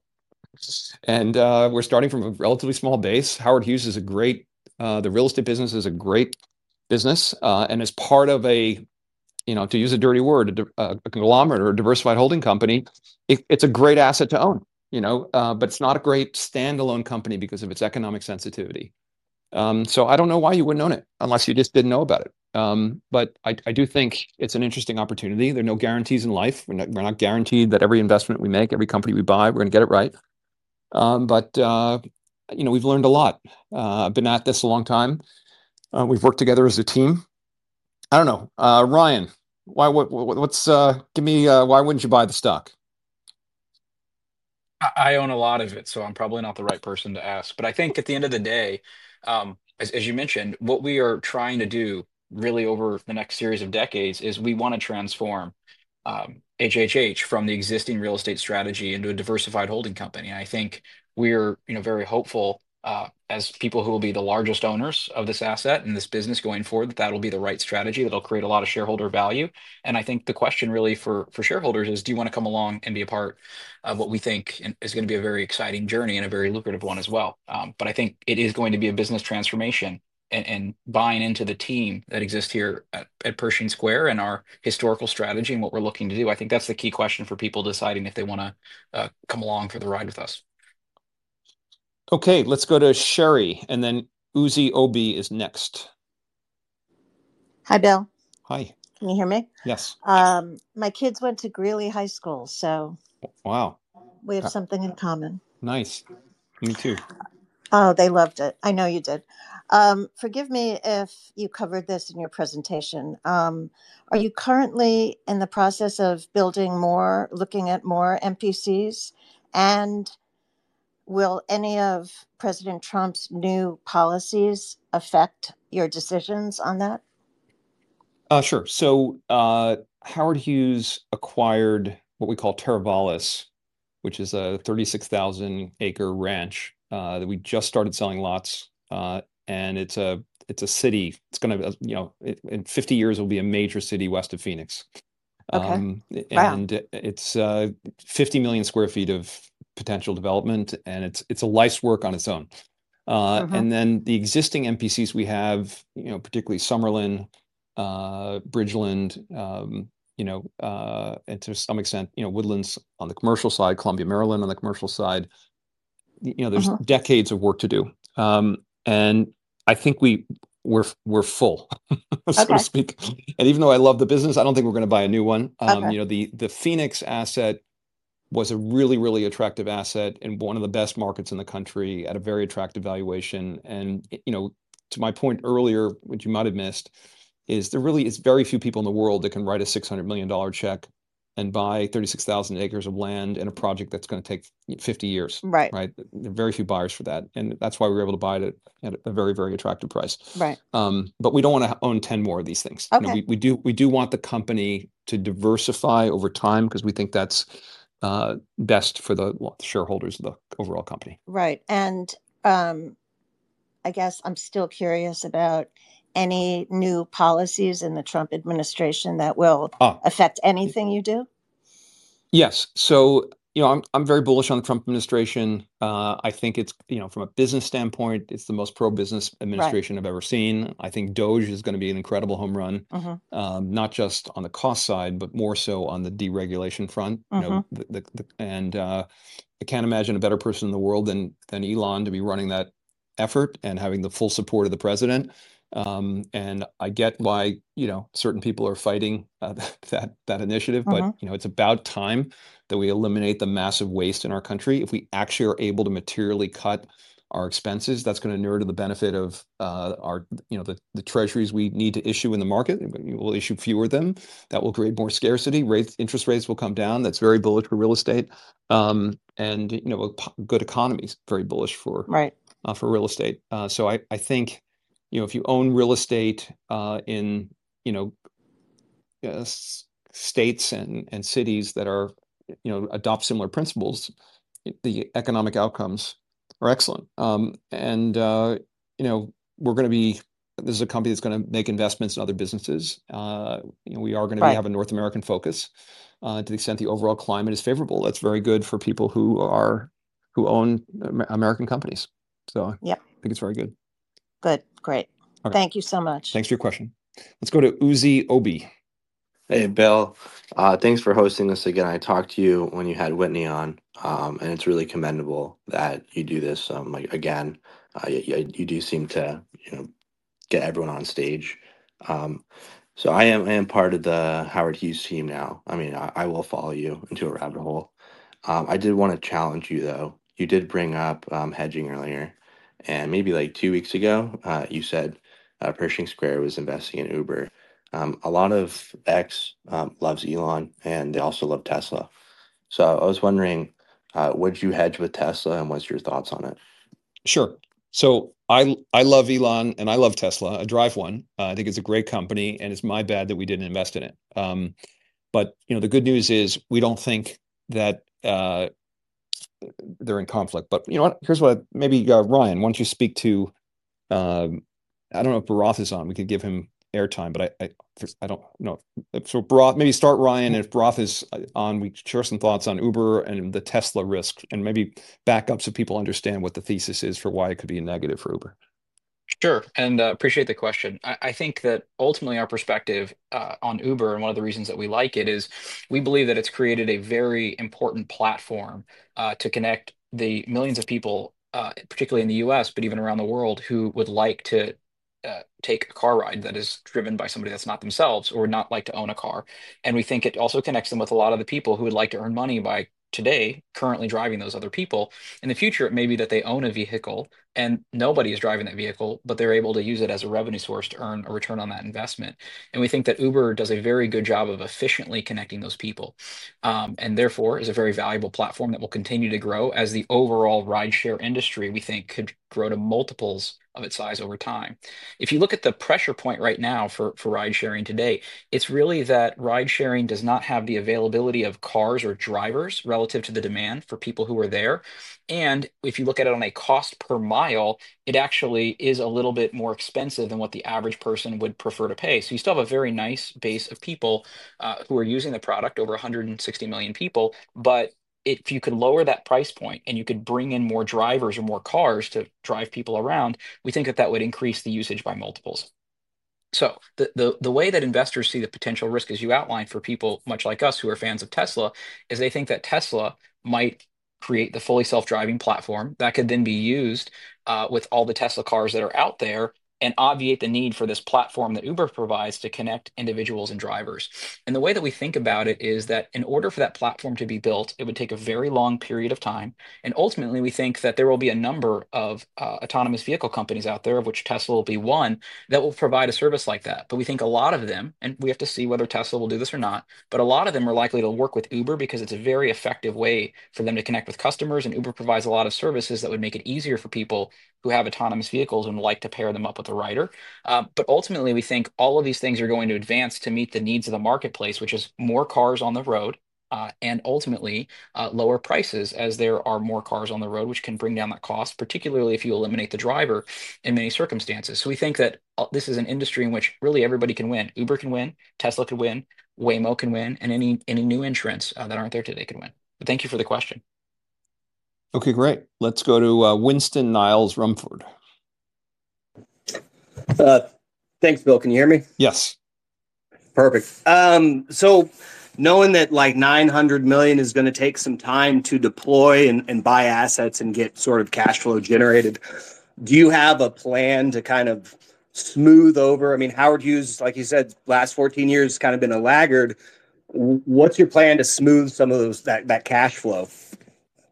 We're starting from a relatively small base. Howard Hughes is a great, the real estate business is a great business. As part of a, to use a dirty word, a conglomerate, a diversified holding company, it's a great asset to own. It's not a great standalone company because of its economic sensitivity. I don't know why you wouldn't own it unless you just didn't know about it. But I do think it's an interesting opportunity. There are no guarantees in life. We're not guaranteed that every investment we make, every company we buy, we're going to get it right. But we've learned a lot. I've been at this a long time. We've worked together as a team. I don't know. Ryan, give me, why wouldn't you buy the stock? I own a lot of it, so I'm probably not the right person to ask. But I think at the end of the day, as you mentioned, what we are trying to do really over the next series of decades is we want to transform HHH from the existing real estate strategy into a diversified holding company. And I think we're very hopeful as people who will be the largest owners of this asset and this business going forward that that'll be the right strategy that'll create a lot of shareholder value. And I think the question really for shareholders is, do you want to come along and be a part of what we think is going to be a very exciting journey and a very lucrative one as well? But I think it is going to be a business transformation and buying into the team that exists here at Pershing Square and our historical strategy and what we're looking to do. I think that's the key question for people deciding if they want to come along for the ride with us. Okay. Let's go to Sherry. And then Uzi Obi is next. Hi, Bill. Hi. Can you hear me? Yes. My kids went to Greeley High School, so. Wow. We have something in common. Nice. You too. Oh, they loved it. I know you did. Forgive me if you covered this in your presentation. Are you currently in the process of building more, looking at more MPCs? And will any of President Trump's new policies affect your decisions on that? Sure. So Howard Hughes acquired what we call Teravalis, which is a 36,000-acre ranch that we just started selling lots. And it's a city. It's going to be, in 50 years, it will be a major city west of Phoenix. And it's 50 million sq ft of potential development, and it's a life's work on its own. And then the existing MPCs we have, particularly Summerlin, Bridgeland, and to some extent, Woodlands on the commercial side, Columbia, Maryland on the commercial side, there's decades of work to do. I think we're full, so to speak. Even though I love the business, I don't think we're going to buy a new one. The Phoenix asset was a really, really attractive asset in one of the best markets in the country at a very attractive valuation. To my point earlier, which you might have missed, there really is very few people in the world that can write a $600 million check and buy 36,000 acres of land in a project that's going to take 50 years. There are very few buyers for that. That's why we were able to buy it at a very, very attractive price. We don't want to own 10 more of these things. We do want the company to diversify over time because we think that's best for the shareholders of the overall company. Right. I guess I'm still curious about any new policies in the Trump administration that will affect anything you do. Yes. So I'm very bullish on the Trump administration. I think from a business standpoint, it's the most pro-business administration I've ever seen. I think DOGE is going to be an incredible home run, not just on the cost side, but more so on the deregulation front. I can't imagine a better person in the world than Elon to be running that effort and having the full support of the president. I get why certain people are fighting that initiative, but it's about time that we eliminate the massive waste in our country. If we actually are able to materially cut our expenses, that's going to inure to the benefit of the Treasuries we need to issue in the market. We'll issue fewer of them. That will create more scarcity. Interest rates will come down. That's very bullish for real estate, and good economy is very bullish for real estate. I think if you own real estate in states and cities that adopt similar principles, the economic outcomes are excellent, and we're going to be. This is a company that's going to make investments in other businesses. We are going to have a North American focus to the extent the overall climate is favorable. That's very good for people who own American companies. I think it's very good. Good. Great. Thank you so much. Thanks for your question. Let's go to Uzi Obi. Hey, Bill. Thanks for hosting us again. I talked to you when you had Whitney on, and it's really commendable that you do this. Again, you do seem to get everyone on stage. I am part of the Howard Hughes team now. I mean, I will follow you into a rabbit hole. I did want to challenge you, though. You did bring up hedging earlier. And maybe like two weeks ago, you said Pershing Square was investing in Uber. A lot of X loves Elon, and they also love Tesla. So I was wondering, would you hedge with Tesla, and what's your thoughts on it? Sure. I love Elon, and I love Tesla. I drive one. I think it's a great company, and it's my bad that we didn't invest in it. But the good news is we don't think that they're in conflict. But here's what I - maybe Ryan, why don't you speak to - I don't know if Bharath is on. We could give him airtime, but I don't know. So, maybe start, Ryan, and if Bharath is on, we share some thoughts on Uber and the Tesla risk, and maybe back up so people understand what the thesis is for why it could be negative for Uber. Sure. And I appreciate the question. I think that ultimately our perspective on Uber, and one of the reasons that we like it, is we believe that it's created a very important platform to connect the millions of people, particularly in the U.S., but even around the world, who would like to take a car ride that is driven by somebody that's not themselves or would not like to own a car. And we think it also connects them with a lot of the people who would like to earn money by today currently driving those other people. In the future, it may be that they own a vehicle, and nobody is driving that vehicle, but they're able to use it as a revenue source to earn a return on that investment. And we think that Uber does a very good job of efficiently connecting those people, and therefore is a very valuable platform that will continue to grow as the overall rideshare industry, we think, could grow to multiples of its size over time. If you look at the pressure point right now for ridesharing today, it's really that ridesharing does not have the availability of cars or drivers relative to the demand for people who are there. And if you look at it on a cost per mile, it actually is a little bit more expensive than what the average person would prefer to pay. You still have a very nice base of people who are using the product, over 160 million people. But if you could lower that price point and you could bring in more drivers or more cars to drive people around, we think that that would increase the usage by multiples. The way that investors see the potential risk, as you outlined for people much like us who are fans of Tesla, is they think that Tesla might create the fully self-driving platform that could then be used with all the Tesla cars that are out there and obviate the need for this platform that Uber provides to connect individuals and drivers. The way that we think about it is that in order for that platform to be built, it would take a very long period of time. Ultimately, we think that there will be a number of autonomous vehicle companies out there, of which Tesla will be one, that will provide a service like that. But we think a lot of them, and we have to see whether Tesla will do this or not, but a lot of them are likely to work with Uber because it's a very effective way for them to connect with customers. And Uber provides a lot of services that would make it easier for people who have autonomous vehicles and would like to pair them up with a rider. But ultimately, we think all of these things are going to advance to meet the needs of the marketplace, which is more cars on the road and ultimately lower prices as there are more cars on the road, which can bring down that cost, particularly if you eliminate the driver in many circumstances. So we think that this is an industry in which really everybody can win. Uber can win, Tesla can win, Waymo can win, and any new insurance that aren't there today can win. But thank you for the question. Okay, great. Let's go to Winston Niles Rumford. Thanks, Bill. Can you hear me? Yes. Perfect. So knowing that like $900 million is going to take some time to deploy and buy assets and get sort of cash flow generated, do you have a plan to kind of smooth over? I mean, Howard Hughes, like you said, last 14 years has kind of been a laggard. What's your plan to smooth some of that cash flow?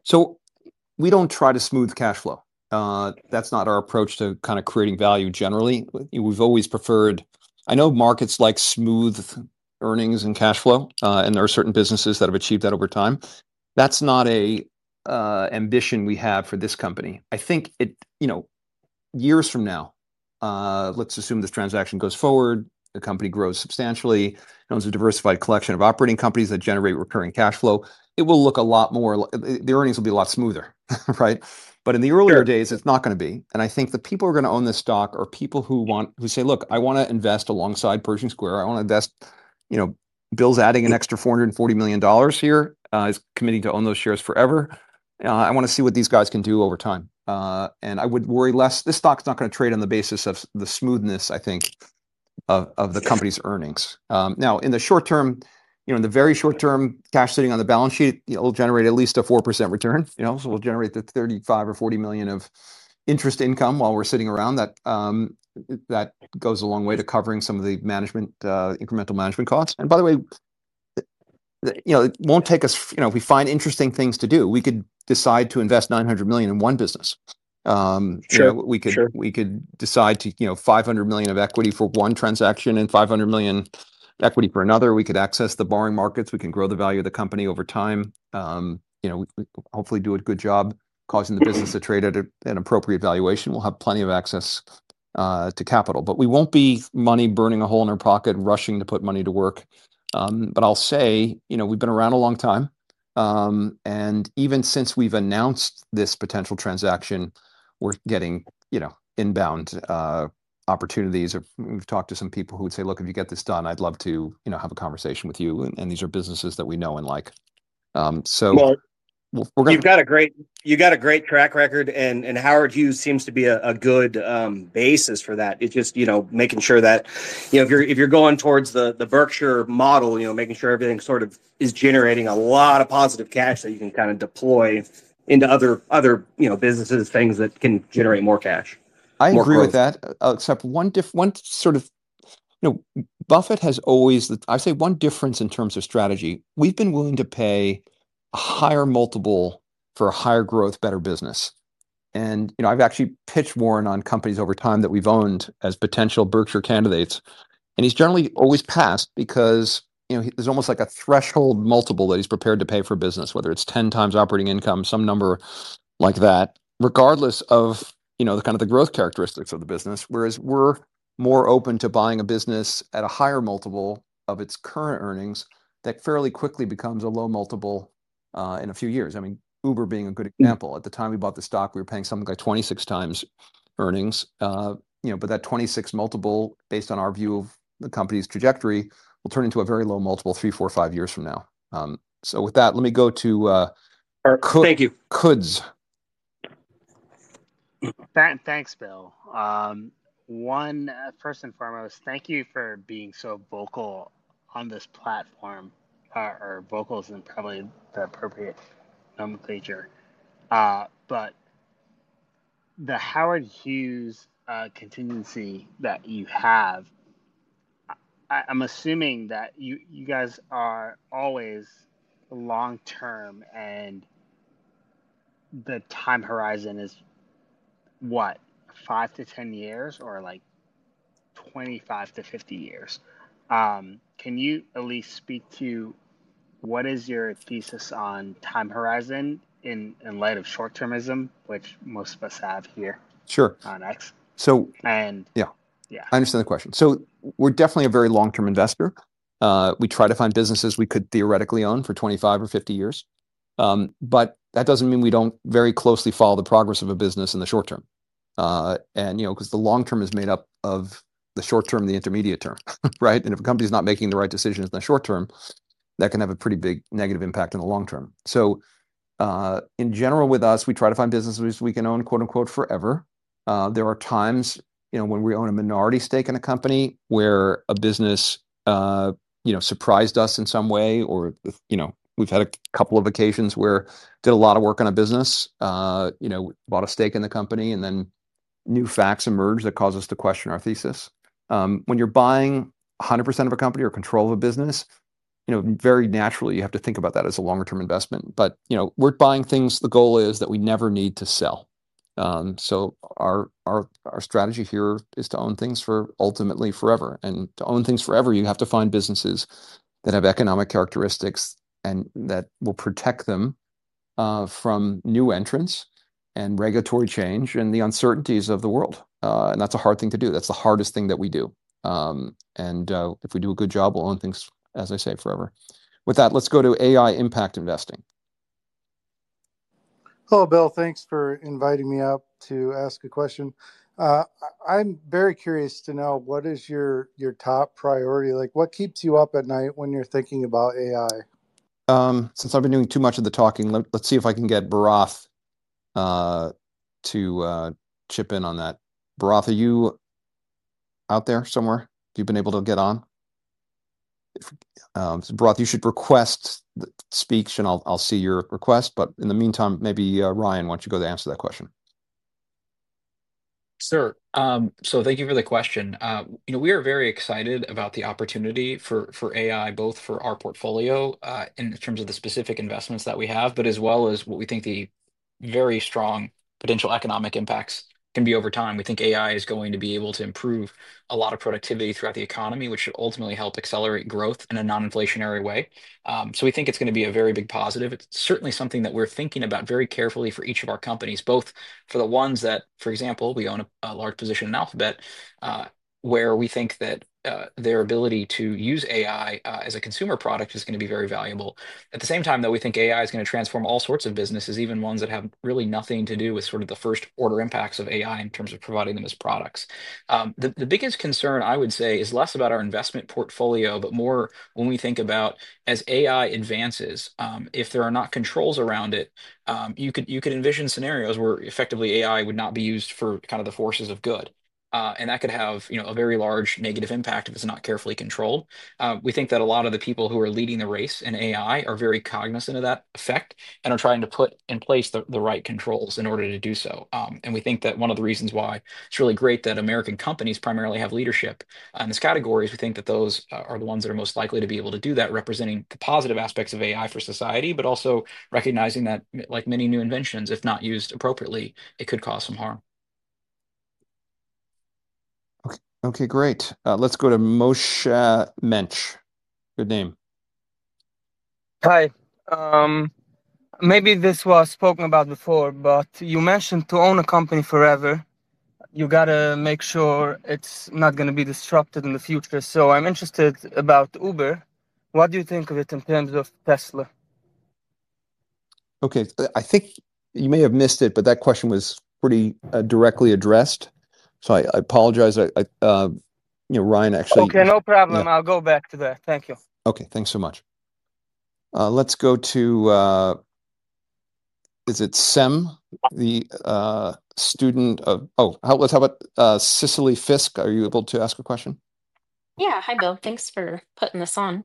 So we don't try to smooth cash flow. That's not our approach to kind of creating value generally. We've always preferred. I know markets like smooth earnings and cash flow, and there are certain businesses that have achieved that over time. That's not an ambition we have for this company. I think years from now, let's assume this transaction goes forward, the company grows substantially, owns a diversified collection of operating companies that generate recurring cash flow, it will look a lot more. The earnings will be a lot smoother, right? But in the earlier days, it's not going to be. And I think the people who are going to own this stock are people who say, "Look, I want to invest alongside Pershing Square. I want to invest. Bill's adding an extra $440 million here. He's committing to own those shares forever. I want to see what these guys can do over time." And I would worry less. This stock's not going to trade on the basis of the smoothness, I think, of the company's earnings. Now, in the short term, in the very short term, cash sitting on the balance sheet will generate at least a 4% return. So we'll generate the $35 million or $40 million of interest income while we're sitting around. That goes a long way to covering some of the incremental management costs. And by the way, it won't take us, if we find interesting things to do, we could decide to invest $900 million in one business. We could decide to $500 million of equity for one transaction and $500 million equity for another. We could access the borrowing markets. We can grow the value of the company over time. Hopefully, do a good job causing the business to trade at an appropriate valuation. We'll have plenty of access to capital. But we won't be money burning a hole in our pocket, rushing to put money to work. But I'll say we've been around a long time. And even since we've announced this potential transaction, we're getting inbound opportunities. We've talked to some people who would say, "Look, if you get this done, I'd love to have a conversation with you." And these are businesses that we know and like. So we're going to. You've got a great track record, and Howard Hughes seems to be a good basis for that. It's just making sure that if you're going towards the Berkshire model, making sure everything sort of is generating a lot of positive cash that you can kind of deploy into other businesses, things that can generate more cash. I agree with that, except one sort of. Buffett has always. I say one difference in terms of strategy. We've been willing to pay a higher multiple for a higher growth, better business. And I've actually pitched Warren on companies over time that we've owned as potential Berkshire candidates. And he's generally always passed because there's almost like a threshold multiple that he's prepared to pay for business, whether it's 10x operating income, some number like that, regardless of kind of the growth characteristics of the business. Whereas we're more open to buying a business at a higher multiple of its current earnings that fairly quickly becomes a low multiple in a few years. I mean, Uber being a good example. At the time we bought the stock, we were paying something like 26x earnings. But that 26 multiple, based on our view of the company's trajectory, will turn into a very low multiple three, four, five years from now. So with that let me go to Thank you. Coods. Thanks, Bill. First and foremost, thank you for being so vocal on this platform, or vocals isn't probably the appropriate nomenclature. But the Howard Hughes contingency that you have, I'm assuming that you guys are always long-term, and the time horizon is what, five-10 years or 25-50 years. Can you at least speak to what is your thesis on time horizon in light of short-termism, which most of us have here on X? Sure. I understand the question. We're definitely a very long-term investor. We try to find businesses we could theoretically own for 25 or 50 years. But that doesn't mean we don't very closely follow the progress of a business in the short term, and because the long term is made up of the short term, the intermediate term, right? And if a company is not making the right decisions in the short term, that can have a pretty big negative impact in the long term. So in general, with us, we try to find businesses we can own "forever." There are times when we own a minority stake in a company where a business surprised us in some way, or we've had a couple of occasions where we did a lot of work on a business, bought a stake in the company, and then new facts emerge that cause us to question our thesis. When you're buying 100% of a company or control of a business, very naturally, you have to think about that as a longer-term investment. But we're buying things; the goal is that we never need to sell. So our strategy here is to own things for ultimately forever. To own things forever, you have to find businesses that have economic characteristics and that will protect them from new entrants and regulatory change and the uncertainties of the world. That's a hard thing to do. That's the hardest thing that we do. If we do a good job, we'll own things, as I say, forever. With that, let's go to AI Impact Investing Hello, Bill. Thanks for inviting me up to ask a question. I'm very curious to know what is your top priority. What keeps you up at night when you're thinking about AI? Since I've been doing too much of the talking, let's see if I can get Bharath to chip in on that. Bharath, are you out there somewhere? Have you been able to get on? Bharath, you should request to speak, and I'll see your request. But in the meantime, maybe Ryan, why don't you go to answer that question? Sure. So thank you for the question. We are very excited about the opportunity for AI, both for our portfolio in terms of the specific investments that we have, but as well as what we think the very strong potential economic impacts can be over time. We think AI is going to be able to improve a lot of productivity throughout the economy, which should ultimately help accelerate growth in a non-inflationary way. So we think it's going to be a very big positive. It's certainly something that we're thinking about very carefully for each of our companies, both for the ones that, for example, we own a large position in Alphabet, where we think that their ability to use AI as a consumer product is going to be very valuable. At the same time, though, we think AI is going to transform all sorts of businesses, even ones that have really nothing to do with sort of the first-order impacts of AI in terms of providing them as products. The biggest concern, I would say, is less about our investment portfolio, but more when we think about as AI advances, if there are not controls around it, you could envision scenarios where effectively AI would not be used for kind of the forces of good. And that could have a very large negative impact if it's not carefully controlled. We think that a lot of the people who are leading the race in AI are very cognizant of that effect and are trying to put in place the right controls in order to do so. And we think that one of the reasons why it's really great that American companies primarily have leadership in this category is we think that those are the ones that are most likely to be able to do that, representing the positive aspects of AI for society, but also recognizing that, like many new inventions, if not used appropriately, it could cause some harm. Okay, great. Let's go to Moshe Mensch. Good name. Hi. Maybe this was spoken about before, but you mentioned to own a company forever, you got to make sure it's not going to be disrupted in the future. So I'm interested about Uber. What do you think of it in terms of Tesla? Okay. I think you may have missed it, but that question was pretty directly addressed. So I apologize. Ryan actually. Okay, no problem. I'll go back to that. Thank you. Okay, thanks so much. Let's go to— is it Sam, the student of— oh, how about Cicely Fisk? Are you able to ask a question? Yeah. Hi, Bill. Thanks for putting this on.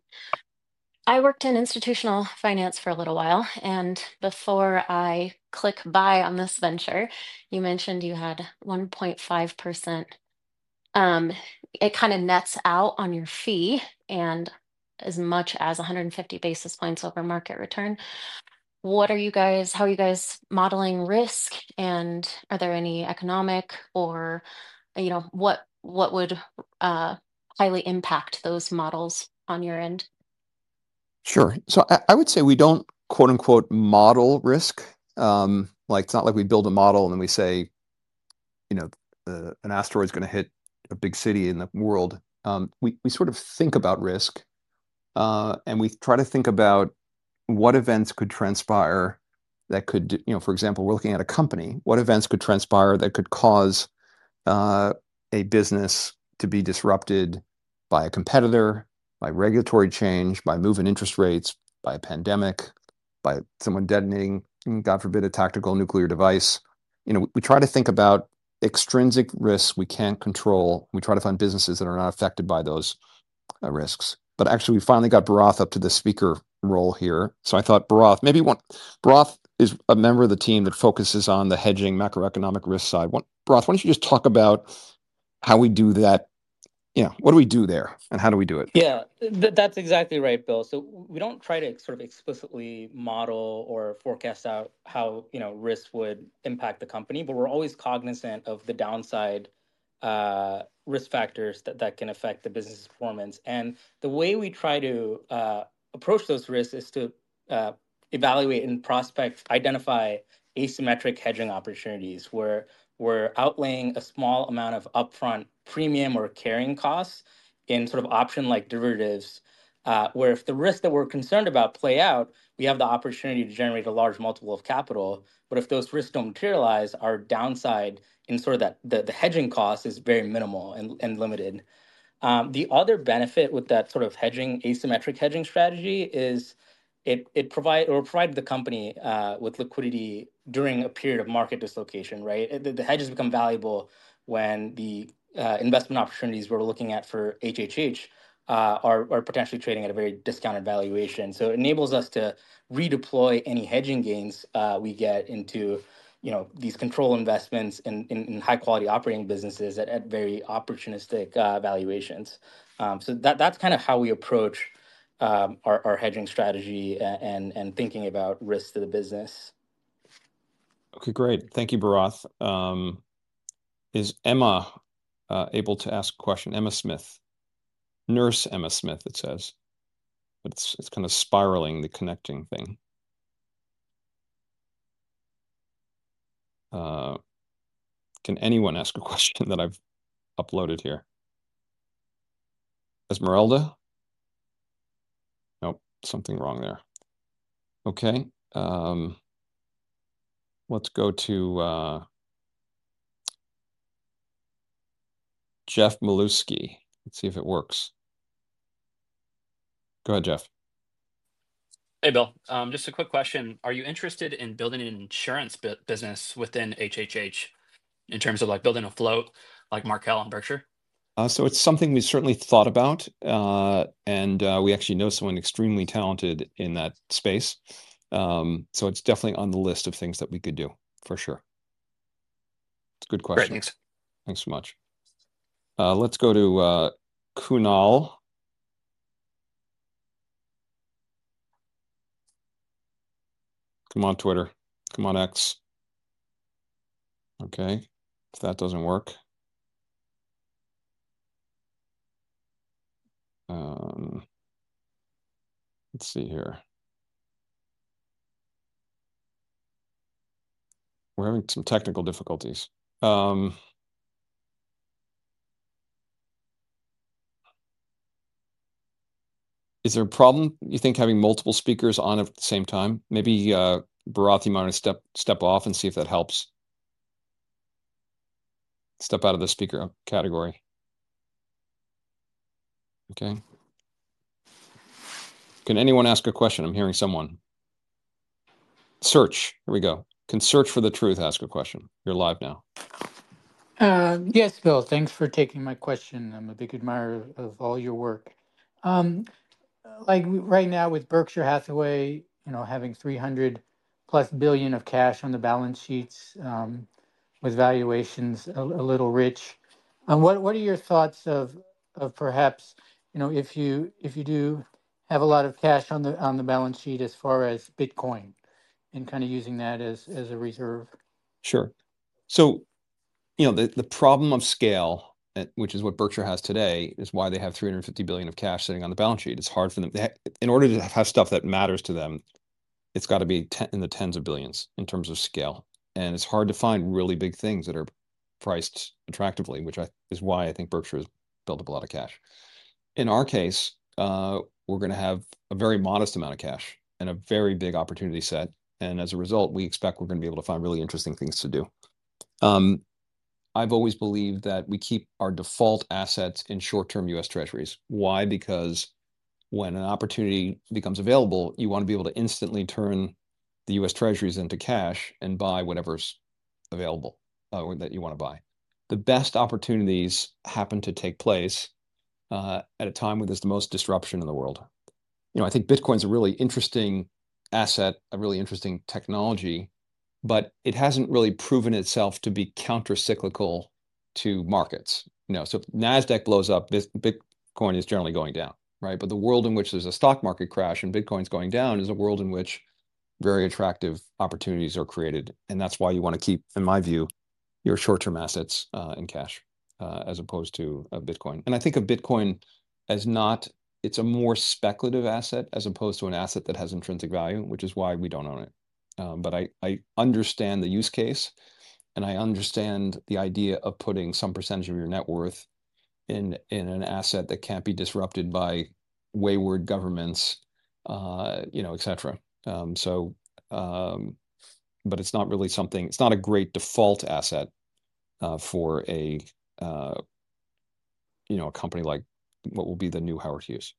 I worked in institutional finance for a little while. And before I click buy on this venture, you mentioned you had 1.5%. It kind of nets out on your fee and as much as 150 basis points over market return. What are you guys— how are you guys modeling risk? And are there any economic or what would highly impact those models on your end? Sure. So I would say we don't "model risk." It's not like we build a model and then we say an asteroid's going to hit a big city in the world. We sort of think about risk, and we try to think about what events could transpire that could, for example, we're looking at a company. What events could transpire that could cause a business to be disrupted by a competitor, by regulatory change, by moving interest rates, by a pandemic, by someone detonating, God forbid, a tactical nuclear device? We try to think about extrinsic risks we can't control. We try to find businesses that are not affected by those risks. But actually, we finally got Bharath up to the speaker role here. So I thought, Bharath, maybe Bharath is a member of the team that focuses on the hedging macroeconomic risk side. Bharath, why don't you just talk about how we do that? What do we do there and how do we do it? Yeah, that's exactly right, Bill. So we don't try to sort of explicitly model or forecast out how risk would impact the company, but we're always cognizant of the downside risk factors that can affect the business performance. And the way we try to approach those risks is to evaluate and prospect, identify asymmetric hedging opportunities where we're outlaying a small amount of upfront premium or carrying costs in sort of option-like derivatives, where if the risk that we're concerned about plays out, we have the opportunity to generate a large multiple of capital. But if those risks don't materialize, our downside in sort of the hedging cost is very minimal and limited. The other benefit with that sort of hedging, asymmetric hedging strategy, is it provides the company with liquidity during a period of market dislocation, right? The hedges become valuable when the investment opportunities we're looking at for HHH are potentially trading at a very discounted valuation. So it enables us to redeploy any hedging gains we get into these control investments in high-quality operating businesses at very opportunistic valuations. So that's kind of how we approach our hedging strategy and thinking about risks to the business. Okay, great. Thank you, Bharath. Is Emma able to ask a question? Emma Smith. Nurse Emma Smith, it says. It's kind of spiraling, the connecting thing. Can anyone ask a question that I've uploaded here? Esmeralda? Nope, something wrong there. Okay. Let's go to Jeff Maluski. Let's see if it works. Go ahead, Jeff. Hey, Bill. Just a quick question. Are you interested in building an insurance business within HHH in terms of building a float like Markel and Berkshire? So it's something we've certainly thought about, and we actually know someone extremely talented in that space. So it's definitely on the list of things that we could do, for sure. It's a good question. Thanks so much. Let's go to Kunal. Come on Twitter. Come on X. Okay. If that doesn't work, let's see here. We're having some technical difficulties. Is there a problem? You think having multiple speakers on at the same time? Maybe Bharath, you might want to step off and see if that helps. Step out of the speaker category. Okay. Can anyone ask a question? I'm hearing someone. Search. Here we go. Can Search for the Truth ask a question? You're live now. Yes, Bill. Thanks for taking my question. I'm a big admirer of all your work. Right now with Berkshire Hathaway having $300-plus billion of cash on the balance sheets with valuations a little rich, what are your thoughts of perhaps if you do have a lot of cash on the balance sheet as far as Bitcoin and kind of using that as a reserve? Sure. So the problem of scale, which is what Berkshire has today, is why they have $350 billion of cash sitting on the balance sheet. It's hard for them. In order to have stuff that matters to them, it's got to be in the tens of billions in terms of scale. And it's hard to find really big things that are priced attractively, which is why I think Berkshire has built up a lot of cash. In our case, we're going to have a very modest amount of cash and a very big opportunity set. And as a result, we expect we're going to be able to find really interesting things to do. I've always believed that we keep our default assets in short-term U.S. Treasuries. Why? Because when an opportunity becomes available, you want to be able to instantly turn the U.S. Treasuries into cash and buy whatever's available that you want to buy. The best opportunities happen to take place at a time when there's the most disruption in the world. I think Bitcoin's a really interesting asset, a really interesting technology, but it hasn't really proven itself to be countercyclical to markets. So if NASDAQ blows up, Bitcoin is generally going down, right? But the world in which there's a stock market crash and Bitcoin's going down is a world in which very attractive opportunities are created. That's why you want to keep, in my view, your short-term assets in cash as opposed to Bitcoin. I think of Bitcoin as not, it's a more speculative asset as opposed to an asset that has intrinsic value, which is why we don't own it. But I understand the use case, and I understand the idea of putting some percentage of your net worth in an asset that can't be disrupted by wayward governments, et cetera. But it's not really something, it's not a great default asset for a company like what will be the new Howard Hughes.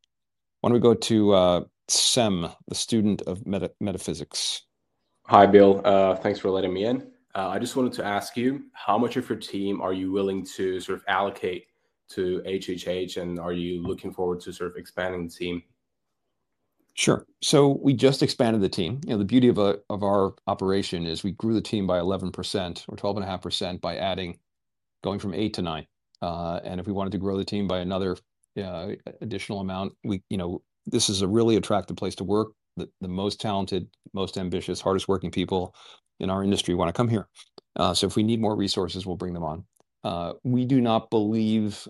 Why don't we go to Sam, The Student of Metaphysics? Hi, Bill. Thanks for letting me in. I just wanted to ask you, how much of your team are you willing to sort of allocate to HHH, and are you looking forward to sort of expanding the team? Sure. We just expanded the team. The beauty of our operation is we grew the team by 11% or 12.5% by adding, going from eight to nine. If we wanted to grow the team by another additional amount, this is a really attractive place to work. The most talented, most ambitious, hardest-working people in our industry want to come here. If we need more resources, we'll bring them on. We do not believe,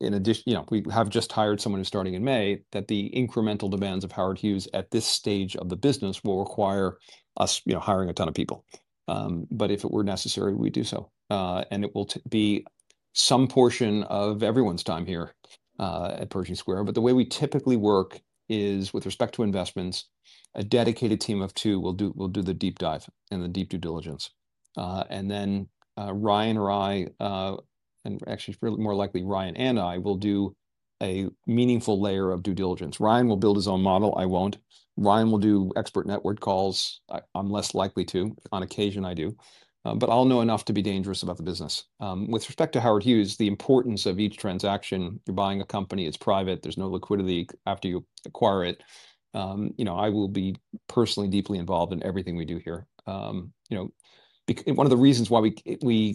we have just hired someone who's starting in May, that the incremental demands of Howard Hughes at this stage of the business will require us hiring a ton of people. If it were necessary, we'd do so. It will be some portion of everyone's time here at Pershing Square. The way we typically work is, with respect to investments, a dedicated team of two will do the deep dive and the deep due diligence. And then Ryan or I - and actually, more likely Ryan and I - will do a meaningful layer of due diligence. Ryan will build his own model. I won't. Ryan will do expert network calls. I'm less likely to. On occasion, I do. But I'll know enough to be dangerous about the business. With respect to Howard Hughes, the importance of each transaction - you're buying a company. It's private. There's no liquidity after you acquire it. I will be personally deeply involved in everything we do here. One of the reasons why we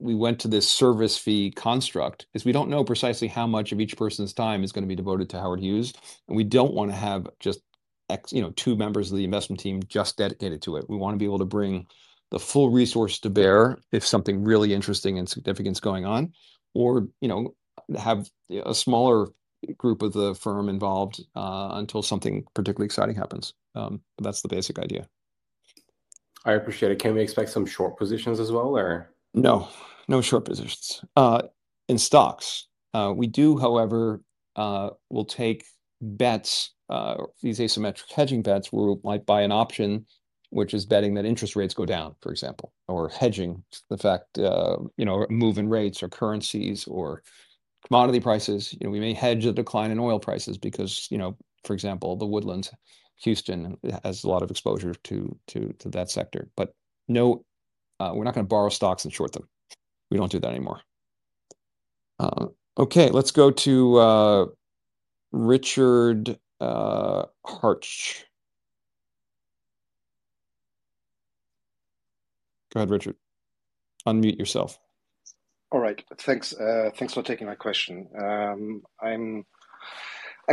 went to this service fee construct is we don't know precisely how much of each person's time is going to be devoted to Howard Hughes. And we don't want to have just two members of the investment team just dedicated to it. We want to be able to bring the full resource to bear if something really interesting and significant's going on, or have a smaller group of the firm involved until something particularly exciting happens. That's the basic idea. I appreciate it. Can we expect some short positions as well, or? No. No short positions. In stocks, we do, however, will take bets, these asymmetric hedging bets, where we might buy an option, which is betting that interest rates go down, for example, or hedging the fact of moving rates or currencies or commodity prices. We may hedge a decline in oil prices because, for example, The Woodlands, Houston has a lot of exposure to that sector. But we're not going to borrow stocks and short them. We don't do that anymore. Okay. Let's go to Richard Hartsch. Go ahead, Richard. Unmute yourself. All right. Thanks for taking my question. I'm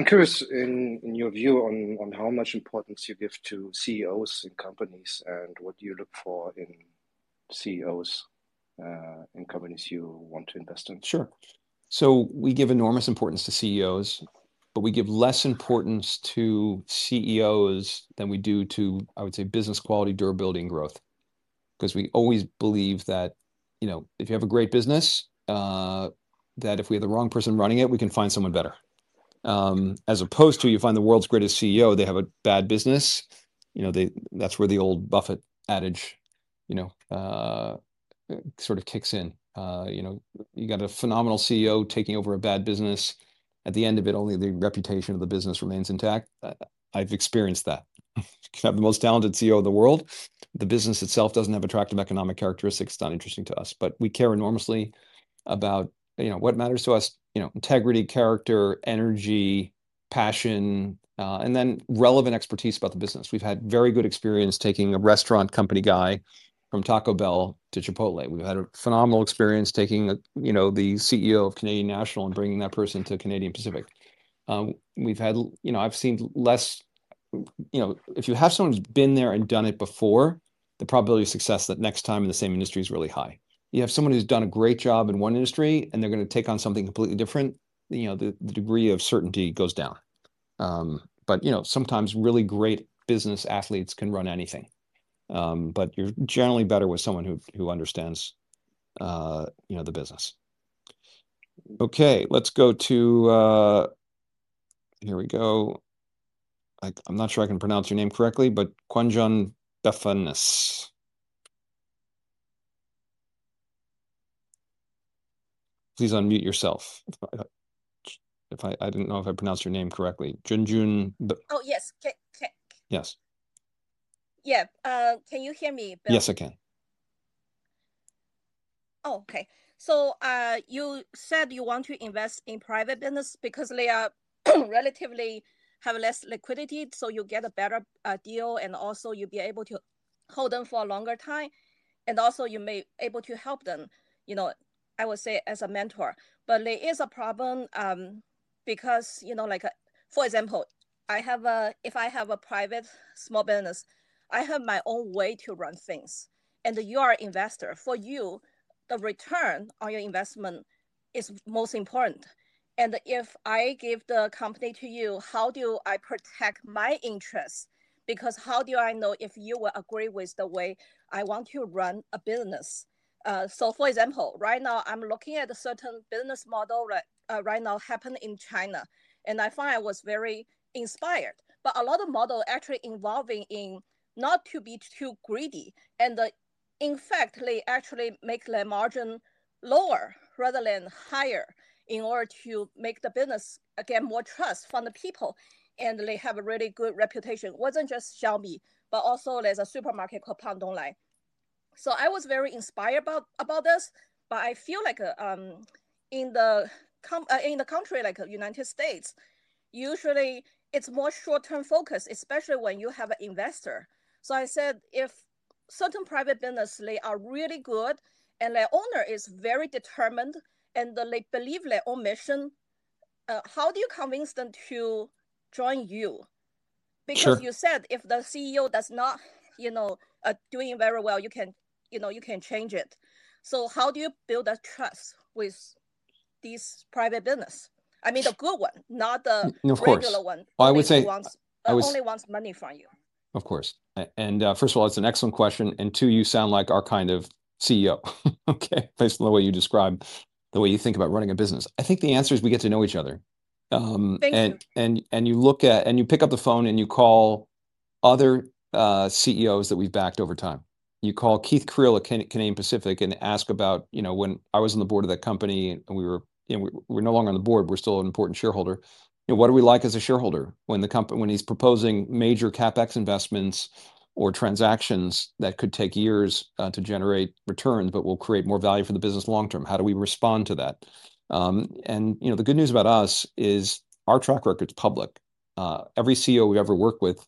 curious in your view on how much importance you give to CEOs in companies and what you look for in CEOs in companies you want to invest in. Sure. So we give enormous importance to CEOs, but we give less importance to CEOs than we do to, I would say, business quality, durability, and growth. Because we always believe that if you have a great business, that if we have the wrong person running it, we can find someone better. As opposed to you find the world's greatest CEO, they have a bad business. That's where the old Buffett adage sort of kicks in. You got a phenomenal CEO taking over a bad business. At the end of it, only the reputation of the business remains intact. I've experienced that. You have the most talented CEO of the world. The business itself doesn't have attractive economic characteristics. It's not interesting to us. But we care enormously about what matters to us: integrity, character, energy, passion, and then relevant expertise about the business. We've had very good experience taking a restaurant company guy from Taco Bell to Chipotle. We've had a phenomenal experience taking the CEO of Canadian National and bringing that person to Canadian Pacific. I've seen less. If you have someone who's been there and done it before, the probability of success that next time in the same industry is really high. You have someone who's done a great job in one industry, and they're going to take on something completely different. The degree of certainty goes down. But sometimes really great business athletes can run anything. But you're generally better with someone who understands the business. Okay. Let's go to, here we go. I'm not sure I can pronounce your name correctly, but Kwan Jun FS. Please unmute yourself. I didn't know if I pronounced your name correctly. Junjun. Oh, yes. Yes. Yeah. Can you hear me, Bill? Yes, I can. Oh, okay. So you said you want to invest in private business because they are relatively have less liquidity, so you get a better deal, and also you'll be able to hold them for a longer time. And also, you may be able to help them, I would say, as a mentor. But there is a problem because, for example, if I have a private small business, I have my own way to run things. And you are an investor. For you, the return on your investment is most important. And if I give the company to you, how do I protect my interests? Because how do I know if you will agree with the way I want to run a business? So, for example, right now, I'm looking at a certain business model that right now happened in China, and I find I was very inspired. But a lot of models are actually involving in not to be too greedy, and in fact, they actually make their margin lower rather than higher in order to make the business get more trust from the people, and they have a really good reputation. It wasn't just Xiaomi, but also there's a supermarket called Pang Dong Lai, so I was very inspired about this. But I feel like in the country like the United States, usually, it's more short-term focus, especially when you have an investor. So I said, if certain private businesses are really good and their owner is very determined and they believe in their own mission, how do you convince them to join you? Because you said if the CEO does not do very well, you can change it. So how do you build that trust with this private business? I mean, the good one, not the regular one who only wants money from you. Of course. And first of all, it's an excellent question. And two, you sound like our kind of CEO, okay, based on the way you describe the way you think about running a business. I think the answer is we get to know each other. And you look at and you pick up the phone and you call other CEOs that we've backed over time. You call Keith Creel at Canadian Pacific and ask about, "When I was on the board of that company, and we were no longer on the board, we're still an important shareholder. What are we like as a shareholder when he's proposing major CapEx investments or transactions that could take years to generate returns but will create more value for the business long-term? How do we respond to that?" And the good news about us is our track record's public. Every CEO we've ever worked with,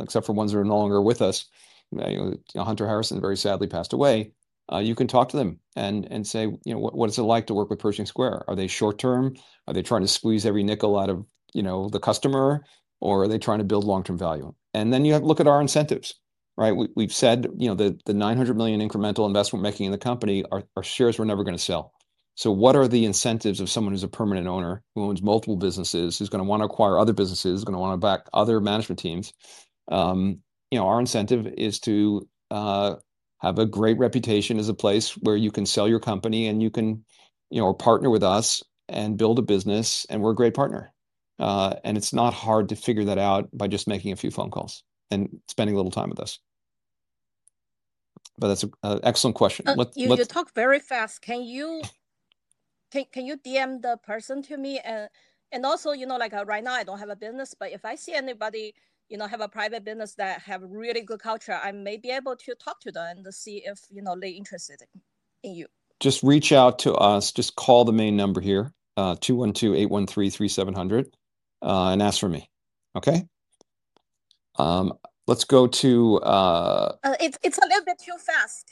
except for ones that are no longer with us, Ewing Hunter Harrison very sadly passed away, you can talk to them and say, "What is it like to work with Pershing Square? Are they short-term? Are they trying to squeeze every nickel out of the customer? Or are they trying to build long-term value?" And then you look at our incentives, right? We've said the $900 million incremental investment we're making in the company, our shares were never going to sell. So what are the incentives of someone who's a permanent owner, who owns multiple businesses, who's going to want to acquire other businesses, who's going to want to back other management teams? Our incentive is to have a great reputation as a place where you can sell your company and you can partner with us and build a business, and we're a great partner. And it's not hard to figure that out by just making a few phone calls and spending a little time with us. But that's an excellent question. You talk very fast. Can you DM the person to me? And also, right now, I don't have a business, but if I see anybody have a private business that has a really good culture, I may be able to talk to them and see if they're interested in you. Just reach out to us. Just call the main number here, 212-813-3700, and ask for me, okay? It's a little bit too fast.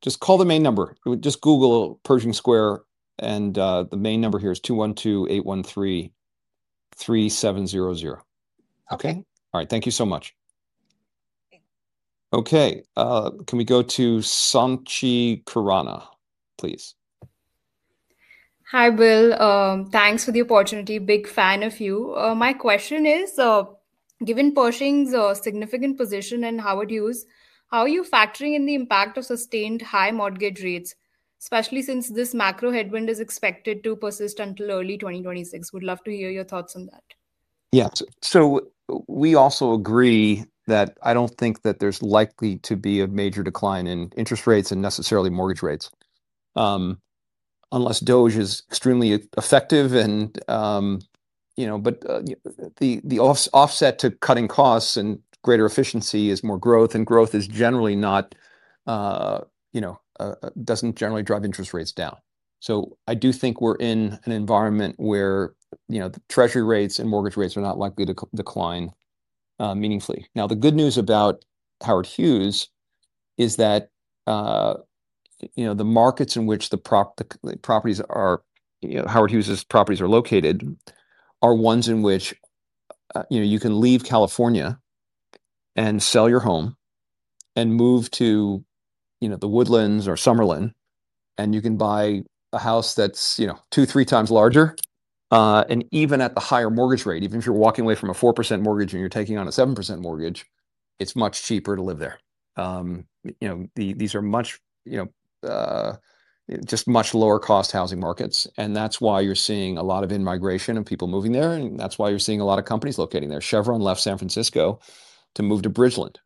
Just call the main number. Just Google Pershing Square, and the main number here is 212-813-3700. Okay? All right. Thank you so much. Okay. Can we go to Sanchi Kirana, please? Hi, Bill. Thanks for the opportunity. Big fan of you. My question is, given Pershing's significant position in Howard Hughes, how are you factoring in the impact of sustained high mortgage rates, especially since this macro headwind is expected to persist until early 2026? Would love to hear your thoughts on that. Yeah, so we also agree that I don't think that there's likely to be a major decline in interest rates and necessarily mortgage rates, unless DOGE is extremely effective. But the offset to cutting costs and greater efficiency is more growth, and growth doesn't generally drive interest rates down. So I do think we're in an environment where treasury rates and mortgage rates are not likely to decline meaningfully. Now, the good news about Howard Hughes is that the markets in which the properties are, Howard Hughes' properties are located, are ones in which you can leave California and sell your home and move to The Woodlands or Summerlin, and you can buy a house that's two, three times larger. And even at the higher mortgage rate, even if you're walking away from a 4% mortgage and you're taking on a 7% mortgage, it's much cheaper to live there. These are just much lower-cost housing markets. And that's why you're seeing a lot of in-migration and people moving there. And that's why you're seeing a lot of companies locating there. Chevron left San Francisco to move to Bridgeland,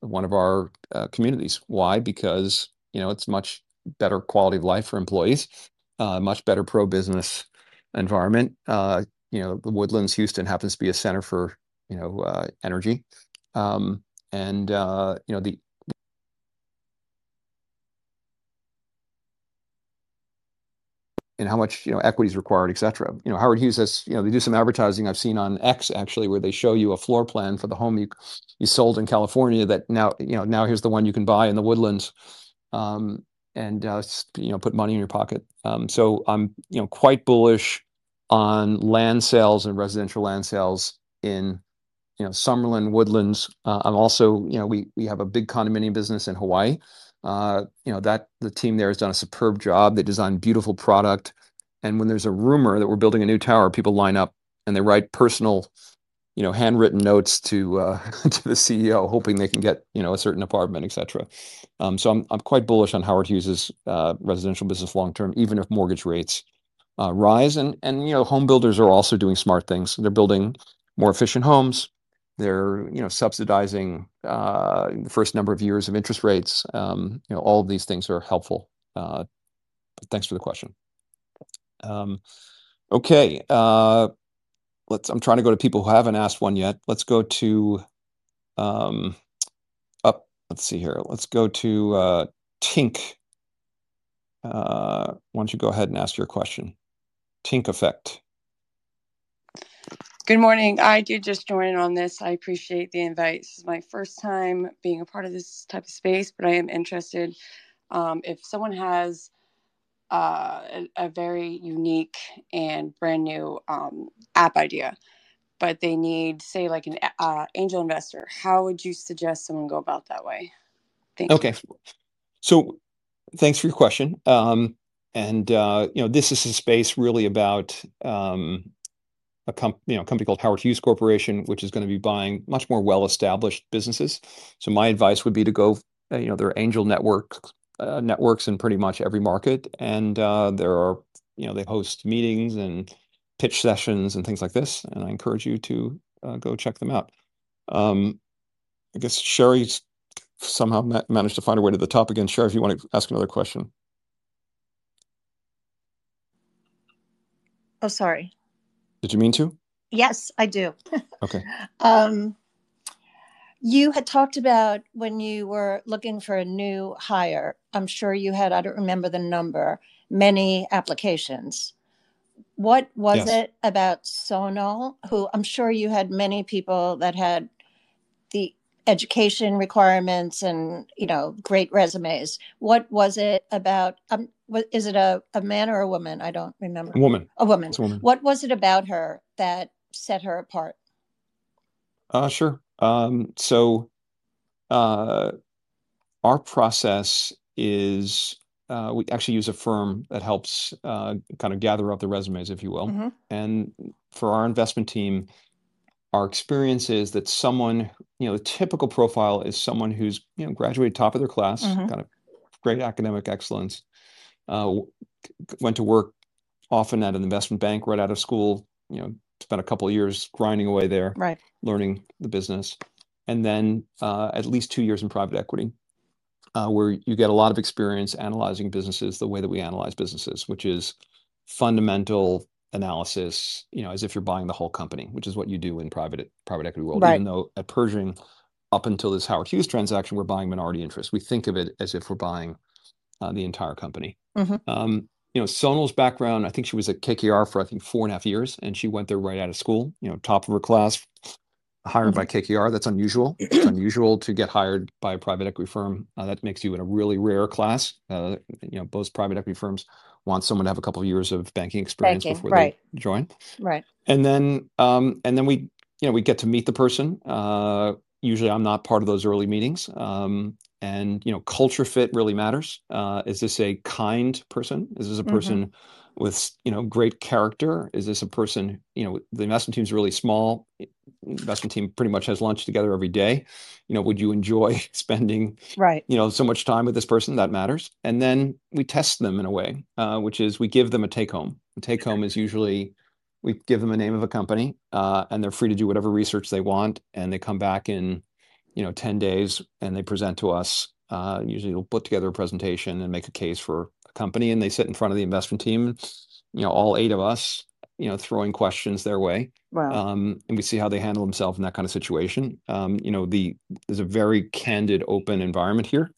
one of our communities. Why? Because it's much better quality of life for employees, a much better pro-business environment. The Woodlands, Houston, happens to be a center for energy. And how much equity is required, et cetera. Howard Hughes has—they do some advertising. I've seen on X, actually, where they show you a floor plan for the home you sold in California that now here's the one you can buy in The Woodlands and put money in your pocket. So I'm quite bullish on land sales and residential land sales in Summerlin, Woodlands. We have a big condominium business in Hawaii. The team there has done a superb job. They designed a beautiful product. And when there's a rumor that we're building a new tower, people line up, and they write personal handwritten notes to the CEO, hoping they can get a certain apartment, et cetera. So I'm quite bullish on Howard Hughes' residential business long-term, even if mortgage rates rise. And homebuilders are also doing smart things. They're building more efficient homes. They're subsidizing the first number of years of interest rates. All of these things are helpful. Thanks for the question. Okay. I'm trying to go to people who haven't asked one yet. Let's go to, let's see here. Let's go to Tink. Why don't you go ahead and ask your question? Tink Effect. Good morning. I do just join on this. I appreciate the invite. This is my first time being a part of this type of space, but I am interested. If someone has a very unique and brand-new app idea, but they need, say, an angel investor, how would you suggest someone go about that way? Thank you. Okay, so thanks for your question, and this is a space really about a company called Howard Hughes Corporation, which is going to be buying much more well-established businesses. So my advice would be to go. There are angel networks in pretty much every market, and they host meetings and pitch sessions and things like this, and I encourage you to go check them out. I guess Sherry's somehow managed to find her way to the top again. Sherry, if you want to ask another question. Oh, sorry. Did you mean to? Yes, I do. Okay. You had talked about when you were looking for a new hire. I'm sure you had. I don't remember the number. Many applications. What was it about Sonal? I'm sure you had many people that had the education requirements and great resumes. What was it about—is it a man or a woman? I don't remember. Woman. A woman. It's a woman. What was it about her that set her apart? Sure. So our process is we actually use a firm that helps kind of gather up the resumes, if you will. And for our investment team, our experience is that someone, the typical profile is someone who's graduated top of their class, kind of great academic excellence, went to work often at an investment bank, right out of school, spent a couple of years grinding away there, learning the business, and then at least two years in private equity, where you get a lot of experience analyzing businesses the way that we analyze businesses, which is fundamental analysis as if you're buying the whole company, which is what you do in the private equity world. Even though at Pershing, up until this Howard Hughes transaction, we're buying minority interests. We think of it as if we're buying the entire company. Sonal's background, I think she was at KKR for, I think, four and a half years, and she went there right out of school, top of her class, hired by KKR. That's unusual. It's unusual to get hired by a private equity firm. That makes you in a really rare class. Most private equity firms want someone to have a couple of years of banking experience before they join. And then we get to meet the person. Usually, I'm not part of those early meetings. And culture fit really matters. Is this a kind person? Is this a person with great character? Is this a person? The investment team's really small. The investment team pretty much has lunch together every day. Would you enjoy spending so much time with this person? That matters. And then we test them in a way, which is we give them a take-home. A take-home is usually we give them a name of a company, and they're free to do whatever research they want. And they come back in 10 days, and they present to us. Usually, they'll put together a presentation and make a case for a company. And they sit in front of the investment team, all eight of us, throwing questions their way. And we see how they handle themselves in that kind of situation. There's a very candid, open environment here.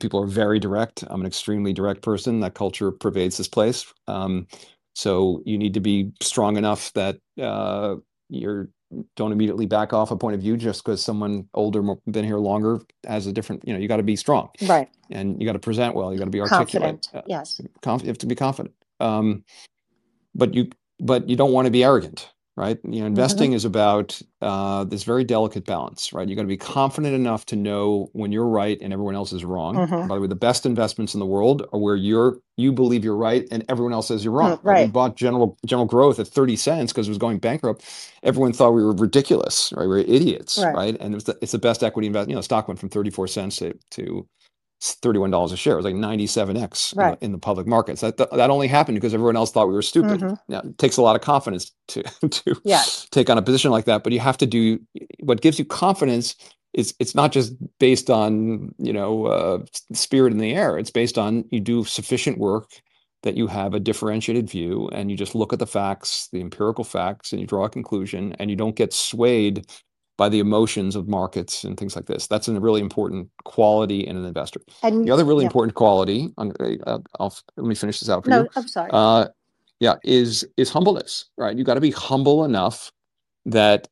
People are very direct. I'm an extremely direct person. That culture pervades this place. So you need to be strong enough that you don't immediately back off a point of view just because someone older, been here longer, has a different, you got to be strong. And you got to present well. You got to be articulate. Confident. Yes. You have to be confident. But you don't want to be arrogant, right? Investing is about this very delicate balance, right? You got to be confident enough to know when you're right and everyone else is wrong. By the way, the best investments in the world are where you believe you're right and everyone else says you're wrong. We bought General Growth at $0.30 because it was going bankrupt. Everyone thought we were ridiculous, right? We were idiots, right, and it's the best equity investment. Stock went from $0.34 to $31 a share. It was like 97X in the public markets. That only happened because everyone else thought we were stupid. It takes a lot of confidence to take on a position like that. But you have to do what gives you confidence is it's not just based on spirit in the air. It's based on you do sufficient work that you have a differentiated view, and you just look at the facts, the empirical facts, and you draw a conclusion, and you don't get swayed by the emotions of markets and things like this. That's a really important quality in an investor. The other really important quality, let me finish this out for you. No, I'm sorry. Yeah, is humbleness, right? You got to be humble enough that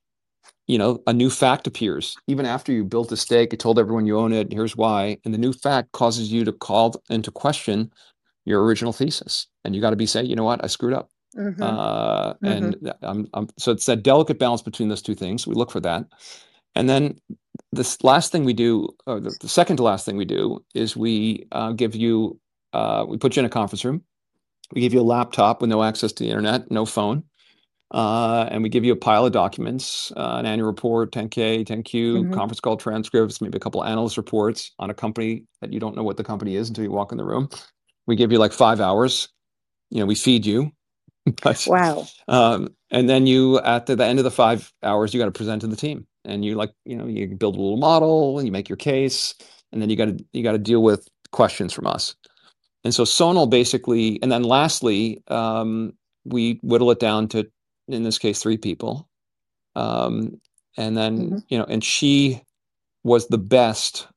a new fact appears. Even after you built a stake, you told everyone you own it, and here's why. And the new fact causes you to call into question your original thesis. And you got to be saying, "You know what? I screwed up." And so it's that delicate balance between those two things. We look for that. And then the last thing we do, or the second to last thing we do, is we give you, we put you in a conference room. We give you a laptop with no access to the internet, no phone. We give you a pile of documents: an annual report, 10-K, 10-Q, conference call transcripts, maybe a couple of analyst reports on a company that you don't know what the company is until you walk in the room. We give you like five hours. We feed you. Wow. And then at the end of the five hours, you got to present to the team. And you build a little model, and you make your case. And then you got to deal with questions from us. And so Sonal basically, and then lastly, we whittle it down to, in this case, three people. And she was the best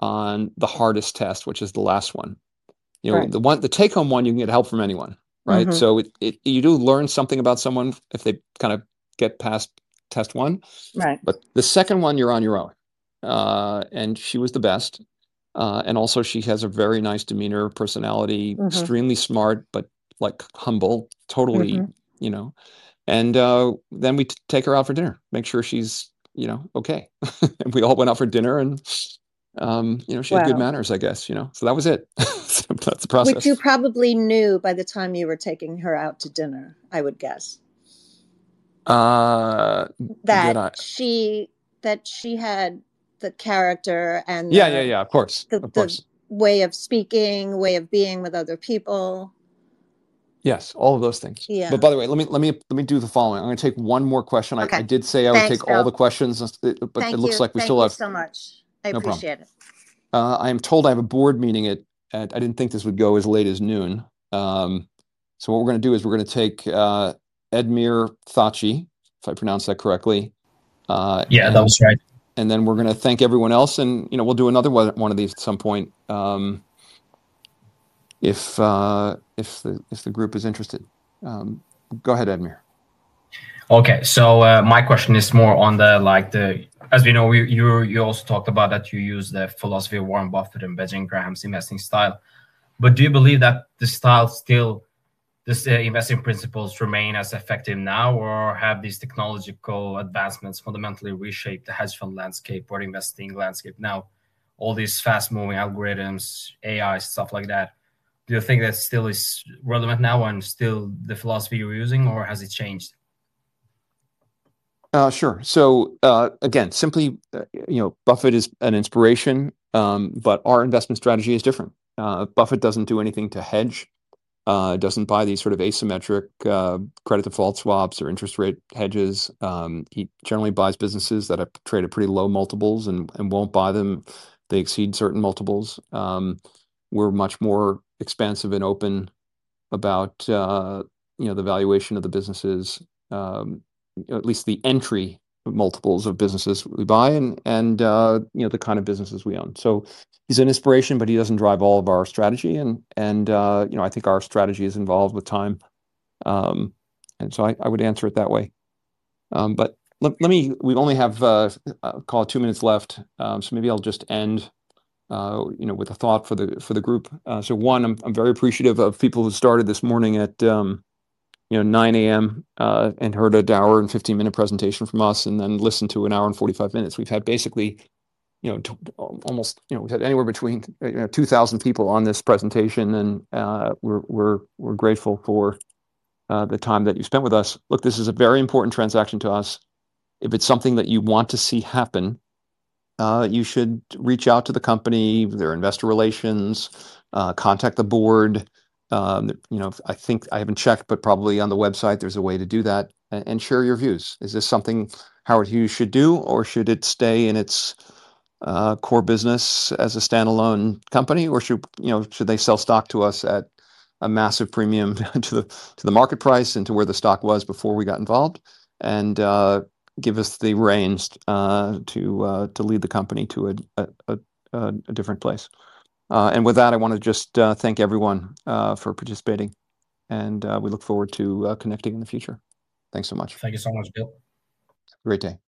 on the hardest test, which is the last one. The take-home one, you can get help from anyone, right? So you do learn something about someone if they kind of get past test one. But the second one, you're on your own. And she was the best. And also, she has a very nice demeanor, personality, extremely smart, but humble, totally. And then we take her out for dinner, make sure she's okay. And we all went out for dinner, and she had good manners, I guess. So that was it. That's the process. Which you probably knew by the time you were taking her out to dinner, I would guess. That she had the character and the. Yeah, yeah, yeah, of course. The way of speaking, way of being with other people. Yes, all of those things. But by the way, let me do the following. I'm going to take one more question. I did say I would take all the questions, but it looks like we still have. Thank you so much. I appreciate it. I am told I have a board meeting at—I didn't think this would go as late as noon. So what we're going to do is we're going to take Edmir Thachi, if I pronounced that correctly. Yeah, that was right. And then we're going to thank everyone else, and we'll do another one of these at some point if the group is interested. Go ahead, Edmir. Okay. So my question is more on the—as we know, you also talked about that you use the philosophy of Warren Buffett and Benjamin Graham's investing style. But do you believe that the style still, the investing principles remain as effective now, or have these technological advancements fundamentally reshaped the hedge fund landscape or investing landscape now? All these fast-moving algorithms, AI, stuff like that. Do you think that still is relevant now and still the philosophy you're using, or has it changed? Sure. So again, simply, Buffett is an inspiration, but our investment strategy is different. Buffett doesn't do anything to hedge. He doesn't buy these sort of asymmetric credit default swaps or interest rate hedges. He generally buys businesses that trade at pretty low multiples and won't buy them if they exceed certain multiples. We're much more expansive and open about the valuation of the businesses, at least the entry multiples of businesses we buy and the kind of businesses we own. So he's an inspiration, but he doesn't drive all of our strategy. And I think our strategy is involved with time. And so I would answer it that way. But we only have, I'll call it, two minutes left. So maybe I'll just end with a thought for the group. So one, I'm very appreciative of people who started this morning at 9:00 A.M. and heard a two-hour and 15-minute presentation from us and then listened to an hour and 45 minutes. We've had anywhere between 2,000 people on this presentation, and we're grateful for the time that you spent with us. Look, this is a very important transaction to us. If it's something that you want to see happen, you should reach out to the company, their investor relations, contact the board. I think I haven't checked, but probably on the website, there's a way to do that, and share your views. Is this something Howard Hughes should do, or should it stay in its core business as a standalone company, or should they sell stock to us at a massive premium to the market price and to where the stock was before we got involved and give us the reins to lead the company to a different place? With that, I want to just thank everyone for participating. We look forward to connecting in the future. Thanks so much. Thank you so much, Bill. Great day. Bye.